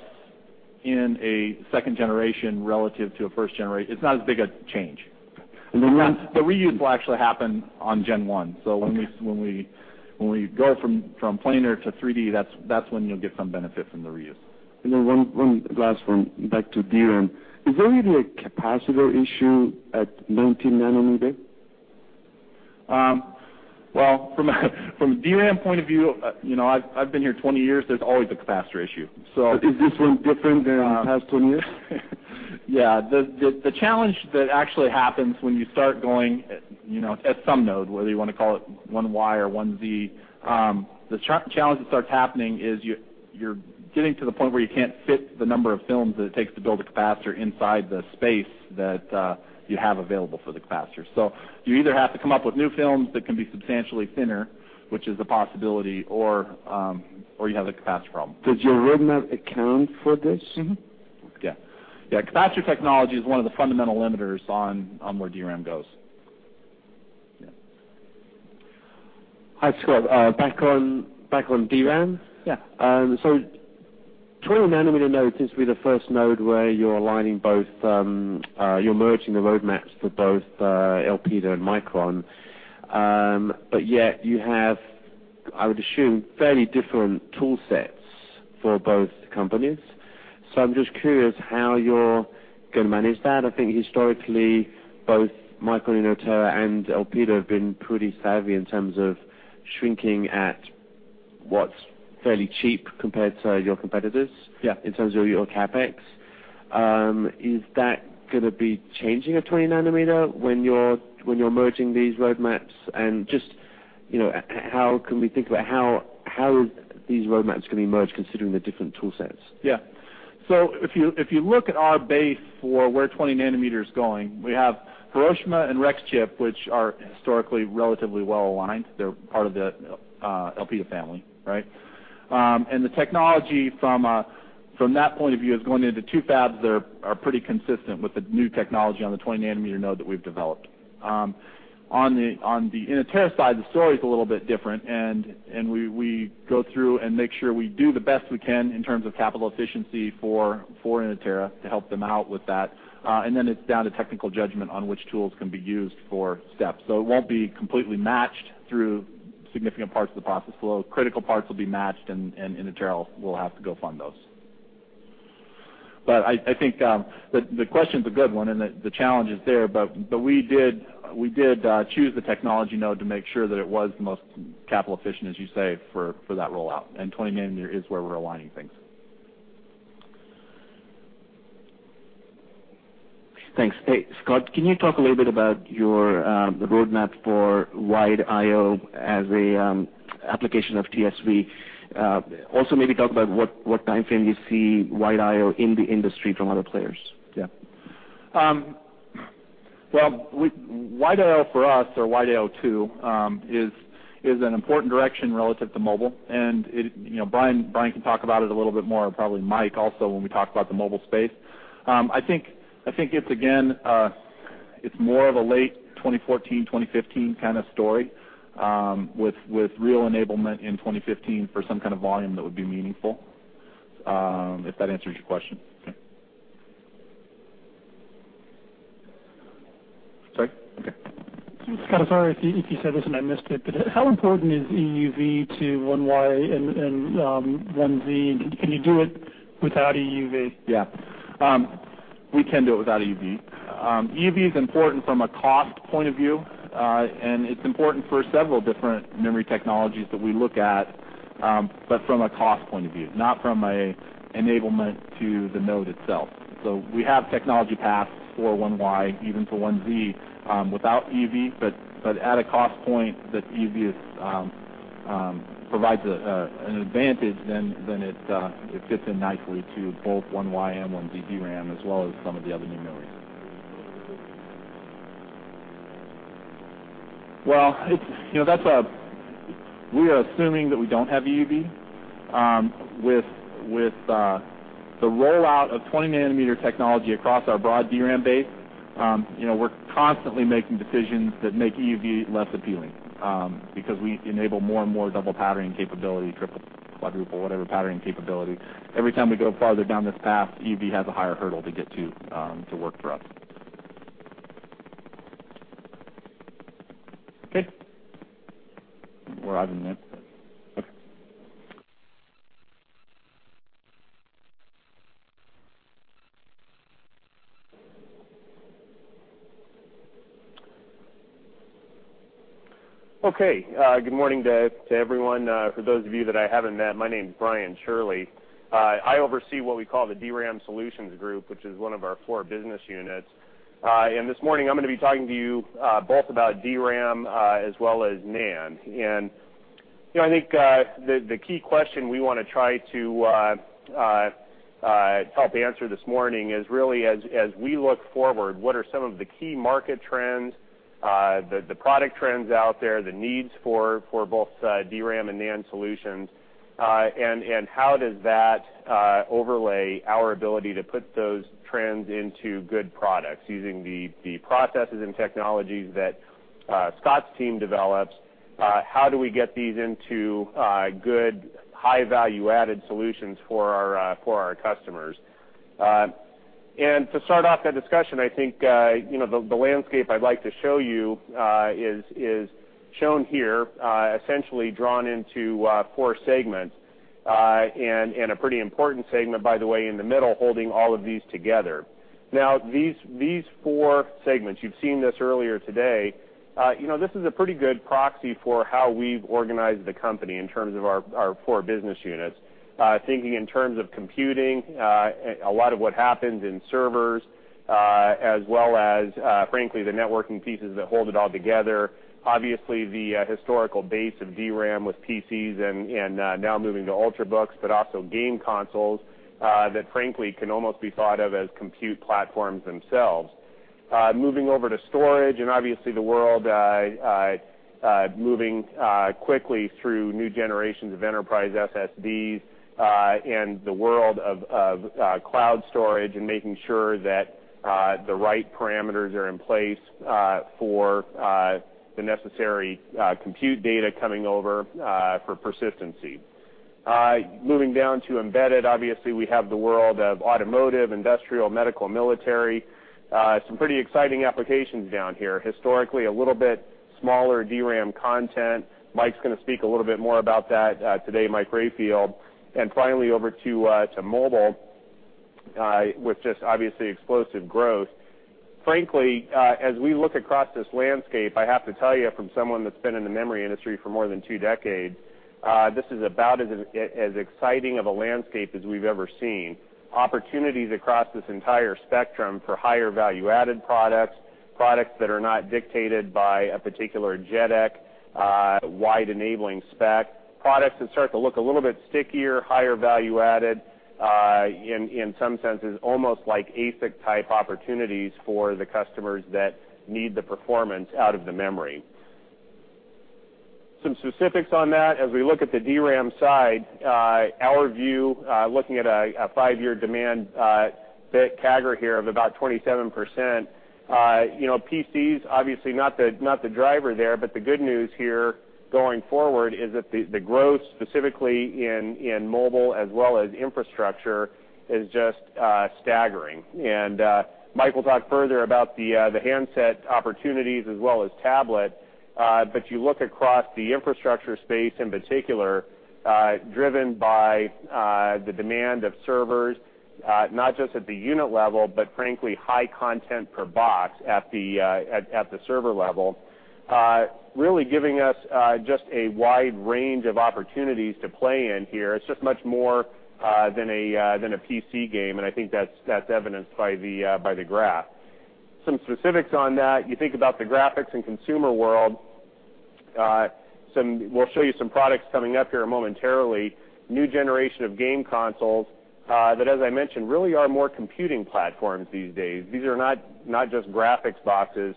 in a second generation relative to a first generation. It's not as big a change. And then when- The reuse will actually happen on gen 1. When we go from planar to 3D, that's when you'll get some benefit from the reuse. One last one, back to DRAM. Is there really a capacitor issue at 19-nanometer? Well, from a DRAM point of view, I've been here 20 years, there's always a capacitor issue. Is this one different than the past 20 years? Yeah. The challenge that actually happens when you start going, at some node, whether you want to call it 1Y or 1Z, the challenge that starts happening is you're getting to the point where you can't fit the number of films that it takes to build a capacitor inside the space that you have available for the capacitor. You either have to come up with new films that can be substantially thinner, which is a possibility, or you have a capacitor problem. Does your roadmap account for this? Yeah. Capacitor technology is one of the fundamental limiters on where DRAM goes. Yeah. Hi, Scott. Back on DRAM? Yeah. 20 nanometer node seems to be the first node where you're merging the roadmaps for both Elpida and Micron, yet you have, I would assume, fairly different tool sets for both companies. I'm just curious how you're going to manage that. I think historically, both Micron and Nanya and Elpida have been pretty savvy in terms of shrinking at what's fairly cheap compared to your competitors. Yeah in terms of your CapEx. Is that going to be changing at 20 nanometer when you're merging these roadmaps, just how can we think about how these roadmaps can be merged considering the different tool sets? If you look at our base for where 20 nanometer is going, we have Hiroshima and Rexchip, which are historically relatively well-aligned. They're part of the Elpida family, right? The technology from that point of view is going into two fabs that are pretty consistent with the new technology on the 20 nanometer node that we've developed. On the Inotera side, the story's a little bit different, we go through and make sure we do the best we can in terms of capital efficiency for Inotera to help them out with that. Then it's down to technical judgment on which tools can be used for steps. It won't be completely matched through significant parts of the process flow. Critical parts will be matched, and Inotera will have to go fund those. I think the question's a good one, the challenge is there, we did choose the technology node to make sure that it was the most capital efficient, as you say, for that rollout, 20 nanometer is where we're aligning things. Thanks. Hey, Scott, can you talk a little bit about the roadmap for Wide I/O as a application of TSV? Maybe talk about what timeframe you see Wide I/O in the industry from other players. Wide I/O for us, or Wide I/O 2, is an important direction relative to mobile, Brian can talk about it a little bit more, probably Mike also, when we talk about the mobile space. I think it's, again, it's more of a late 2014, 2015 kind of story with real enablement in 2015 for some kind of volume that would be meaningful, if that answers your question. Okay. Sorry? Okay. Scott, sorry if you said this and I missed it, how important is EUV to 1Y and 1Z? Can you do it without EUV? Yeah. We can do it without EUV. EUV is important from a cost point of view, and it's important for several different memory technologies that we look at, but from a cost point of view, not from an enablement to the node itself. We have technology paths for 1Y, even for 1Z, without EUV, but at a cost point that EUV provides an advantage, then it fits in nicely to both 1Y and 1Z DRAM, as well as some of the other new memories. Well, we are assuming that we don't have EUV. With the rollout of 20 nanometer technology across our broad DRAM base, we're constantly making decisions that make EUV less appealing because we enable more and more double patterning capability, triple, quadruple, whatever patterning capability. Every time we go farther down this path, EUV has a higher hurdle to get to to work for us. Okay. We're out of minutes? Okay. Okay. Good morning to everyone. For those of you that I haven't met, my name's Brian Shirley. I oversee what we call the DRAM Solutions Group, which is one of our four business units. This morning, I'm going to be talking to you both about DRAM as well as NAND. I think the key question we want to try to help answer this morning is really as we look forward, what are some of the key market trends, the product trends out there, the needs for both DRAM and NAND solutions, and how does that overlay our ability to put those trends into good products using the processes and technologies that Scott's team develops? How do we get these into good, high value-added solutions for our customers? To start off that discussion, I think the landscape I'd like to show you is shown here, essentially drawn into four segments, a pretty important segment, by the way, in the middle, holding all of these together. These four segments, you've seen this earlier today. This is a pretty good proxy for how we've organized the company in terms of our four business units. Thinking in terms of computing, a lot of what happens in servers, as well as, frankly, the networking pieces that hold it all together, obviously, the historical base of DRAM with PCs and now moving to ultrabooks, also game consoles that frankly can almost be thought of as compute platforms themselves. Moving over to storage, obviously, the world moving quickly through new generations of enterprise SSDs and the world of cloud storage and making sure that the right parameters are in place for the necessary compute data coming over for persistency. Moving down to embedded, obviously, we have the world of automotive, industrial, medical, military, some pretty exciting applications down here. Historically, a little bit smaller DRAM content. Mike's going to speak a little bit more about that today, Mike Rayfield. Finally, over to mobile, with just, obviously, explosive growth. Frankly, as we look across this landscape, I have to tell you, from someone that's been in the memory industry for more than two decades, this is about as exciting of a landscape as we've ever seen. Opportunities across this entire spectrum for higher value-added products that are not dictated by a particular JEDEC, wide-enabling spec, products that start to look a little bit stickier, higher value-added, in some senses, almost like ASIC-type opportunities for the customers that need the performance out of the memory. Some specifics on that, as we look at the DRAM side, our view, looking at a five-year demand bit CAGR here of about 27%. PCs, obviously, not the driver there, but the good news here going forward is that the growth, specifically in mobile as well as infrastructure, is just staggering. Mike will talk further about the handset opportunities as well as tablet. You look across the infrastructure space, in particular, driven by the demand of servers, not just at the unit level, but frankly, high content per box at the server level, really giving us just a wide range of opportunities to play in here. It's just much more than a PC game, and I think that's evidenced by the graph. Some specifics on that, you think about the graphics and consumer world. We'll show you some products coming up here momentarily. New generation of game consoles that, as I mentioned, really are more computing platforms these days. These are not just graphics boxes.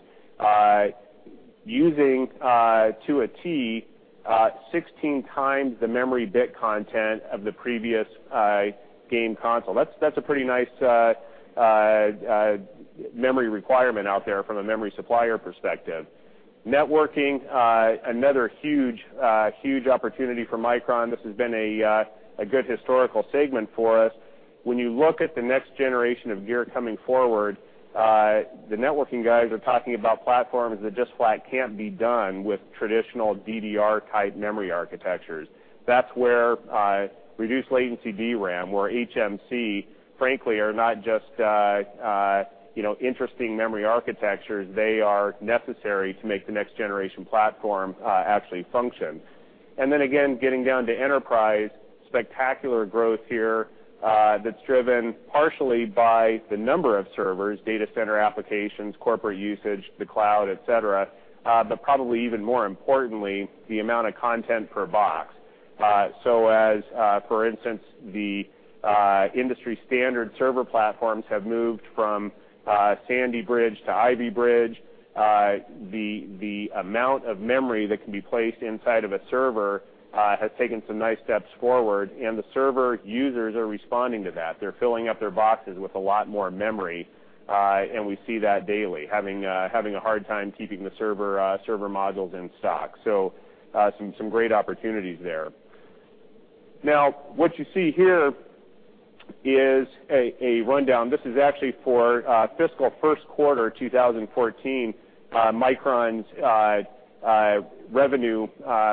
Using, to a T, 16 times the memory bit content of the previous game console. That's a pretty nice memory requirement out there from a memory supplier perspective. Networking, another huge opportunity for Micron. This has been a good historical segment for us. When you look at the next generation of gear coming forward, the networking guys are talking about platforms that just flat can't be done with traditional DDR-type memory architectures. That's where Reduced Latency DRAM, where HMC, frankly, are not just interesting memory architectures. They are necessary to make the next-generation platform actually function. Again, getting down to enterprise, spectacular growth here that's driven partially by the number of servers, data center applications, corporate usage, the cloud, et cetera. Probably even more importantly, the amount of content per box. As, for instance, the industry-standard server platforms have moved from Sandy Bridge to Ivy Bridge, the amount of memory that can be placed inside of a server has taken some nice steps forward, and the server users are responding to that. They're filling up their boxes with a lot more memory, we see that daily, having a hard time keeping the server modules in stock. Some great opportunities there. What you see here is a rundown. This is actually for fiscal first quarter 2014, Micron's revenue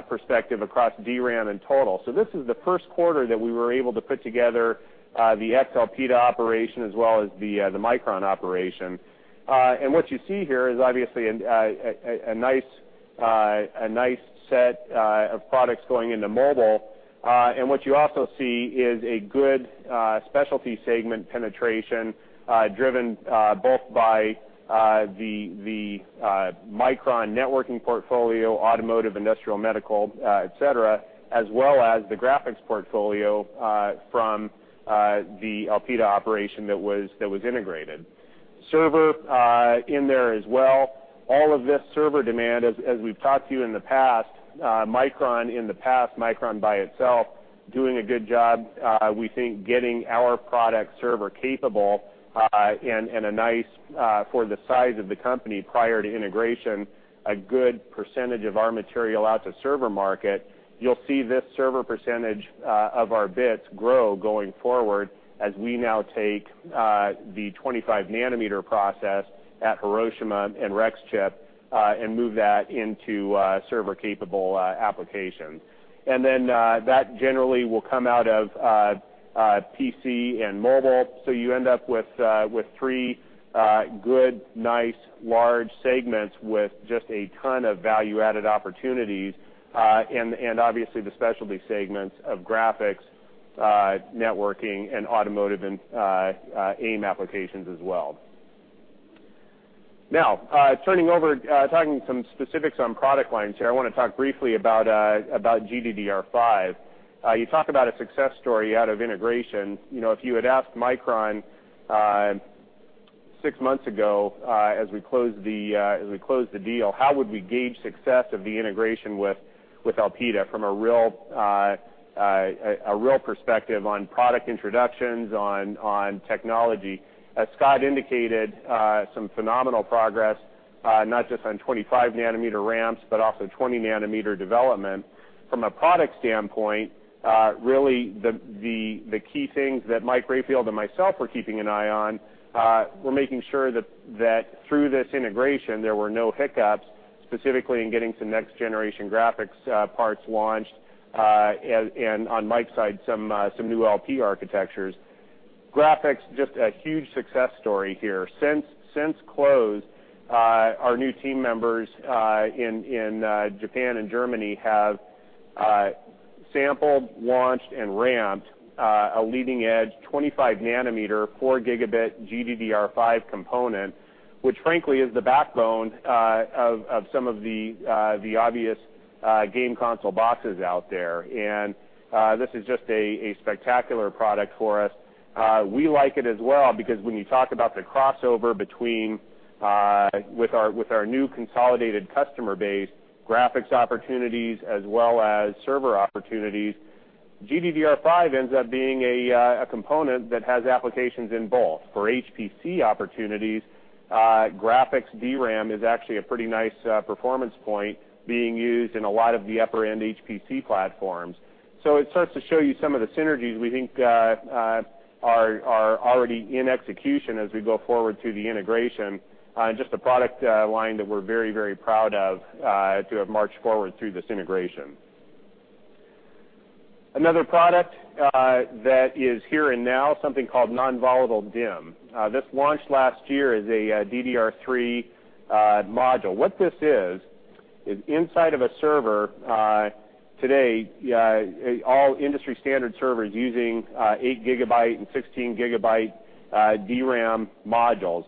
perspective across DRAM in total. This is the first quarter that we were able to put together the Elpida operation as well as the Micron operation. What you see here is, obviously, a nice set of products going into mobile, and what you also see is a good specialty segment penetration driven both by the Micron networking portfolio, automotive, industrial, medical, et cetera, as well as the graphics portfolio from the Elpida operation that was integrated. Server in there as well. All of this server demand, as we've talked to you in the past, Micron in the past, Micron by itself, doing a good job, we think, getting our product server-capable, and for the size of the company prior to integration, a good percentage of our material out to server market. You'll see this server percentage of our bits grow going forward as we now take the 25-nanometer process at Hiroshima and Rexchip and move that into server-capable applications. That generally will come out of PC and mobile. You end up with three good, nice large segments with just a ton of value-added opportunities, and obviously the specialty segments of graphics, networking, and automotive and AIM applications as well. Turning over, talking some specifics on product lines here, I want to talk briefly about GDDR5. You talk about a success story out of integration. If you had asked Micron 6 months ago, as we closed the deal, how would we gauge success of the integration with Elpida from a real perspective on product introductions, on technology? As Scott indicated, some phenomenal progress, not just on 25-nanometer ramps, but also 20-nanometer development. From a product standpoint, really the key things that Mike Rayfield and myself were keeping an eye on were making sure that through this integration, there were no hiccups, specifically in getting some next-generation graphics parts launched, and on Mike's side, some new LP architectures. Graphics, just a huge success story here. Since closed, our new team members in Japan and Germany have sampled, launched, and ramped a leading-edge 25-nanometer, 4 gigabit GDDR5 component, which frankly is the backbone of some of the obvious game console boxes out there. This is just a spectacular product for us. We like it as well because when you talk about the crossover between, with our new consolidated customer base, graphics opportunities, as well as server opportunities, GDDR5 ends up being a component that has applications in both. For HPC opportunities, graphics DRAM is actually a pretty nice performance point being used in a lot of the upper-end HPC platforms. It starts to show you some of the synergies we think are already in execution as we go forward through the integration. Just a product line that we're very proud of to have marched forward through this integration. Another product that is here and now, something called Non-Volatile DIMM. This launched last year as a DDR3 module. What this is inside of a server today, all industry-standard servers using 8 gigabyte and 16 gigabyte DRAM modules.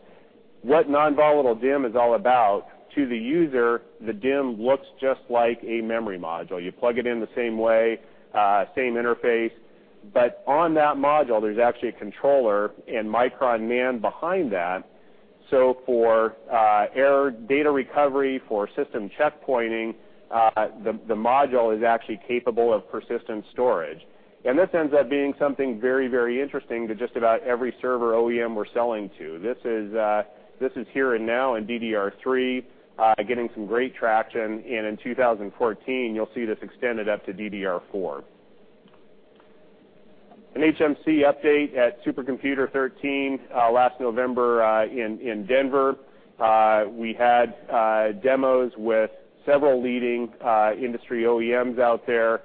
What Non-Volatile DIMM is all about, to the user, the DIMM looks just like a memory module. You plug it in the same way, same interface, but on that module, there's actually a controller and Micron NAND behind that. For error data recovery, for system checkpointing, the module is actually capable of persistent storage. This ends up being something very interesting to just about every server OEM we're selling to. This is here and now in DDR3, getting some great traction, and in 2014, you'll see this extended up to DDR4. An HMC update at Supercomputer '13, last November in Denver. We had demos with several leading industry OEMs out there.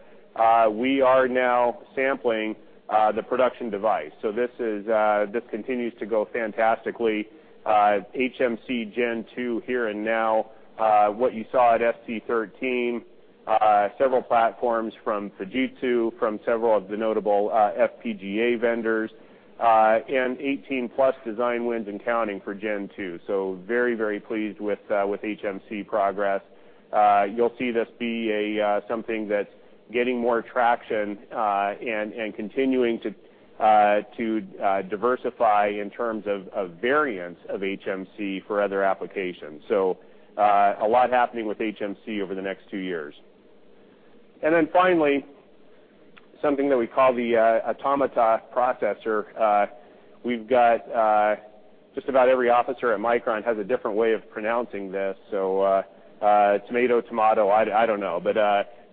We are now sampling the production device. This continues to go fantastically. HMC Gen2 here and now. What you saw at SC13, several platforms from Fujitsu, from several of the notable FPGA vendors, and 18-plus design wins and counting for Gen2. Very pleased with HMC progress. You'll see this be something that's getting more traction and continuing to diversify in terms of variance of HMC for other applications. A lot happening with HMC over the next 2 years. Finally, something that we call the Automata Processor. Just about every officer at Micron has a different way of pronouncing this. Tomato, tomato, I don't know.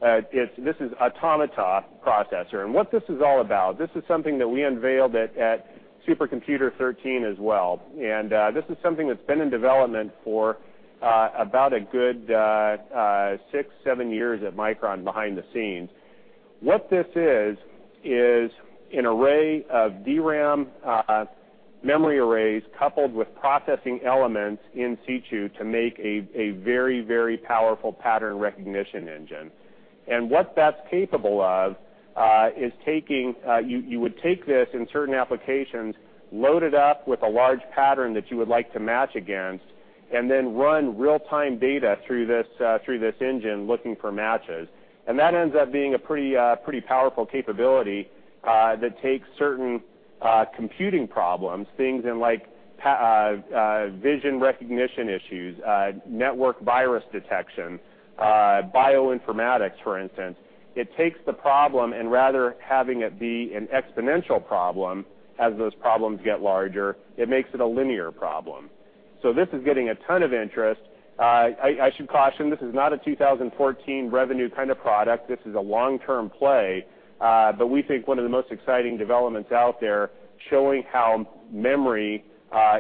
This is Automata Processor, and what this is all about, this is something that we unveiled at Supercomputer '13 as well. This is something that's been in development for about a good 6, 7 years at Micron behind the scenes. What this is an array of DRAM memory arrays coupled with processing elements in situ to make a very powerful pattern recognition engine. What that is capable of is you would take this in certain applications, load it up with a large pattern that you would like to match against, then run real-time data through this engine looking for matches. That ends up being a pretty powerful capability that takes certain computing problems, things in vision recognition issues, network virus detection, bioinformatics, for instance. It takes the problem and rather having it be an exponential problem as those problems get larger, it makes it a linear problem. This is getting a ton of interest. I should caution, this is not a 2014 revenue kind of product. This is a long-term play. We think one of the most exciting developments out there, showing how memory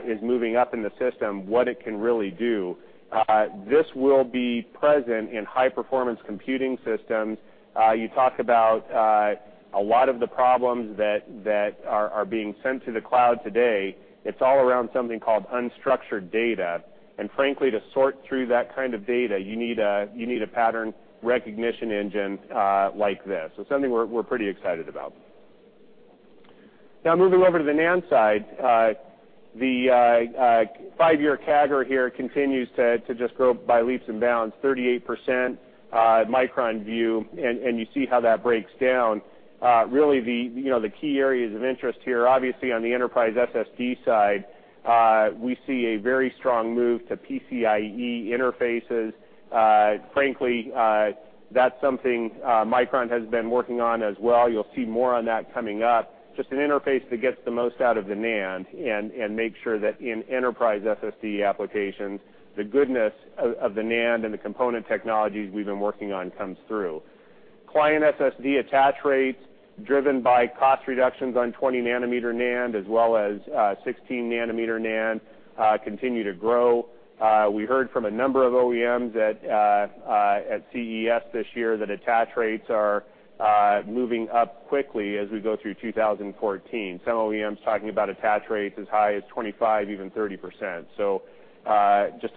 is moving up in the system, what it can really do. This will be present in high-performance computing systems. You talk about a lot of the problems that are being sent to the cloud today. It is all around something called unstructured data. Frankly, to sort through that kind of data, you need a pattern recognition engine like this. Something we are pretty excited about. Now moving over to the NAND side. The five-year CAGR here continues to just grow by leaps and bounds, 38% Micron view, and you see how that breaks down. Really, the key areas of interest here, obviously on the enterprise SSD side, we see a very strong move to PCIe interfaces. Frankly, that is something Micron has been working on as well. You will see more on that coming up. Just an interface that gets the most out of the NAND and makes sure that in enterprise SSD applications, the goodness of the NAND and the component technologies we have been working on comes through. Client SSD attach rates driven by cost reductions on 20-nanometer NAND as well as 16-nanometer NAND continue to grow. We heard from a number of OEMs at CES this year that attach rates are moving up quickly as we go through 2014. Some OEMs talking about attach rates as high as 25%, even 30%. Just,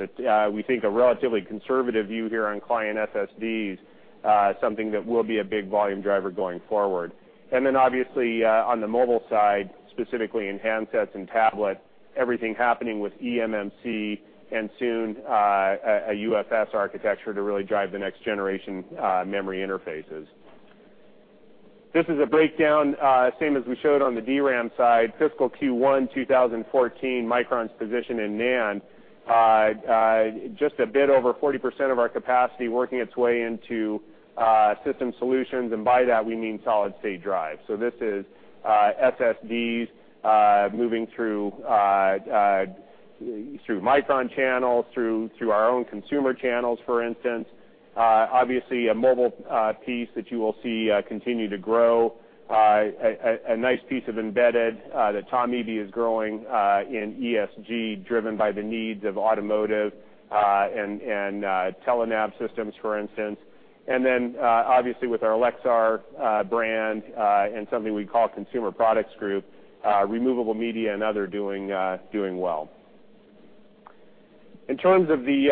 we think, a relatively conservative view here on client SSDs, something that will be a big volume driver going forward. Then obviously, on the mobile side, specifically in handsets and tablets, everything happening with eMMC and soon a UFS architecture to really drive the next-generation memory interfaces. This is a breakdown, same as we showed on the DRAM side, fiscal Q1 2014, Micron's position in NAND. Just a bit over 40% of our capacity working its way into system solutions, and by that, we mean solid-state drives. This is SSDs moving through Micron channels, through our own consumer channels, for instance. Obviously, a mobile piece that you will see continue to grow. A nice piece of embedded that Tom Eby is growing in ESG, driven by the needs of automotive and Telenav systems, for instance. Then, obviously with our Lexar brand, and something we call Consumer Products Group, removable media and other doing well. In terms of the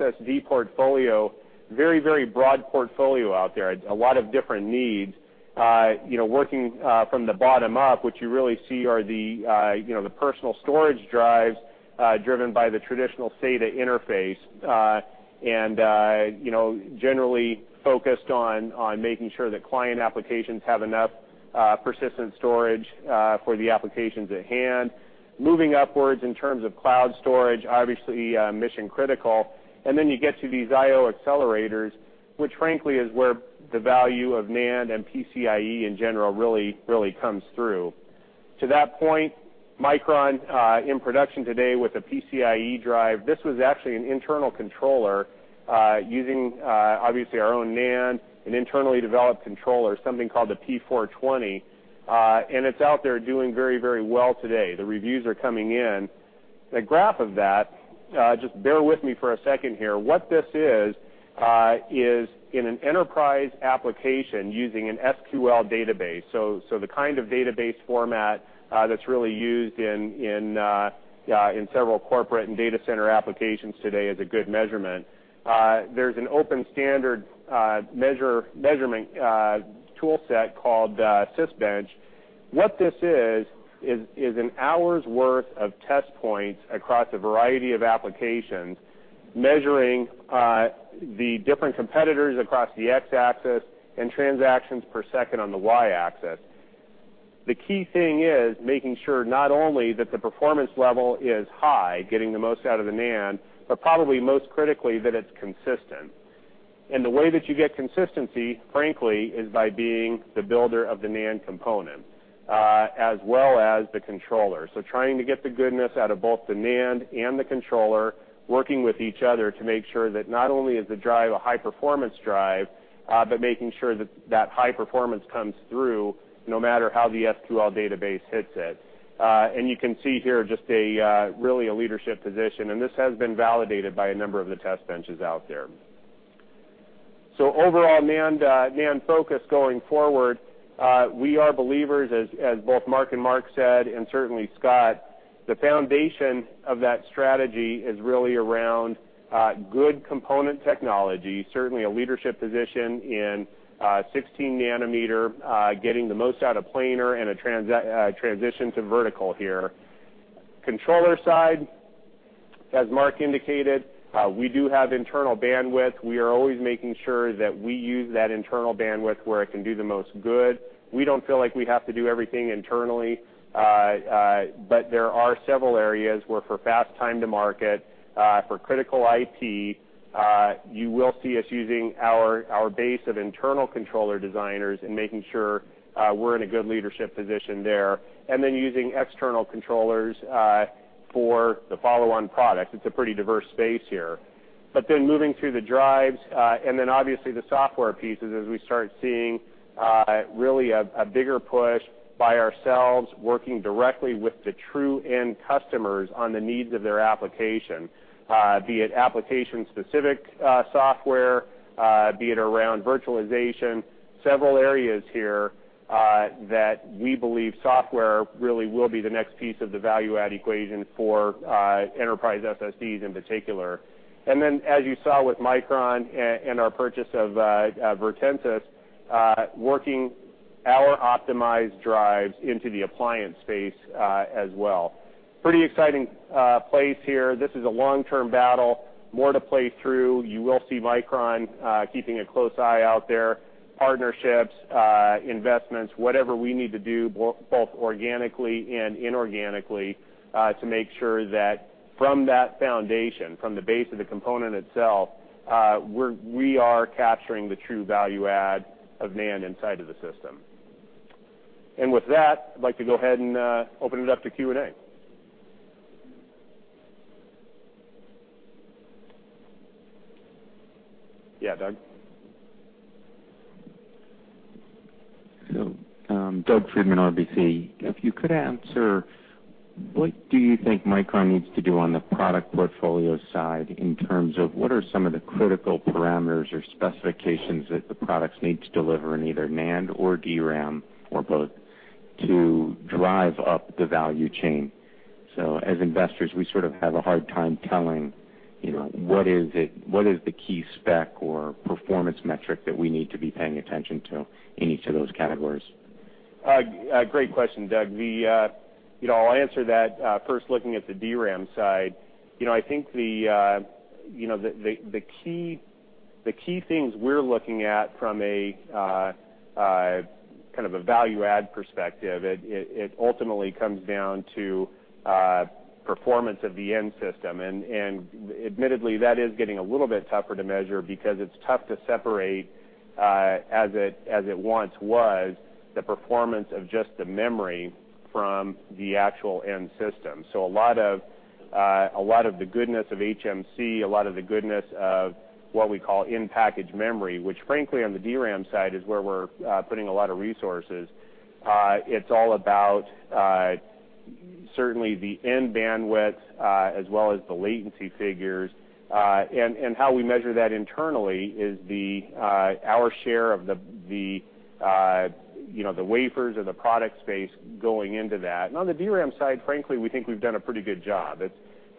SSD portfolio, very broad portfolio out there. A lot of different needs. Working from the bottom up, what you really see are the personal storage drives, driven by the traditional SATA interface, generally focused on making sure that client applications have enough persistent storage for the applications at hand. Moving upwards in terms of cloud storage, obviously mission-critical. Then you get to these I/O accelerators, which frankly is where the value of NAND and PCIe in general really comes through. To that point, Micron, in production today with a PCIe drive. This was actually an internal controller using obviously our own NAND, an internally developed controller, something called a P420, and it's out there doing very well today. The reviews are coming in. The graph of that, just bear with me for a second here. What this is in an enterprise application using an SQL database. The kind of database format that's really used in several corporate and data center applications today is a good measurement. There's an open standard measurement tool set called Sysbench. What this is an hour's worth of test points across a variety of applications, measuring the different competitors across the X-axis and transactions per second on the Y-axis. The key thing is making sure not only that the performance level is high, getting the most out of the NAND, but probably most critically, that it's consistent. The way that you get consistency, frankly, is by being the builder of the NAND component, as well as the controller. Trying to get the goodness out of both the NAND and the controller, working with each other to make sure that not only is the drive a high-performance drive, but making sure that that high performance comes through, no matter how the SQL database hits it. You can see here just really a leadership position, and this has been validated by a number of the test benches out there. Overall NAND focus going forward. We are believers, as both Mark and Mark said, and certainly Scott, the foundation of that strategy is really around good component technology, certainly a leadership position in 16 nanometer, getting the most out of planar and a transition to vertical here. Controller side, as Mark indicated, we do have internal bandwidth. We are always making sure that we use that internal bandwidth where it can do the most good. We don't feel like we have to do everything internally, there are several areas where for fast time to market, for critical IT, you will see us using our base of internal controller designers and making sure we're in a good leadership position there. Then using external controllers for the follow-on product. It's a pretty diverse space here. Then moving through the drives, then obviously the software pieces as we start seeing really a bigger push by ourselves, working directly with the true end customers on the needs of their application, be it application-specific software, be it around virtualization, several areas here, that we believe software really will be the next piece of the value-add equation for enterprise SSDs in particular. Then, as you saw with Micron and our purchase of Virtensys, working our optimized drives into the appliance space as well. Pretty exciting place here. This is a long-term battle, more to play through. You will see Micron keeping a close eye out there, partnerships, investments, whatever we need to do, both organically and inorganically, to make sure that from that foundation, from the base of the component itself, we are capturing the true value add of NAND inside of the system. With that, I'd like to go ahead and open it up to Q&A. Yeah, Doug. Doug Freedman, RBC. If you could answer, what do you think Micron needs to do on the product portfolio side in terms of, what are some of the critical parameters or specifications that the products need to deliver in either NAND or DRAM, or both, to drive up the value chain? As investors, we sort of have a hard time telling what is the key spec or performance metric that we need to be paying attention to in each of those categories. Great question, Doug. I'll answer that first looking at the DRAM side. I think the key things we're looking at from a value add perspective, it ultimately comes down to performance of the end system. Admittedly, that is getting a little bit tougher to measure because it's tough to separate, as it once was, the performance of just the memory from the actual end system. A lot of the goodness of HMC, a lot of the goodness of what we call in-package memory, which frankly, on the DRAM side is where we're putting a lot of resources. It's all about, certainly the end bandwidth, as well as the latency figures. How we measure that internally is our share of the wafers or the product space going into that. On the DRAM side, frankly, we think we've done a pretty good job.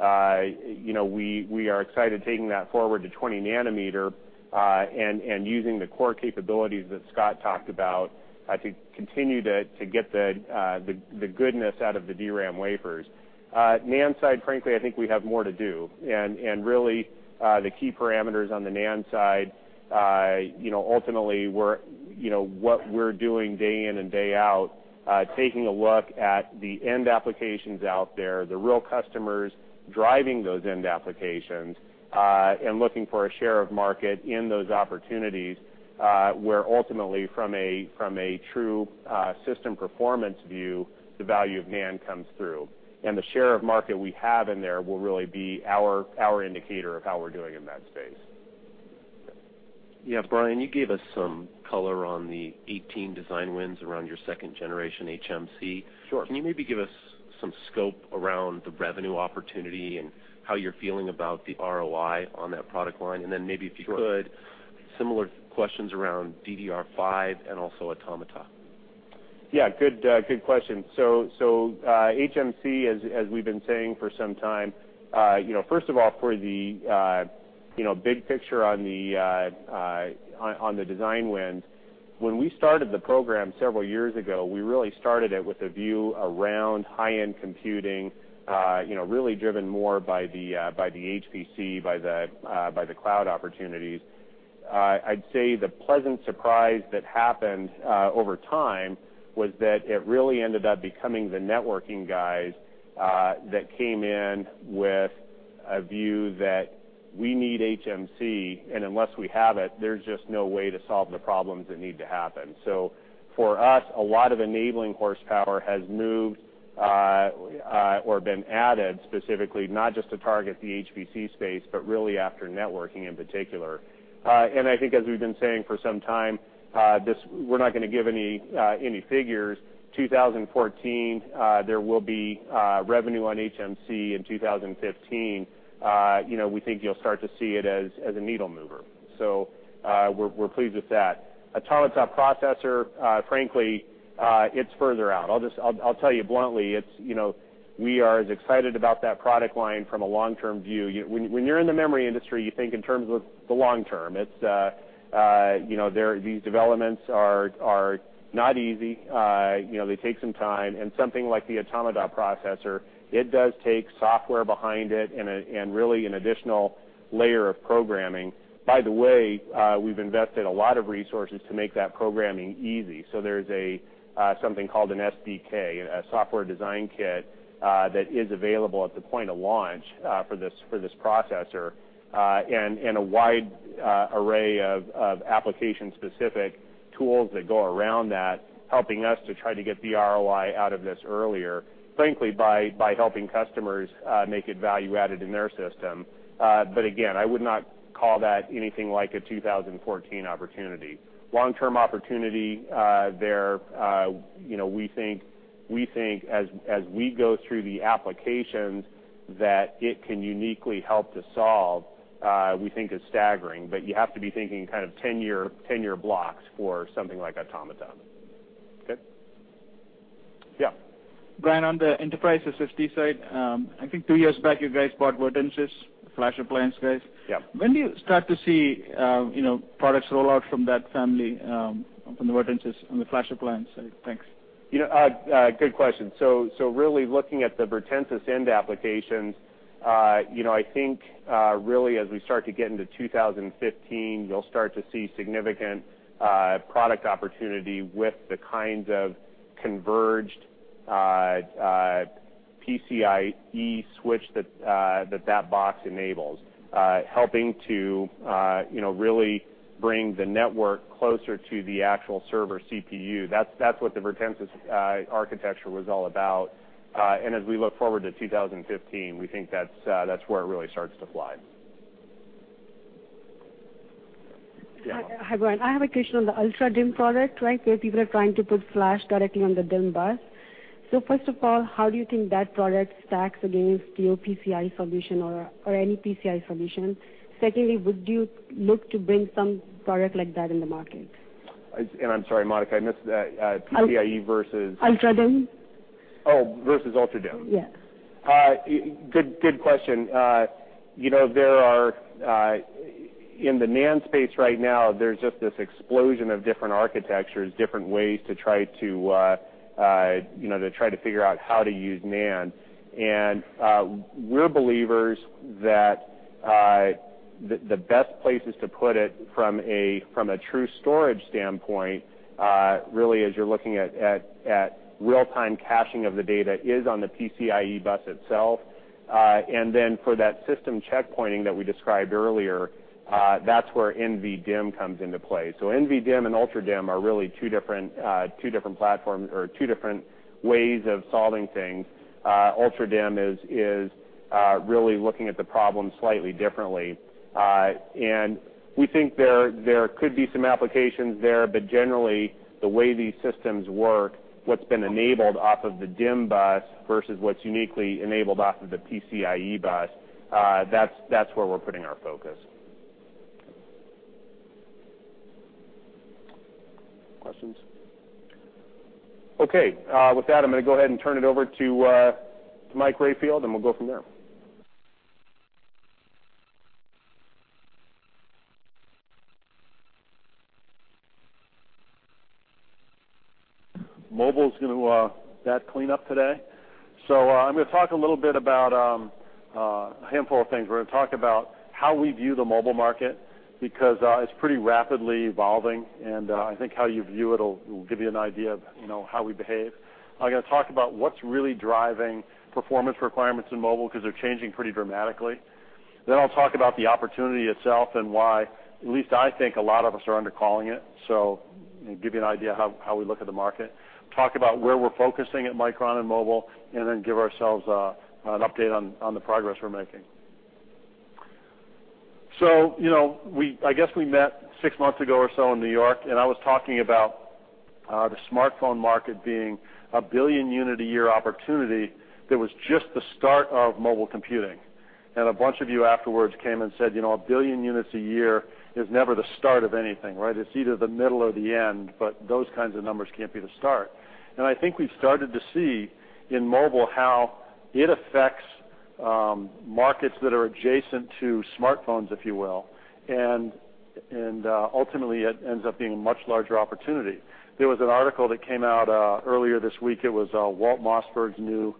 We are excited taking that forward to 20 nanometer, and using the core capabilities that Scott talked about to continue to get the goodness out of the DRAM wafers. NAND side, frankly, I think we have more to do, and really, the key parameters on the NAND side, ultimately, what we're doing day in and day out, taking a look at the end applications out there, the real customers driving those end applications, and looking for a share of market in those opportunities, where ultimately from a true system performance view, the value of NAND comes through. The share of market we have in there will really be our indicator of how we're doing in that space. Brian, you gave us some color on the 18 design wins around your second-generation HMC. Sure. Can you maybe give us some scope around the revenue opportunity and how you're feeling about the ROI on that product line? Sure Similar questions around DDR5 and also Automata. Good question. HMC, as we've been saying for some time, first of all, for the big picture on the design wins, when we started the program several years ago, we really started it with a view around high-end computing, really driven more by the HPC, by the cloud opportunities. I'd say the pleasant surprise that happened over time was that it really ended up becoming the networking guys that came in with a view that we need HMC, and unless we have it, there's just no way to solve the problems that need to happen. For us, a lot of enabling horsepower has moved, or been added specifically, not just to target the HPC space, but really after networking in particular. I think as we've been saying for some time, we're not going to give any figures. 2014, there will be revenue on HMC. In 2015, we think you'll start to see it as a needle mover. We're pleased with that. Automata Processor, frankly, it's further out. I'll tell you bluntly, we are as excited about that product line from a long-term view. When you're in the memory industry, you think in terms of the long term. These developments are not easy. They take some time. Something like the Automata Processor, it does take software behind it and really an additional layer of programming. By the way, we've invested a lot of resources to make that programming easy. There's something called an SDK, a Software Design Kit, that is available at the point of launch for this processor. A wide array of application-specific tools that go around that, helping us to try to get the ROI out of this earlier, frankly, by helping customers make it value-added in their system. Again, I would not call that anything like a 2014 opportunity. Long-term opportunity, we think as we go through the applications that it can uniquely help to solve, we think is staggering. You have to be thinking kind of 10-year blocks for something like Automata. Okay? Yeah. Brian, on the enterprise SSD side, I think two years back, you guys bought Virtensys, the flash appliance guys. Yeah. When do you start to see products roll out from that family, from the Virtensys, from the flash appliance side? Thanks. Good question. Really looking at the Virtensys end applications, I think, really as we start to get into 2015, you'll start to see significant product opportunity with the kinds of converged PCIe switch that box enables, helping to really bring the network closer to the actual server CPU. That's what the Virtensys architecture was all about. As we look forward to 2015, we think that's where it really starts to fly. Yeah. Hi, Brian. I have a question on the UltraDIMM product, where people are trying to put flash directly on the DIMM bus. First of all, how do you think that product stacks against your PCIe solution or any PCIe solution? Secondly, would you look to bring some product like that in the market? I'm sorry, Monica, I missed that. PCIe versus- UltraDIMM. Versus UltraDIMM. Yes. Good question. In the NAND space right now, there's just this explosion of different architectures, different ways to try to figure out how to use NAND. We're believers that the best places to put it from a true storage standpoint, really as you're looking at real-time caching of the data, is on the PCIe bus itself. Then for that system checkpointing that we described earlier, that's where NVDIMM comes into play. NVDIMM and UltraDIMM are really two different ways of solving things. UltraDIMM is really looking at the problem slightly differently. We think there could be some applications there, but generally, the way these systems work, what's been enabled off of the DIMM bus versus what's uniquely enabled off of the PCIe bus, that's where we're putting our focus. Questions? Okay. With that, I'm going to go ahead and turn it over to Mike Rayfield, We'll go from there. Mobile's going to bat cleanup today. I'm going to talk a little bit about a handful of things. We're going to talk about how we view the mobile market, because it's pretty rapidly evolving, and I think how you view it'll give you an idea of how we behave. I'm going to talk about what's really driving performance requirements in mobile, because they're changing pretty dramatically. I'll talk about the opportunity itself and why, at least I think, a lot of us are under-calling it. It'll give you an idea of how we look at the market. Talk about where we're focusing at Micron in mobile, Then give ourselves an update on the progress we're making. I guess we met six months ago or so in New York, I was talking about the smartphone market being a billion unit a year opportunity that was just the start of mobile computing. A bunch of you afterwards came and said, "A billion units a year is never the start of anything, right? It's either the middle or the end, but those kinds of numbers can't be the start." I think we've started to see in mobile how it affects markets that are adjacent to smartphones, if you will. Ultimately, it ends up being a much larger opportunity. There was an article that came out earlier this week. It was Walt Mossberg's new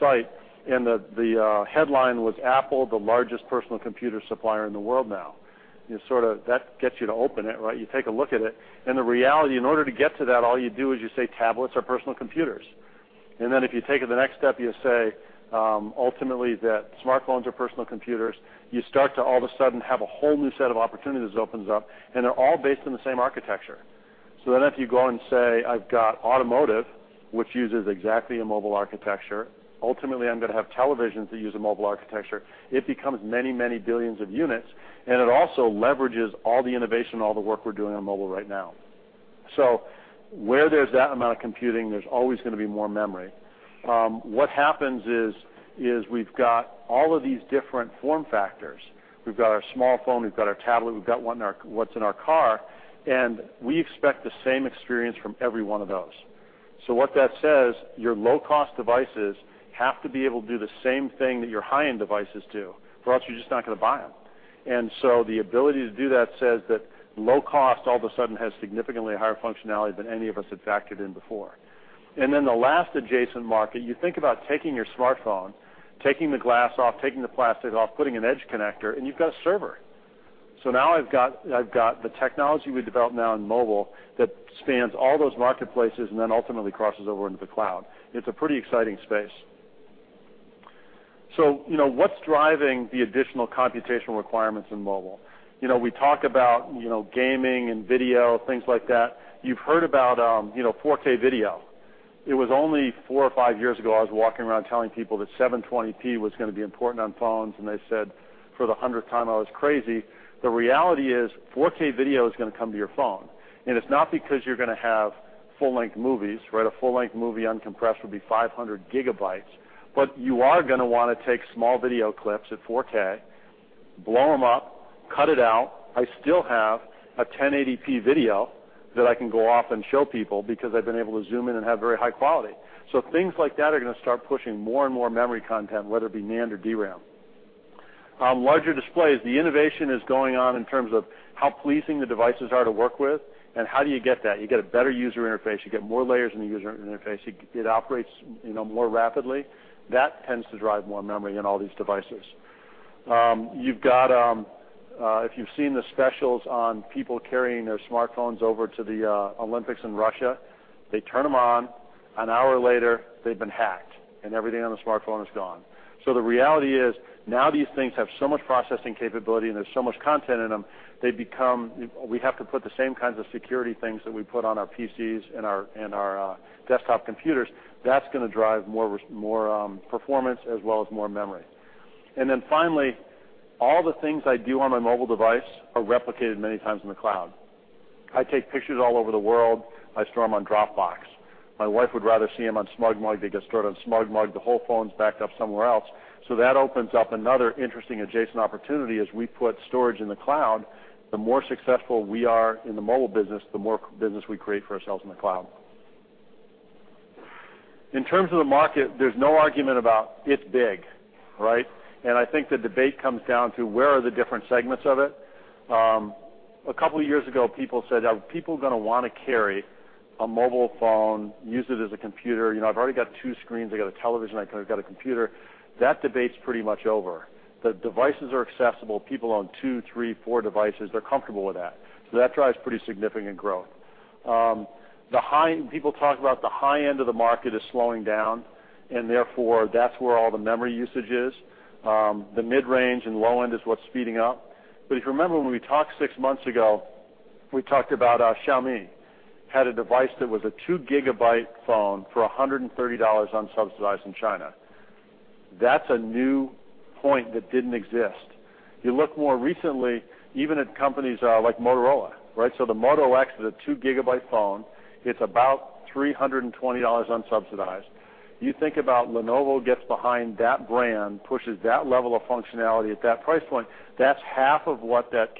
site, the headline was, "Apple, the largest personal computer supplier in the world now." That gets you to open it, right? The reality, in order to get to that, all you do is you say tablets are personal computers. If you take it the next step, you say, ultimately, that smartphones are personal computers. You start to all of a sudden have a whole new set of opportunities opens up, they're all based on the same architecture. If you go and say, I've got automotive, which uses exactly a mobile architecture, ultimately, I'm going to have televisions that use a mobile architecture, it becomes many, many billions of units, it also leverages all the innovation, all the work we're doing on mobile right now. Where there's that amount of computing, there's always going to be more memory. What happens is, we've got all of these different form factors. We've got our smartphone, we've got our tablet, we've got what's in our car, we expect the same experience from every one of those. What that says, your low-cost devices have to be able to do the same thing that your high-end devices do, or else you're just not going to buy them. The ability to do that says that low cost all of a sudden has significantly higher functionality than any of us had factored in before. The last adjacent market, you think about taking your smartphone, taking the glass off, taking the plastic off, putting an edge connector, you've got a server. Now I've got the technology we developed now in mobile that spans all those marketplaces ultimately crosses over into the cloud. It's a pretty exciting space. What's driving the additional computational requirements in mobile? We talk about gaming and video, things like that. You've heard about 4K video. It was only four or five years ago, I was walking around telling people that 720p was going to be important on phones, and they said, for the 100th time, I was crazy. The reality is 4K video is going to come to your phone. It's not because you're going to have full-length movies. A full-length movie uncompressed would be 500 GB. You are going to want to take small video clips at 4K. Blow them up, cut it out. I still have a 1080p video that I can go off and show people because I've been able to zoom in and have very high quality. Things like that are going to start pushing more and more memory content, whether it be NAND or DRAM. Larger displays, the innovation is going on in terms of how pleasing the devices are to work with how do you get that? You get a better user interface, you get more layers in the user interface, it operates more rapidly. That tends to drive more memory in all these devices. If you've seen the specials on people carrying their smartphones over to the Olympics in Russia, they turn them on, an hour later, they've been hacked and everything on the smartphone is gone. The reality is now these things have so much processing capability and there's so much content in them, we have to put the same kinds of security things that we put on our PCs and our desktop computers. That's going to drive more performance as well as more memory. Finally, all the things I do on my mobile device are replicated many times in the cloud. I take pictures all over the world. I store them on Dropbox. My wife would rather see them on SmugMug. They get stored on SmugMug. The whole phone's backed up somewhere else. That opens up another interesting adjacent opportunity. As we put storage in the cloud, the more successful we are in the mobile business, the more business we create for ourselves in the cloud. In terms of the market, there's no argument about it's big, right. I think the debate comes down to where are the different segments of it. A couple of years ago, people said, are people going to want to carry a mobile phone, use it as a computer? I've already got two screens. I got a television, I've got a computer. That debate's pretty much over. The devices are accessible. People own two, three, four devices. They're comfortable with that. That drives pretty significant growth. People talk about the high end of the market is slowing down, and therefore, that's where all the memory usage is. The mid-range and low end is what's speeding up. If you remember, when we talked six months ago, we talked about Xiaomi had a device that was a two-gigabyte phone for $130 unsubsidized in China. That's a new point that didn't exist. You look more recently, even at companies like Motorola, right. The Moto X is a two-gigabyte phone. It's about $320 unsubsidized. You think about Lenovo gets behind that brand, pushes that level of functionality at that price point. That's half of what that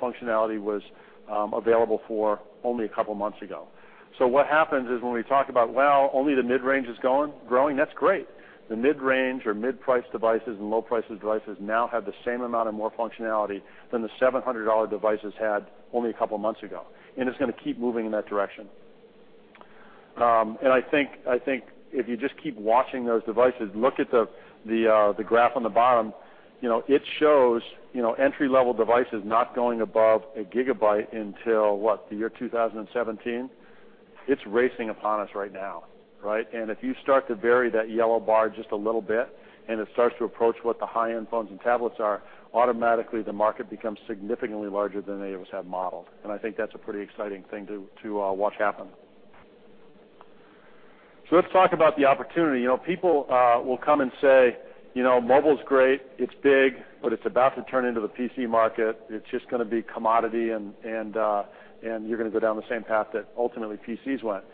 functionality was available for only a couple of months ago. What happens is when we talk about, well, only the mid-range is growing, that's great. The mid-range or mid-priced devices and low-priced devices now have the same amount and more functionality than the $700 devices had only a couple of months ago. It's going to keep moving in that direction. I think if you just keep watching those devices, look at the graph on the bottom, it shows entry-level devices not going above a gigabyte until, what, the year 2017. It's racing upon us right now, right. If you start to bury that yellow bar just a little bit and it starts to approach what the high-end phones and tablets are, automatically the market becomes significantly larger than any of us have modeled. I think that's a pretty exciting thing to watch happen. Let's talk about the opportunity. People will come and say, mobile's great, it's big. It's about to turn into the PC market. It's just going to be commodity. You're going to go down the same path that ultimately PCs went.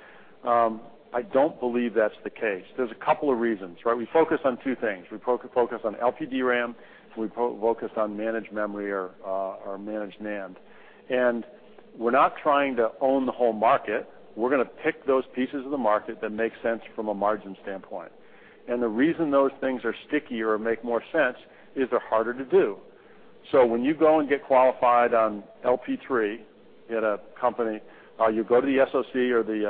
I don't believe that's the case. There are a couple of reasons, right. We focus on two things. We focus on LPDRAM, and we focus on managed memory or managed NAND. We're not trying to own the whole market. We're going to pick those pieces of the market that make sense from a margin standpoint. The reason those things are stickier or make more sense is they're harder to do. When you go and get qualified on LP3 at a company, you go to the SoC or the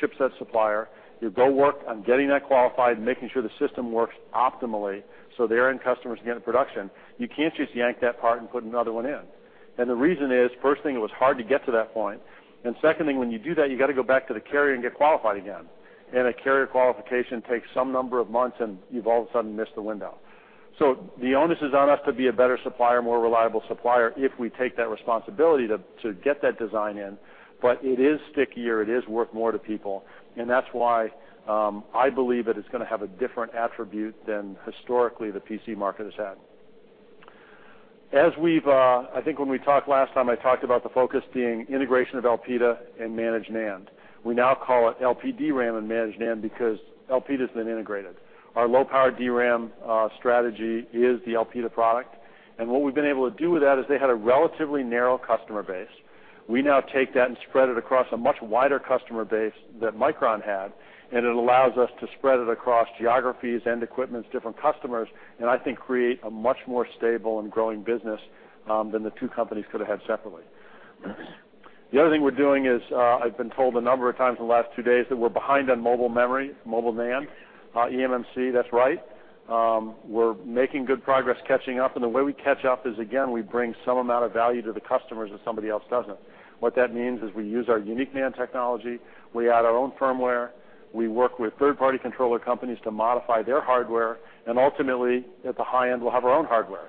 chipset supplier, you go work on getting that qualified, making sure the system works optimally so their end customers get in production. You can't just yank that part and put another one in. The reason is, first thing, it was hard to get to that point. Second thing, when you do that, you got to go back to the carrier and get qualified again, and a carrier qualification takes some number of months, and you've all of a sudden missed the window. The onus is on us to be a better supplier, more reliable supplier, if we take that responsibility to get that design in. It is stickier. It is worth more to people, and that's why I believe that it's going to have a different attribute than historically the PC market has had. When we talked last time, I talked about the focus being integration of Elpida and managed NAND. We now call it LPDRAM and managed NAND because Elpida's been integrated. Our low-power DRAM strategy is the Elpida product, and what we've been able to do with that is they had a relatively narrow customer base. We now take that and spread it across a much wider customer base that Micron had, and it allows us to spread it across geographies and equipments, different customers, and I think create a much more stable and growing business than the two companies could have had separately. The other thing we're doing is I've been told a number of times in the last two days that we're behind on mobile memory, mobile NAND, eMMC. That's right. We're making good progress catching up, and the way we catch up is, again, we bring some amount of value to the customers that somebody else doesn't. What that means is we use our unique NAND technology. We add our own firmware. We work with third-party controller companies to modify their hardware, and ultimately, at the high end, we'll have our own hardware.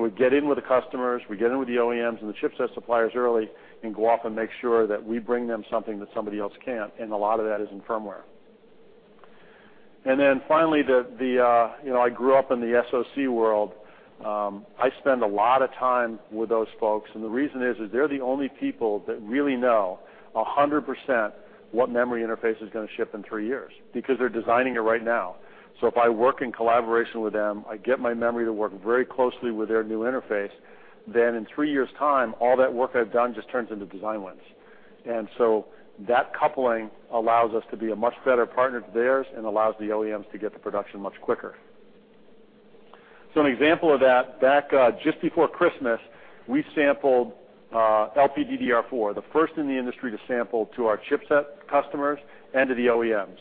We get in with the customers, we get in with the OEMs and the chipset suppliers early and go off and make sure that we bring them something that somebody else can't, and a lot of that is in firmware. Finally, I grew up in the SoC world. I spend a lot of time with those folks, and the reason is they're the only people that really know 100% what memory interface is going to ship in three years because they're designing it right now. If I work in collaboration with them, I get my memory to work very closely with their new interface. In three years' time, all that work I've done just turns into design wins. That coupling allows us to be a much better partner to theirs and allows the OEMs to get to production much quicker. An example of that, back just before Christmas, we sampled LPDDR4, the first in the industry to sample to our chipset customers and to the OEMs.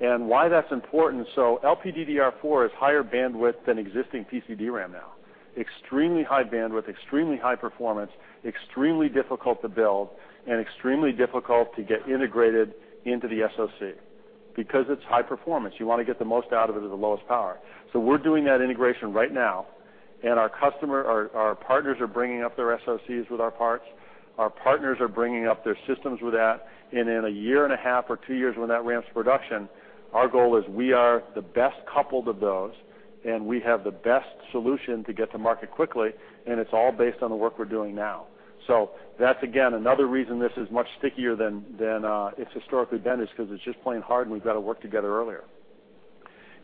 Why that's important, LPDDR4 is higher bandwidth than existing PC DRAM now. Extremely high bandwidth, extremely high performance, extremely difficult to build, and extremely difficult to get integrated into the SoC. Because it's high performance, you want to get the most out of it at the lowest power. We're doing that integration right now, our partners are bringing up their SoCs with our parts, our partners are bringing up their systems with that, and in a year and a half or 2 years when that ramps to production, our goal is we are the best coupled of those, and we have the best solution to get to market quickly, and it's all based on the work we're doing now. That's, again, another reason this is much stickier than it's historically been is because it's just plain hard and we've got to work together earlier.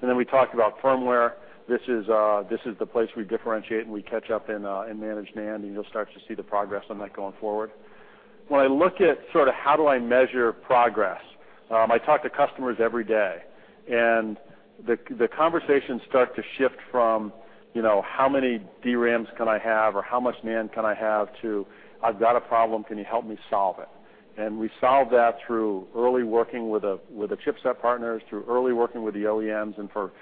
Then we talked about firmware. This is the place we differentiate and we catch up in managed NAND, and you'll start to see the progress on that going forward. When I look at how do I measure progress, I talk to customers every day, and the conversations start to shift from, how many DRAMs can I have or how much NAND can I have to, I've got a problem, can you help me solve it? We solve that through early working with the chipset partners, through early working with the OEMs, and for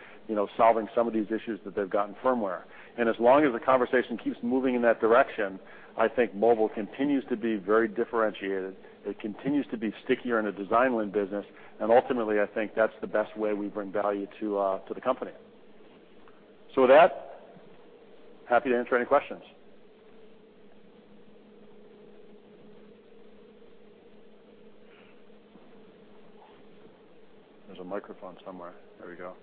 solving some of these issues that they've got in firmware. As long as the conversation keeps moving in that direction, I think mobile continues to be very differentiated. It continues to be stickier in a design win business. Ultimately, I think that's the best way we bring value to the company. With that, happy to answer any questions. There's a microphone somewhere. There we go.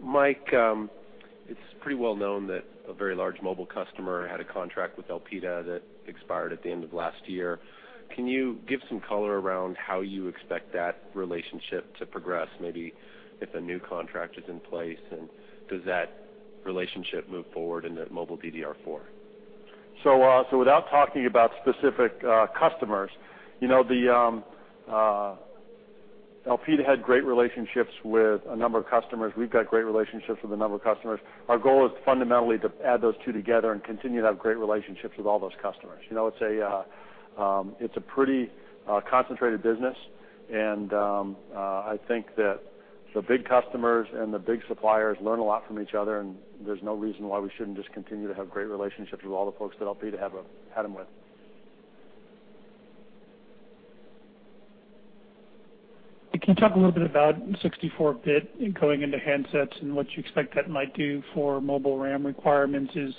Mike, it's pretty well known that a very large mobile customer had a contract with Elpida that expired at the end of last year. Can you give some color around how you expect that relationship to progress, maybe if a new contract is in place, and does that relationship move forward into mobile DDR4? Without talking about specific customers, Elpida had great relationships with a number of customers. We've got great relationships with a number of customers. Our goal is fundamentally to add those 2 together and continue to have great relationships with all those customers. It's a pretty concentrated business, and I think that the big customers and the big suppliers learn a lot from each other, and there's no reason why we shouldn't just continue to have great relationships with all the folks that Elpida had them with. Can you talk a little bit about 64-bit going into handsets and what you expect that might do for mobile RAM requirements? Is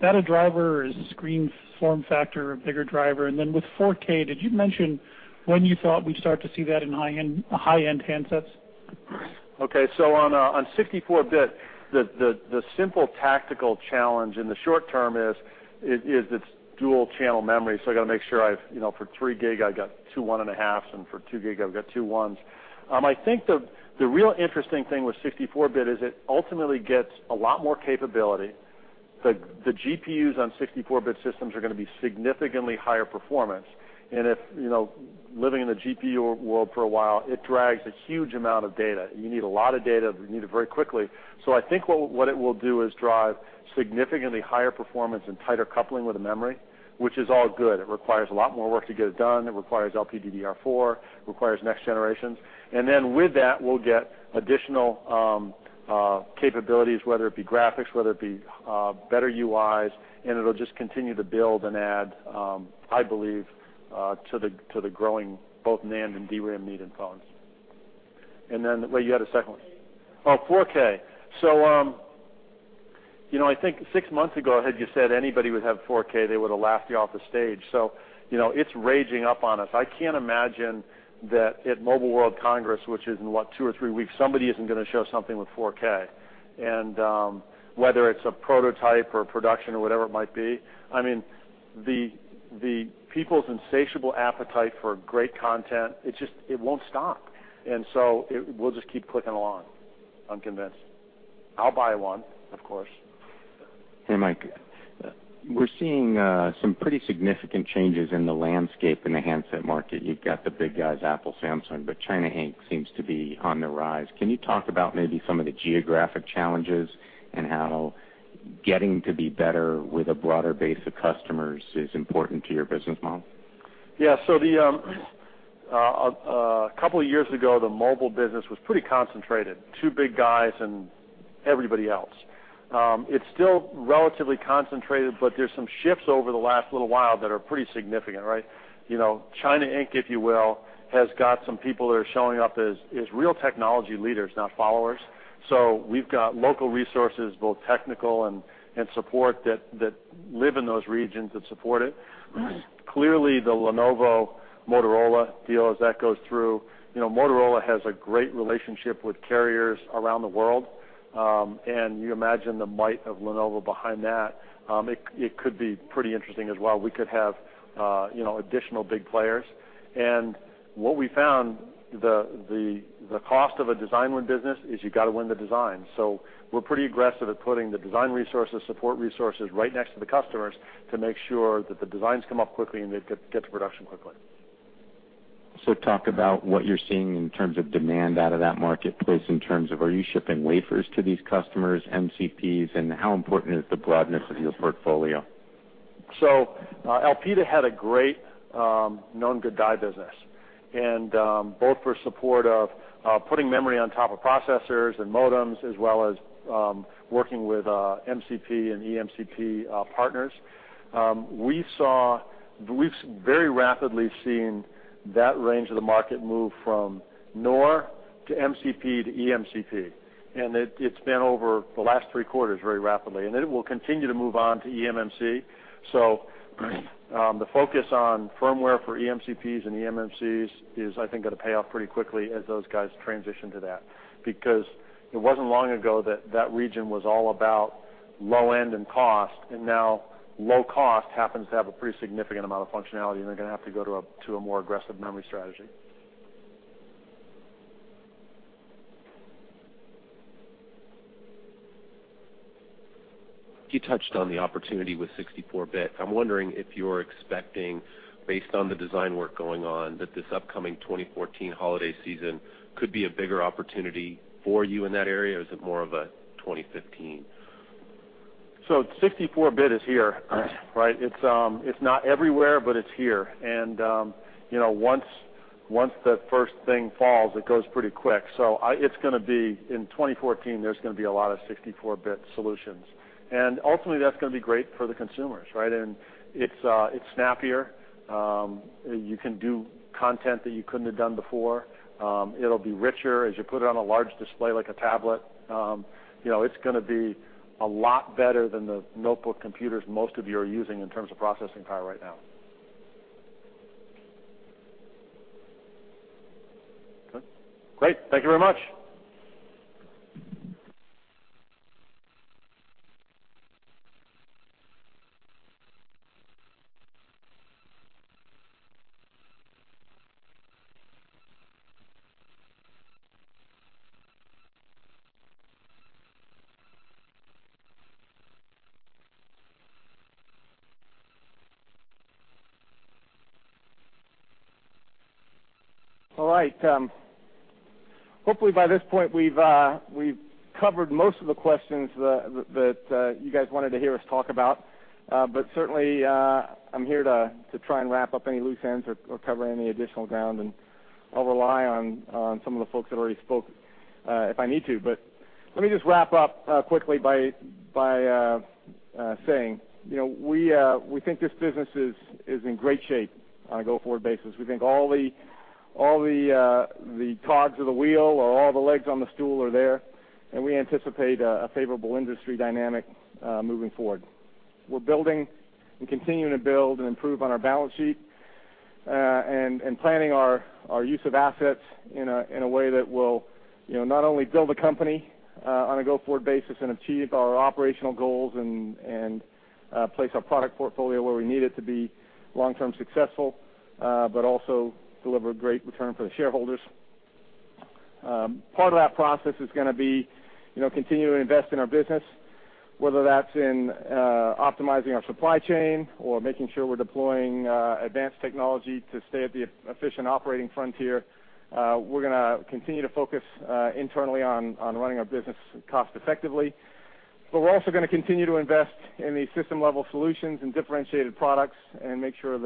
that a driver? Is screen form factor a bigger driver? Then with 4K, did you mention when you thought we'd start to see that in high-end handsets? On 64-bit, the simple tactical challenge in the short term is it's dual-channel memory, I've got to make sure for 3 gig, I've got 2 one and a halfs, and for 2 gig, I've got 2 ones. I think the real interesting thing with 64-bit is it ultimately gets a lot more capability. The GPUs on 64-bit systems are going to be significantly higher performance, and living in the GPU world for a while, it drags a huge amount of data. You need a lot of data, you need it very quickly. I think what it will do is drive significantly higher performance and tighter coupling with the memory, which is all good. It requires a lot more work to get it done. It requires LPDDR4, requires next generations. With that, we'll get additional capabilities, whether it be graphics, whether it be better UIs, and it'll just continue to build and add, I believe, to the growing both NAND and DRAM need in phones. Wait, you had a second one. 4K. 4K. I think 6 months ago, had you said anybody would have 4K, they would've laughed you off the stage. It's raging up on us. I can't imagine that at Mobile World Congress, which is in what, 2 or 3 weeks, somebody isn't going to show something with 4K. Whether it's a prototype or production or whatever it might be, the people's insatiable appetite for great content, it won't stop. We'll just keep clicking along, I'm convinced. I'll buy one, of course. Hey, Mike. We're seeing some pretty significant changes in the landscape in the handset market. You've got the big guys, Apple, Samsung, China Inc. seems to be on the rise. Can you talk about maybe some of the geographic challenges and how getting to be better with a broader base of customers is important to your business model? Yeah. A couple of years ago, the mobile business was pretty concentrated. Two big guys and everybody else. It's still relatively concentrated, there's some shifts over the last little while that are pretty significant. China Inc., if you will, has got some people that are showing up as real technology leaders, not followers. We've got local resources, both technical and support that live in those regions that support it. Clearly, the Lenovo-Motorola deal, as that goes through, Motorola has a great relationship with carriers around the world. You imagine the might of Lenovo behind that. It could be pretty interesting as well. We could have additional big players. What we found, the cost of a design win business is you've got to win the design. We're pretty aggressive at putting the design resources, support resources, right next to the customers to make sure that the designs come up quickly and they get to production quickly. Talk about what you're seeing in terms of demand out of that marketplace in terms of are you shipping wafers to these customers, MCPs, and how important is the broadness of your portfolio? Elpida had a great known good die business. Both for support of putting memory on top of processors and modems, as well as working with MCP and EMCP partners. We've very rapidly seen that range of the market move from NOR to MCP to EMCP, and it's been over the last three quarters very rapidly, and it will continue to move on to eMMC. The focus on firmware for EMCPs and eMMCs is, I think, going to pay off pretty quickly as those guys transition to that, because it wasn't long ago that that region was all about low end and cost, and now low cost happens to have a pretty significant amount of functionality, and they're going to have to go to a more aggressive memory strategy. You touched on the opportunity with 64-bit. I'm wondering if you're expecting, based on the design work going on, that this upcoming 2014 holiday season could be a bigger opportunity for you in that area, or is it more of a 2015? 64-bit is here. It's not everywhere, but it's here. Once the first thing falls, it goes pretty quick. In 2014, there's going to be a lot of 64-bit solutions. Ultimately, that's going to be great for the consumers. It's snappier. You can do content that you couldn't have done before. It'll be richer as you put it on a large display like a tablet. It's going to be a lot better than the notebook computers most of you are using in terms of processing power right now. Great. Thank you very much. All right. Hopefully, by this point, we've covered most of the questions that you guys wanted to hear us talk about. Certainly, I'm here to try and wrap up any loose ends or cover any additional ground, and I'll rely on some of the folks that already spoke if I need to. Let me just wrap up quickly by saying we think this business is in great shape on a go-forward basis. We think all the cogs of the wheel or all the legs on the stool are there, and we anticipate a favorable industry dynamic moving forward. We're building and continuing to build and improve on our balance sheet and planning our use of assets in a way that will not only build the company on a go-forward basis and achieve our operational goals and place our product portfolio where we need it to be long-term successful, but also deliver a great return for the shareholders. Part of that process is going to be continuing to invest in our business, whether that's in optimizing our supply chain or making sure we're deploying advanced technology to stay at the efficient operating frontier. We're going to continue to focus internally on running our business cost-effectively. We're also going to continue to invest in the system-level solutions and differentiated products and make sure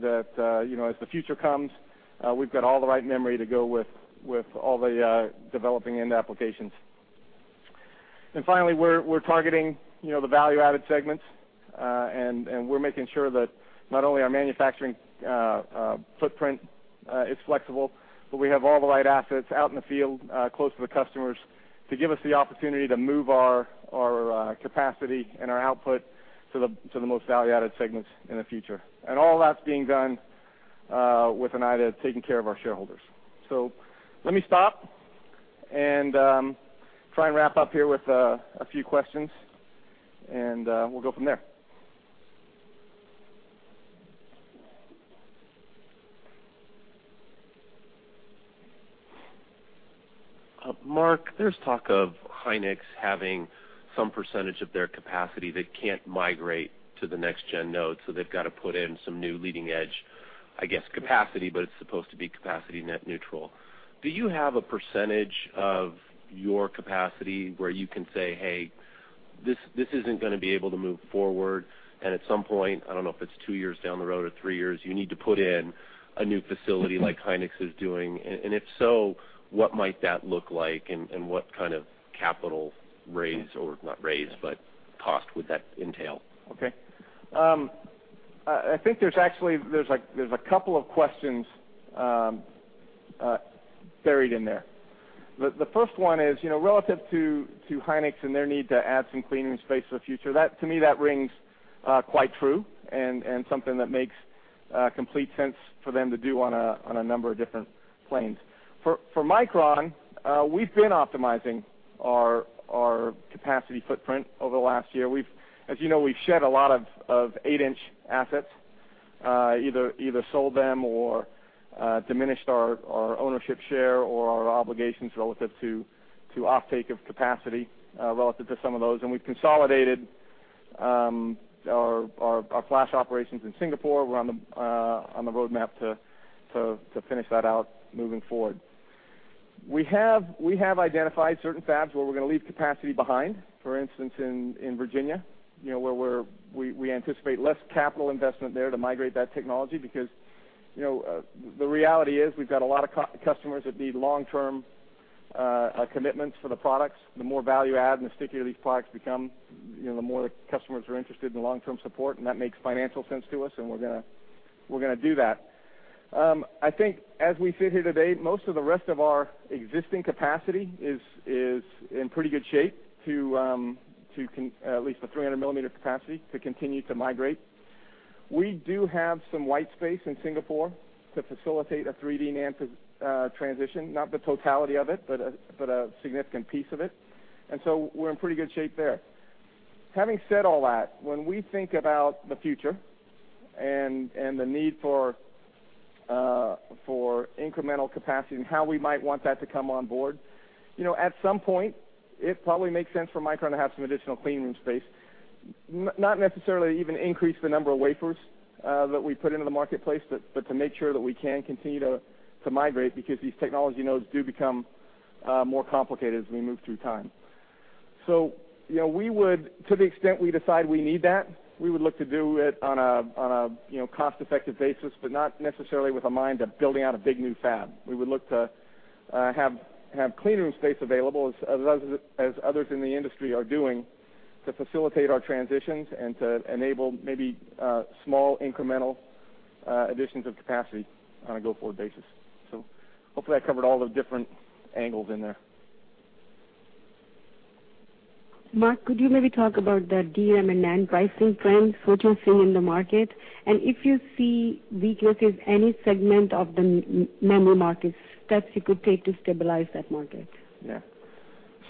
that as the future comes, we've got all the right memory to go with all the developing end applications. Finally, we're targeting the value-added segments. We're making sure that not only our manufacturing footprint is flexible, but we have all the right assets out in the field close to the customers to give us the opportunity to move our capacity and our output to the most value-added segments in the future. All that's being done with an eye to taking care of our shareholders. Let me stop and try and wrap up here with a few questions. We'll go from there. Mark, there's talk of Hynix having some percentage of their capacity they can't migrate to the next-gen node. They've got to put in some new leading-edge, I guess, capacity. It's supposed to be capacity net neutral. Do you have a percentage of your capacity where you can say, "Hey- This isn't going to be able to move forward. At some point, I don't know if it's two years down the road or three years, you need to put in a new facility like Hynix is doing. If so, what might that look like? What kind of capital raise, or not raise, but cost would that entail? Okay. I think there's a couple of questions buried in there. The first one is, relative to Hynix and their need to add some cleaning space for the future, to me, that rings quite true and something that makes complete sense for them to do on a number of different planes. For Micron, we've been optimizing our capacity footprint over the last year. As you know, we've shed a lot of eight-inch assets, either sold them or diminished our ownership share or our obligations relative to offtake of capacity relative to some of those. We've consolidated our flash operations in Singapore. We're on the roadmap to finish that out moving forward. We have identified certain fabs where we're going to leave capacity behind. For instance, in Virginia, where we anticipate less capital investment there to migrate that technology because the reality is we've got a lot of customers that need long-term commitments for the products. The more value add and the stickier these products become, the more the customers are interested in long-term support, and that makes financial sense to us, and we're going to do that. I think as we sit here today, most of the rest of our existing capacity is in pretty good shape, at least the 300-millimeter capacity, to continue to migrate. We do have some white space in Singapore to facilitate a 3D NAND transition, not the totality of it, but a significant piece of it. We're in pretty good shape there. Having said all that, when we think about the future and the need for incremental capacity and how we might want that to come on board, at some point, it probably makes sense for Micron to have some additional clean room space. Not necessarily even increase the number of wafers that we put into the marketplace, but to make sure that we can continue to migrate because these technology nodes do become more complicated as we move through time. To the extent we decide we need that, we would look to do it on a cost-effective basis, but not necessarily with a mind of building out a big new fab. We would look to have clean room space available, as others in the industry are doing, to facilitate our transitions and to enable maybe small incremental additions of capacity on a go-forward basis. Hopefully, I covered all the different angles in there. Mark, could you maybe talk about the DRAM and NAND pricing trends, what you're seeing in the market? If you see weaknesses, any segment of the memory markets, steps you could take to stabilize that market? Yeah.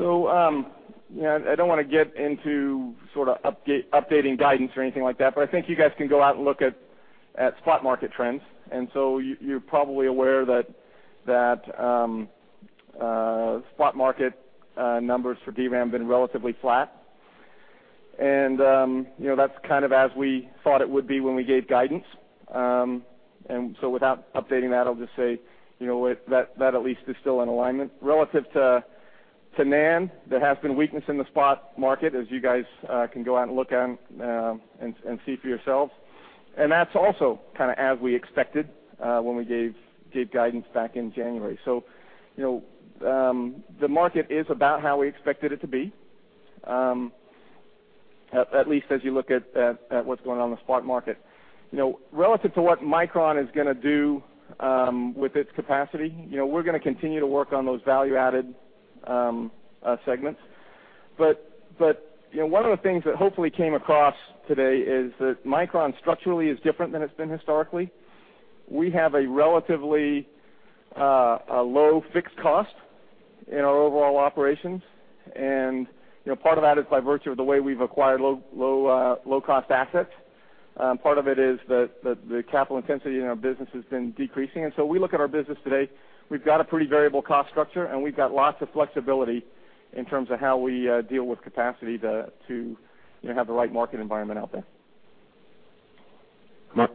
I don't want to get into sort of updating guidance or anything like that. I think you guys can go out and look at spot market trends. You're probably aware that spot market numbers for DRAM have been relatively flat. That's kind of as we thought it would be when we gave guidance. Without updating that, I'll just say that at least is still in alignment. Relative to NAND, there has been weakness in the spot market, as you guys can go out and look and see for yourselves. That's also kind of as we expected when we gave guidance back in January. The market is about how we expected it to be, at least as you look at what's going on in the spot market. Relative to what Micron is going to do with its capacity, we're going to continue to work on those value-added segments. One of the things that hopefully came across today is that Micron structurally is different than it's been historically. We have a relatively low fixed cost in our overall operations. Part of that is by virtue of the way we've acquired low-cost assets. Part of it is that the capital intensity in our business has been decreasing. We look at our business today, we've got a pretty variable cost structure, and we've got lots of flexibility in terms of how we deal with capacity to have the right market environment out there. Mark?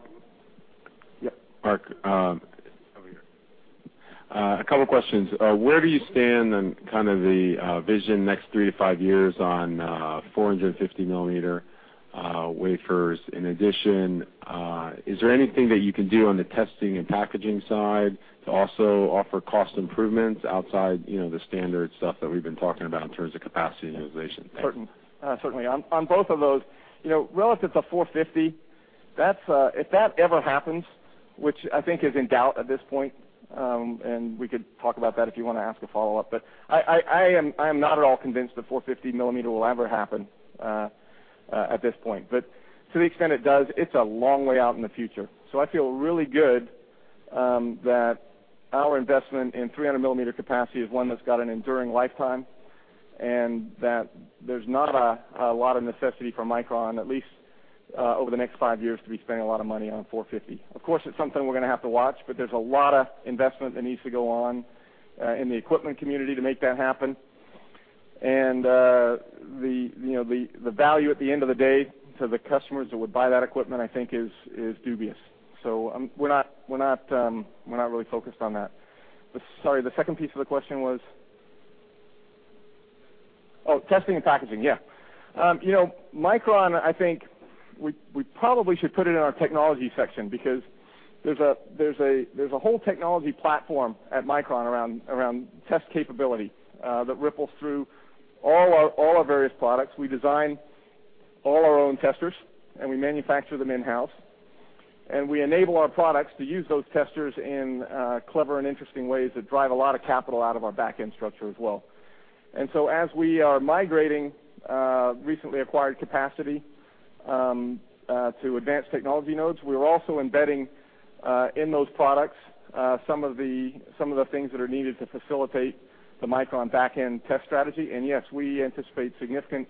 Yeah. Mark, a couple questions. Where do you stand on kind of the vision next 3 to 5 years on 450-millimeter wafers? In addition, is there anything that you can do on the testing and packaging side to also offer cost improvements outside the standard stuff that we've been talking about in terms of capacity utilization? Thanks. Certainly. On both of those, relative to 450, if that ever happens, which I think is in doubt at this point. We could talk about that if you want to ask a follow-up. I am not at all convinced the 450-millimeter will ever happen at this point. To the extent it does, it's a long way out in the future. I feel really good that our investment in 300-millimeter capacity is one that's got an enduring lifetime. There's not a lot of necessity for Micron, at least over the next 5 years, to be spending a lot of money on 450. Of course, it's something we're going to have to watch. There's a lot of investment that needs to go on in the equipment community to make that happen. The value at the end of the day to the customers that would buy that equipment, I think, is dubious. We're not really focused on that. Sorry, the second piece of the question was? Oh, testing and packaging, yeah. Micron, I think we probably should put it in our technology section because there's a whole technology platform at Micron around test capability that ripples through all our various products. We design all our own testers, and we manufacture them in-house, and we enable our products to use those testers in clever and interesting ways that drive a lot of capital out of our backend structure as well. As we are migrating recently acquired capacity to advanced technology nodes, we're also embedding in those products some of the things that are needed to facilitate the Micron backend test strategy. Yes, we anticipate significant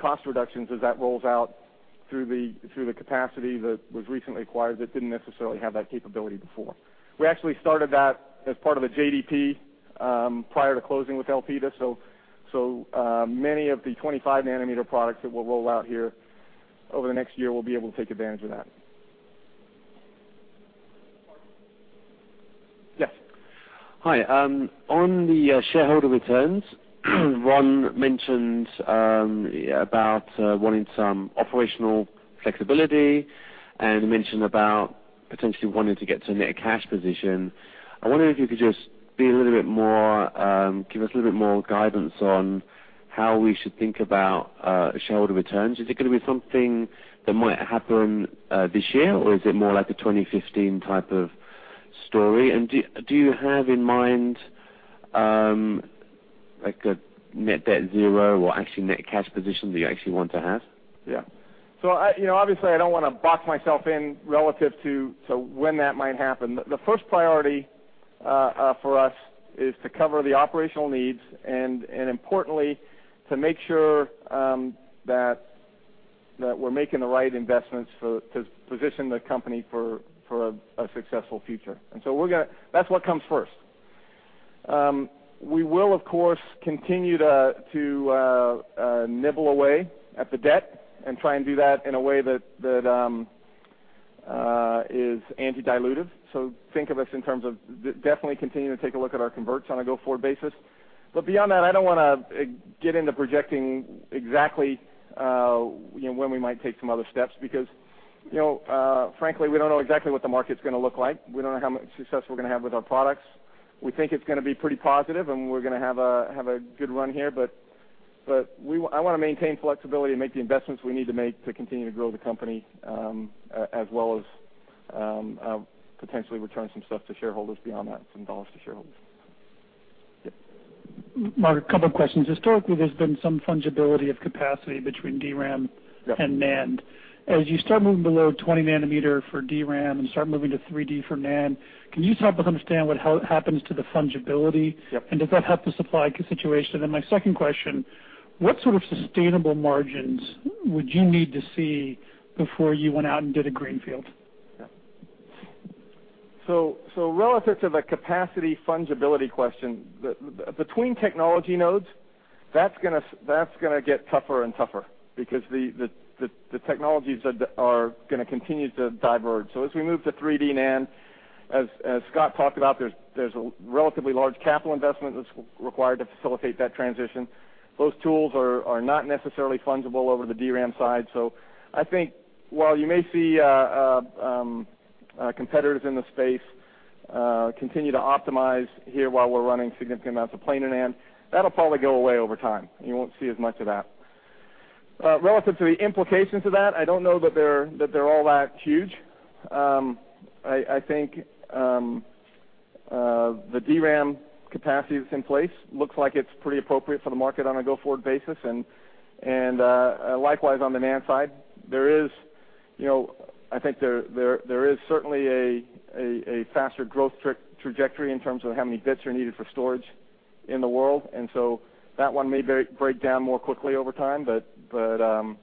cost reductions as that rolls out through the capacity that was recently acquired that didn't necessarily have that capability before. We actually started that as part of a JDP prior to closing with Elpida, many of the 25 nanometer products that we'll roll out here over the next year will be able to take advantage of that. Mark? Yes. Hi. On the shareholder returns, Ron mentioned about wanting some operational flexibility and mentioned about potentially wanting to get to a net cash position. I wonder if you could just give us a little bit more guidance on how we should think about shareholder returns. Is it going to be something that might happen this year, or is it more like a 2015 type of story? Do you have in mind, like, a net debt zero or actually net cash position that you actually want to have? Yeah. Obviously I don't want to box myself in relative to when that might happen. The first priority for us is to cover the operational needs and importantly, to make sure that we're making the right investments to position the company for a successful future. That's what comes first. We will, of course, continue to nibble away at the debt and try and do that in a way that is anti-dilutive. Think of us in terms of definitely continuing to take a look at our converts on a go-forward basis. Beyond that, I don't want to get into projecting exactly when we might take some other steps, because frankly, we don't know exactly what the market's going to look like. We don't know how much success we're going to have with our products. We think it's going to be pretty positive, and we're going to have a good run here, but I want to maintain flexibility and make the investments we need to make to continue to grow the company, as well as, potentially return some stuff to shareholders beyond that, some dollars to shareholders. Mark, a couple of questions. Historically, there's been some fungibility of capacity between DRAM and NAND. Yep. As you start moving below 20 nanometer for DRAM and start moving to 3D for NAND, can you just help us understand what happens to the fungibility? Yep. Does that help the supply situation? My second question, what sort of sustainable margins would you need to see before you went out and did a greenfield? Relative to the capacity fungibility question, between technology nodes, that's going to get tougher and tougher because the technologies are going to continue to diverge. As we move to 3D NAND, as Scott talked about, there's a relatively large capital investment that's required to facilitate that transition. Those tools are not necessarily fungible over to the DRAM side. I think while you may see competitors in the space continue to optimize here while we're running significant amounts of planar NAND, that'll probably go away over time, and you won't see as much of that. Relative to the implications of that, I don't know that they're all that huge. I think the DRAM capacity that's in place looks like it's pretty appropriate for the market on a go-forward basis, and likewise on the NAND side. I think there is certainly a faster growth trajectory in terms of how many bits are needed for storage in the world, that one may break down more quickly over time. As I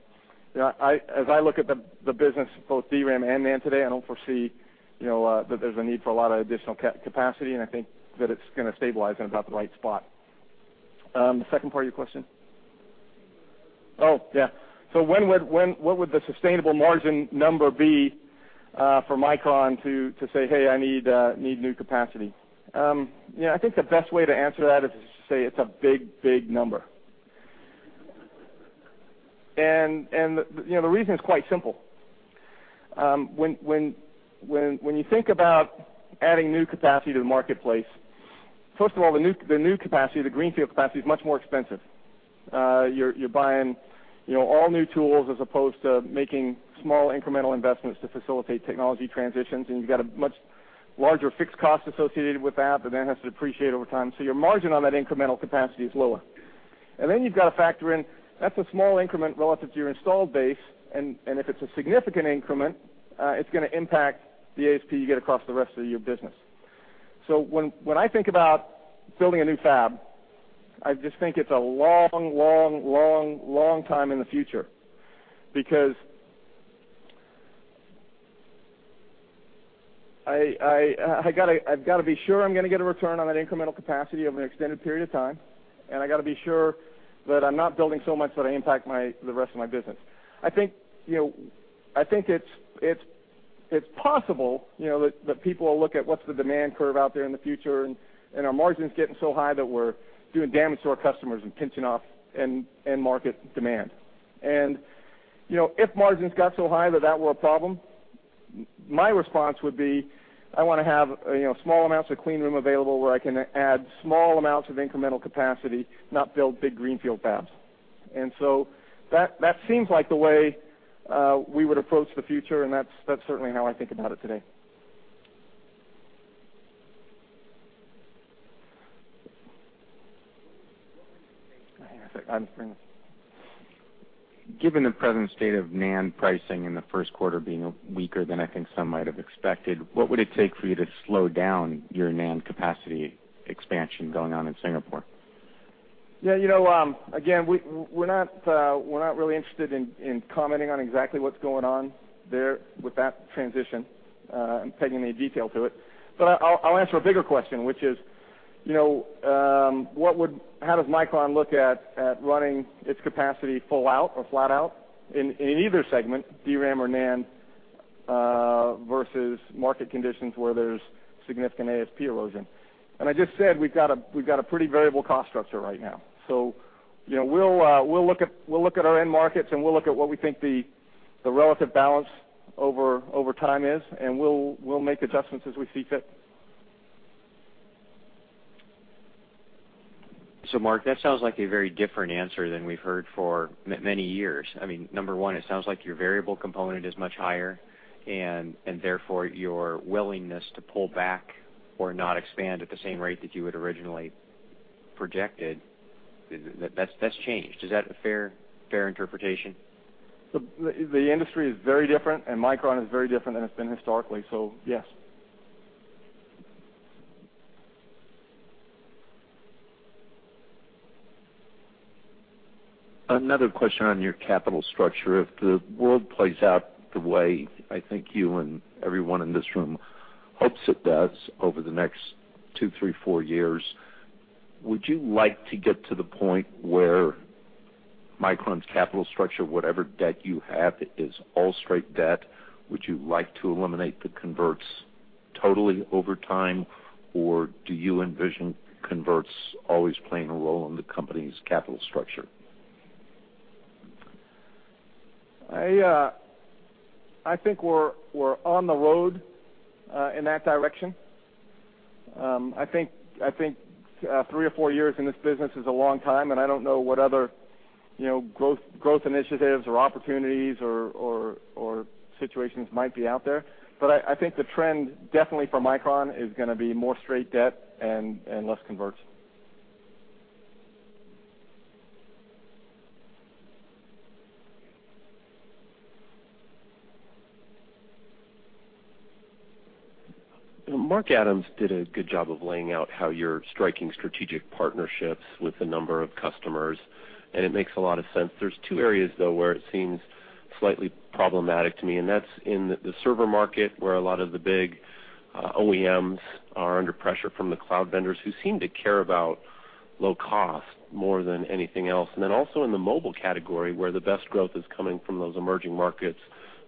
look at the business, both DRAM and NAND today, I don't foresee that there's a need for a lot of additional capacity, and I think that it's going to stabilize in about the right spot. The second part of your question? What would the sustainable margin number be for Micron to say, "Hey, I need new capacity"? I think the best way to answer that is to say it's a big, big number. The reason is quite simple. When you think about adding new capacity to the marketplace, first of all, the new capacity, the greenfield capacity, is much more expensive. You're buying all new tools as opposed to making small incremental investments to facilitate technology transitions, you've got a much larger fixed cost associated with that then has to depreciate over time. Your margin on that incremental capacity is lower. You've got to factor in, that's a small increment relative to your installed base, and if it's a significant increment, it's going to impact the ASP you get across the rest of your business. When I think about building a new fab, I just think it's a long time in the future because I've got to be sure I'm going to get a return on that incremental capacity over an extended period of time, and I got to be sure that I'm not building so much that I impact the rest of my business. I think it's possible that people will look at what's the demand curve out there in the future, our margins getting so high that we're doing damage to our customers and pinching off end market demand. If margins got so high that were a problem, my response would be, I want to have small amounts of clean room available where I can add small amounts of incremental capacity, not build big greenfield fabs. That seems like the way we would approach the future, and that's certainly how I think about it today. Hang on a sec. Given the present state of NAND pricing in the first quarter being weaker than I think some might have expected, what would it take for you to slow down your NAND capacity expansion going on in Singapore? Yeah. Again, we're not really interested in commenting on exactly what's going on there with that transition, and pegging any detail to it. I'll answer a bigger question, which is, how does Micron look at running its capacity full out or flat out in either segment, DRAM or NAND, versus market conditions where there's significant ASP erosion? I just said we've got a pretty variable cost structure right now. We'll look at our end markets, and we'll look at what we think the relative balance over time is, and we'll make adjustments as we see fit. Mark, that sounds like a very different answer than we've heard for many years. Number one, it sounds like your variable component is much higher, and therefore, your willingness to pull back or not expand at the same rate that you had originally projected, that's changed. Is that a fair interpretation? The industry is very different, Micron is very different than it's been historically. Yes. Another question on your capital structure. If the world plays out the way I think you and everyone in this room hopes it does over the next two, three, four years, would you like to get to the point where Micron's capital structure, whatever debt you have, is all straight debt? Would you like to eliminate the converts totally over time, or do you envision converts always playing a role in the company's capital structure? I think we're on the road in that direction. I think three or four years in this business is a long time, I don't know what other growth initiatives or opportunities or situations might be out there. I think the trend definitely for Micron is going to be more straight debt and less converts. Mark Adams did a good job of laying out how you're striking strategic partnerships with a number of customers, it makes a lot of sense. There's two areas, though, where it seems slightly problematic to me, that's in the server market, where a lot of the big OEMs are under pressure from the cloud vendors who seem to care about low cost more than anything else. Also in the mobile category, where the best growth is coming from those emerging markets,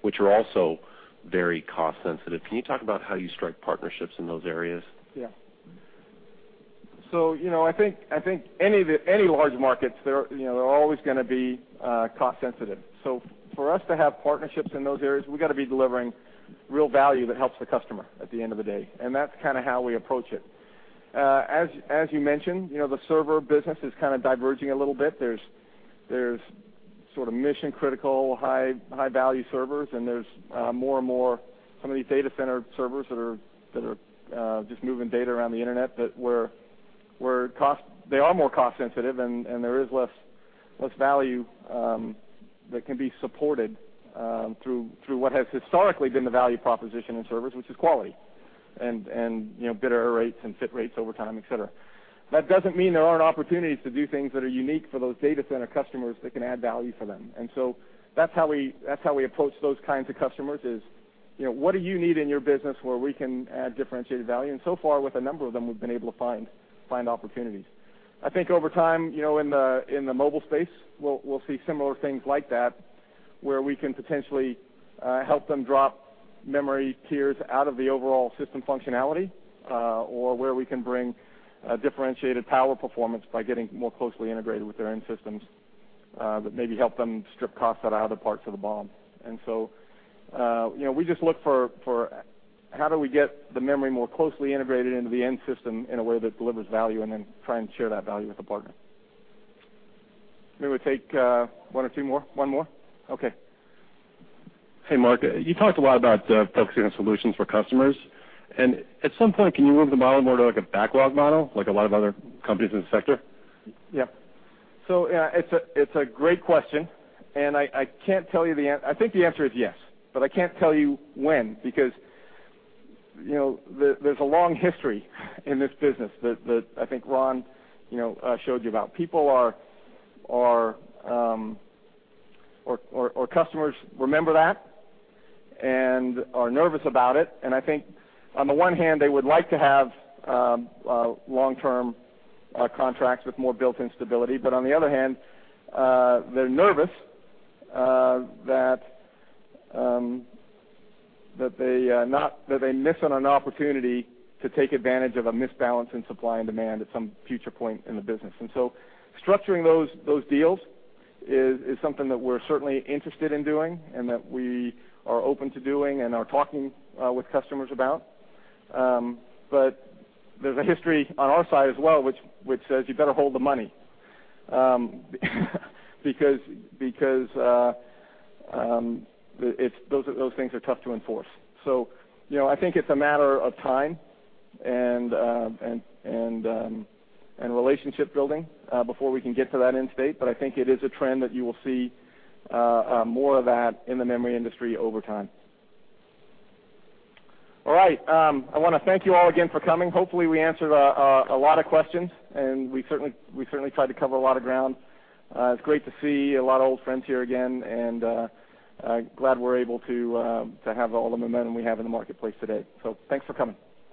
which are also very cost sensitive. Can you talk about how you strike partnerships in those areas? I think any large markets, they're always going to be cost sensitive. For us to have partnerships in those areas, we've got to be delivering real value that helps the customer at the end of the day. That's how we approach it. As you mentioned, the server business is kind of diverging a little bit. There's sort of mission-critical, high-value servers, and there's more and more some of these data center servers that are just moving data around the internet, but they are more cost sensitive, and there is less value that can be supported through what has historically been the value proposition in servers, which is quality and bit error rates and fit rates over time, et cetera. That doesn't mean there aren't opportunities to do things that are unique for those data center customers that can add value for them. That's how we approach those kinds of customers is, what do you need in your business where we can add differentiated value? So far, with a number of them, we've been able to find opportunities. I think over time, in the mobile space, we'll see similar things like that where we can potentially help them drop memory tiers out of the overall system functionality or where we can bring differentiated power performance by getting more closely integrated with their end systems that maybe help them strip costs out of other parts of the BOM. We just look for how do we get the memory more closely integrated into the end system in a way that delivers value and then try and share that value with the partner. Maybe we take one or two more. One more? Okay. Hey, Mark. You talked a lot about focusing on solutions for customers. At some point, can you move the model more to a backlog model, like a lot of other companies in the sector? Yep. It's a great question, and I can't tell you. I think the answer is yes, but I can't tell you when, because there's a long history in this business that I think Ron showed you about. People or customers remember that and are nervous about it. I think on the one hand, they would like to have long-term contracts with more built-in stability. On the other hand, they're nervous that they miss on an opportunity to take advantage of a misbalance in supply and demand at some future point in the business. Structuring those deals is something that we're certainly interested in doing, and that we are open to doing and are talking with customers about. There's a history on our side as well, which says you better hold the money because those things are tough to enforce. I think it's a matter of time and relationship building before we can get to that end state. I think it is a trend that you will see more of that in the memory industry over time. All right. I want to thank you all again for coming. Hopefully, we answered a lot of questions, and we certainly tried to cover a lot of ground. It's great to see a lot of old friends here again, and glad we're able to have all the momentum we have in the marketplace today. Thanks for coming.